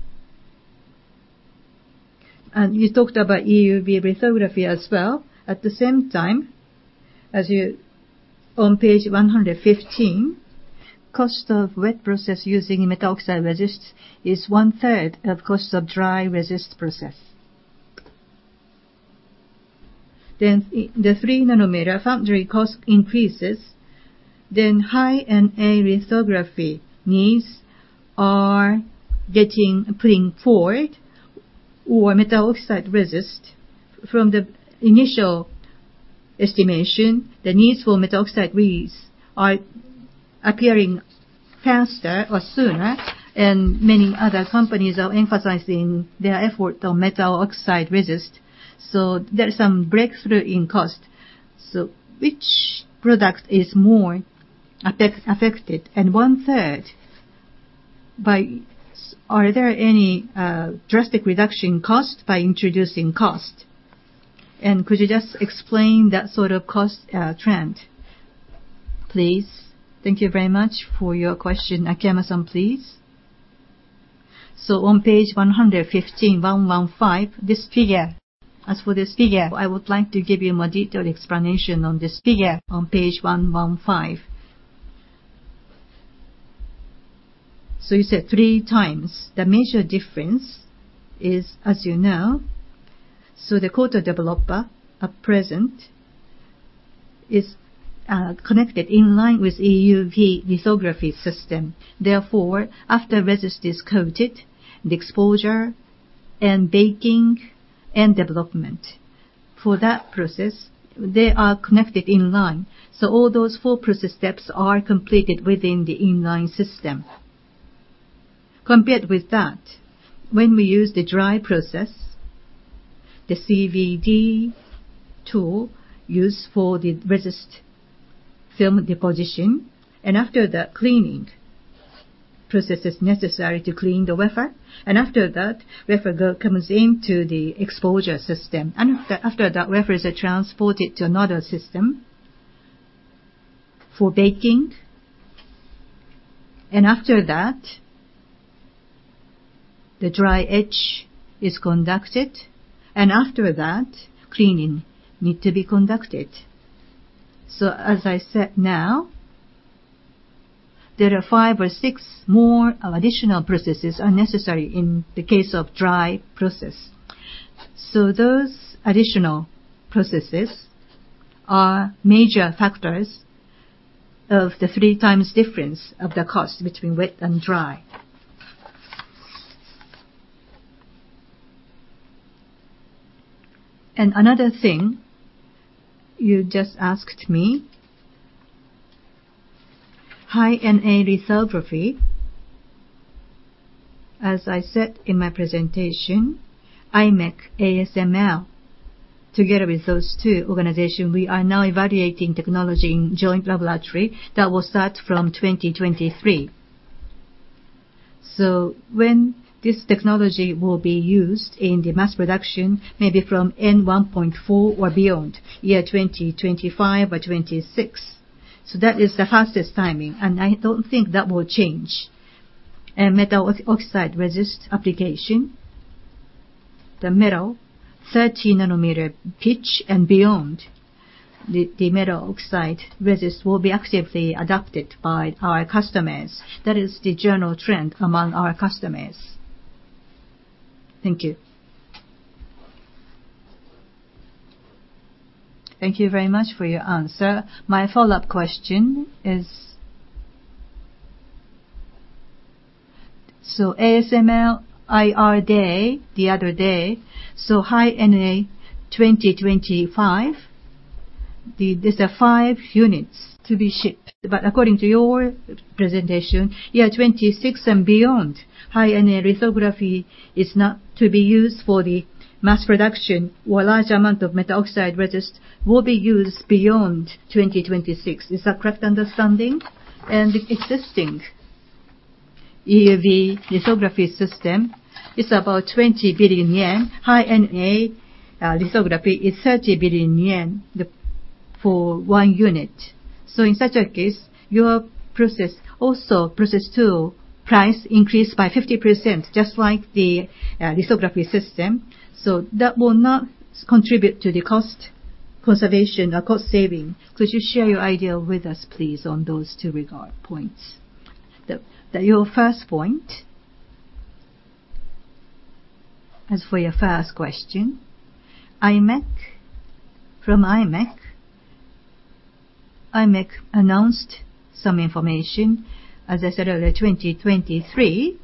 and you talked about EUV lithography as well. At the same time, on page 115, cost of wet process using metal oxide resists is one third of cost of dry resist process. The 3-nanometer foundry cost increases, then high-NA lithography needs are putting forward or metal oxide resist from the initial estimation. The needs for metal oxide needs are appearing faster or sooner, and many other companies are emphasizing their effort on metal oxide resist. There is some breakthrough in cost. Which product is more affected? One third, are there any drastic reduction costs by introducing cost? Could you just explain that sort of cost trend, please? Thank you very much for your question. Akiyama-san, please. On page 115, this figure. As for this figure, I would like to give you a more detailed explanation on this figure on page 115. You said three times. The major difference is, as you know, the coater/developer at present is connected in line with EUV lithography system. Therefore, after resist is coated, the exposure and baking and development. For that process, they are connected in line. All those four process steps are completed within the in-line system. Compared with that, when we use the dry process, the CVD tool used for the resist film deposition, and after that, cleaning process is necessary to clean the wafer. After that, wafer comes into the exposure system. After that, wafers are transported to another system for baking. After that, the dry etch is conducted, and after that, cleaning needs to be conducted. As I said now, there are five or six more additional processes are necessary in the case of dry process. Those additional processes are major factors of the three times difference of the cost between wet and dry. Another thing you just asked me, high-NA lithography. As I said in my presentation, imec, ASML, together with those two organizations, we are now evaluating technology in joint laboratory that will start from 2023. When this technology will be used in the mass production, maybe from N 1.4 or beyond year 2025 or 2026. That is the fastest timing, and I don't think that will change. metal oxide resist application, the metal 30-nanometer pitch and beyond, the metal oxide resist will be actively adopted by our customers. That is the general trend among our customers. Thank you. Thank you very much for your answer. My follow-up question is, ASML IR day the other day, high NA 2025, these are five units to be shipped. According to your presentation, year 2026 and beyond, high NA lithography is not to be used for the mass production, where large amount of metal oxide resist will be used beyond 2026. Is that correct understanding? Existing EUV lithography system is about 20 billion yen. High NA EUV is 30 billion yen for one unit. In such a case, your process also, process tool price increased by 50%, just like the lithography system. That will not contribute to the cost conservation or cost saving. Could you share your idea with us, please, on those two points? Your first point, as for your first question, from imec announced some information. As I said earlier, 2023,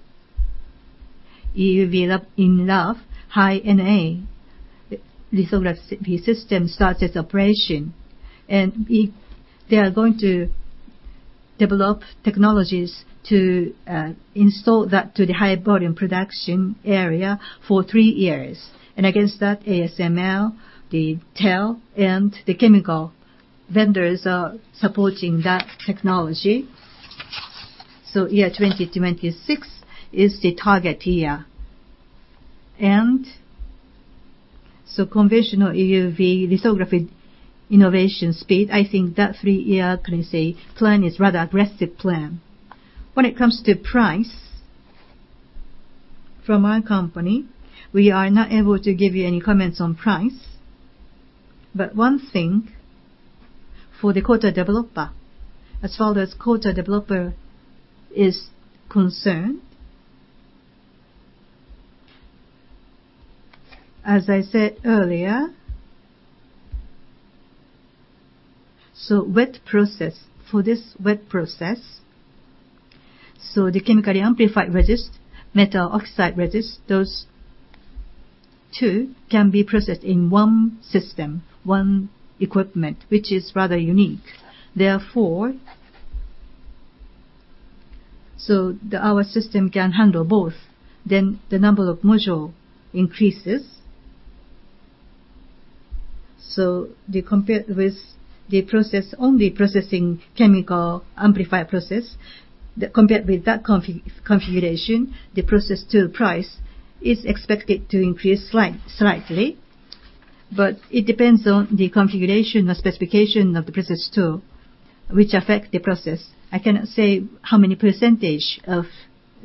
EUV in enough high-NA EUV system started operation. They are going to develop technologies to install that to the high-volume production area for three years. Against that, ASML, TEL, and the chemical vendors are supporting that technology. Year 2026 is the target year. Conventional EUV lithography innovation speed, I think that three-year plan is rather aggressive plan. When it comes to price, from our company, we are not able to give you any comments on price. One thing for the coater/developer, as far as coater/developer is concerned, as I said earlier, wet process, for this wet process, the chemically amplified resist, metal oxide resist, those two can be processed in one system, one equipment, which is rather unique. Our system can handle both, the number of module increases. Compared with the process, only processing chemical amplifier process, compared with that configuration, the process tool price is expected to increase slightly, it depends on the configuration or specification of the process tool, which affect the process. I cannot say how many % of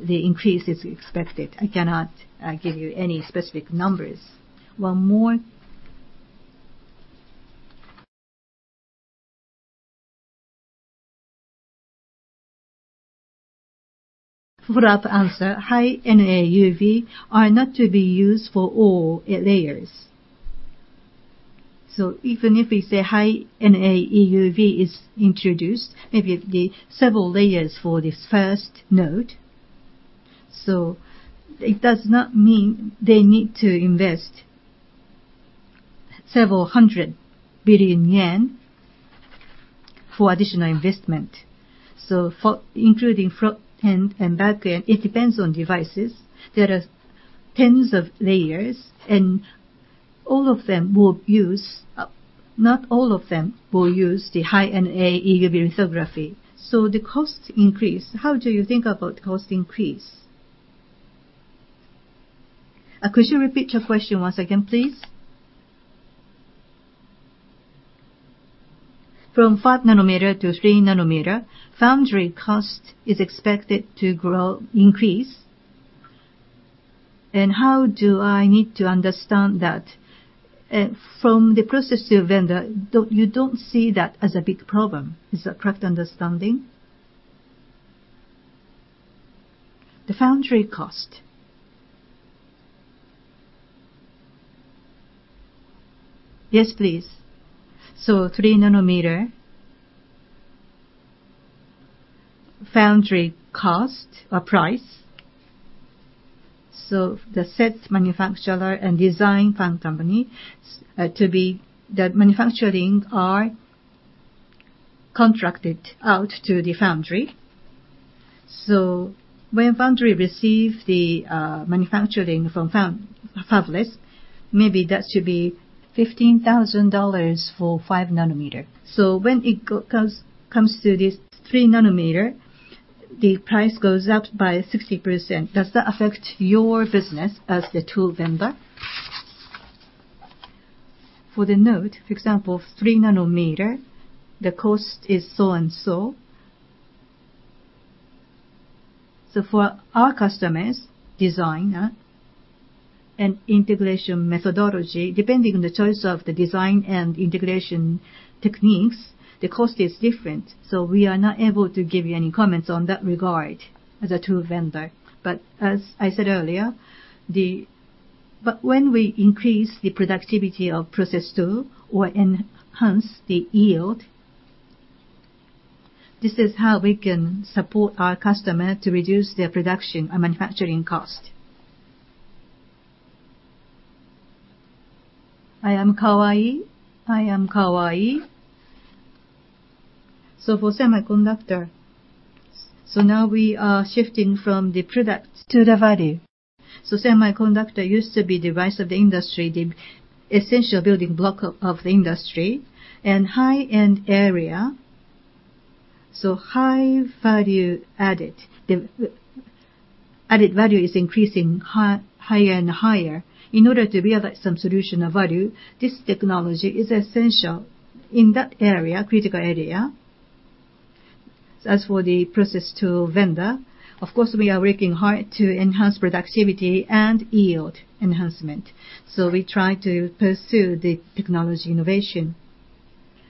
the increase is expected. I cannot give you any specific numbers. One more follow-up answer. High-NA EUV are not to be used for all layers. Even if we say High-NA EUV is introduced, maybe several layers for this first node. It does not mean they need to invest several hundred billion JPY for additional investment. Including front-end and back-end, it depends on devices. There are tens of layers, and not all of them will use the High NA EUV lithography. The cost increase, how do you think about cost increase? Could you repeat your question once again, please? From 5-nanometer to 3-nanometer, foundry cost is expected to increase. How do I need to understand that? From the processor vendor, you don't see that as a big problem. Is that correct understanding? The foundry cost. Yes, please. 3-nanometer foundry cost or price. The set manufacturer and fabless company to be the manufacturing are contracted out to the foundry. When foundry receive the manufacturing from fabless, maybe that should be JPY 15,000 for 5-nanometer. When it comes to this 3-nanometer, the price goes up by 60%. Does that affect your business as the tool vendor? For the node, for example, 3-nanometer, the cost is so and so. For our customers, designer and integration methodology, depending on the choice of the design and integration techniques, the cost is different, so we are not able to give you any comments on that regard as a tool vendor. As I said earlier, when we increase the productivity of process tool or enhance the yield, this is how we can support our customer to reduce their production and manufacturing cost. I am Kawai.For semiconductor, now we are shifting from the product to the value. Semiconductor used to be the rice of the industry, the essential building block of the industry, and high-end area. High value added. The added value is increasing higher and higher. In order to realize some solution of value, this technology is essential in that area, critical area. As for the process tool vendor, of course, we are working hard to enhance productivity and yield enhancement. We try to pursue the technology innovation,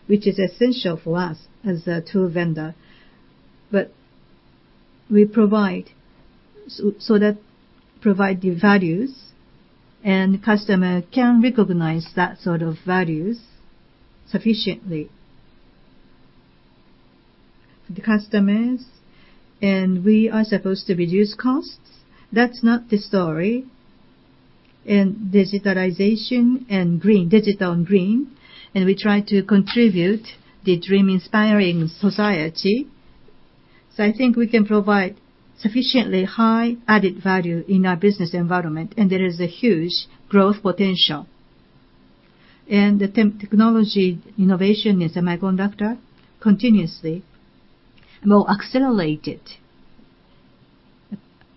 which is essential for us as a tool vendor. We provide the values, and customer can recognize that sort of values sufficiently. For the customers, we are supposed to reduce costs, that's not the story. In digitalization and green, digital and green, we try to contribute the dream-inspiring society. I think we can provide sufficiently high added value in our business environment, and there is a huge growth potential. The technology innovation in semiconductor continuously will accelerate it,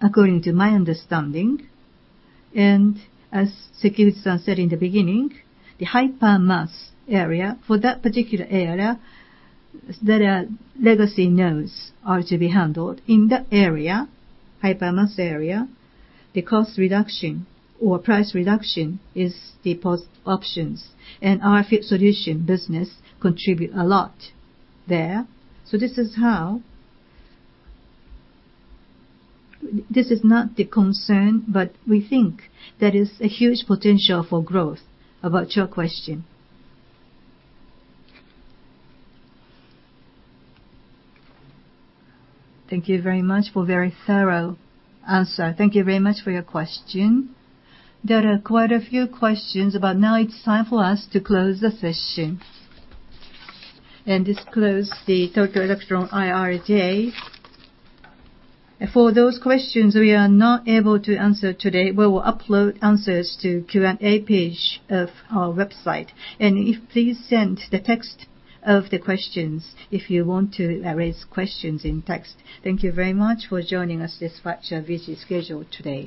according to my understanding. As Sekiguchi-san said in the beginning, the high-power MOS area, for that particular area, there are legacy nodes to be handled. In that area, high-power MOS area, the cost reduction or price reduction is the best options. Our Field Solution business contribute a lot there. This is not the concern, but we think there is a huge potential for growth about your question. Thank you very much for very thorough answer. Thank you very much for your question. Now it's time for us to close the session and thus close the Tokyo Electron IR Day. For those questions we are not able to answer today, we will upload answers to Q&A page of our website. If please send the text of the questions if you want to raise questions in text. Thank you very much for joining us this virtual visit schedule today.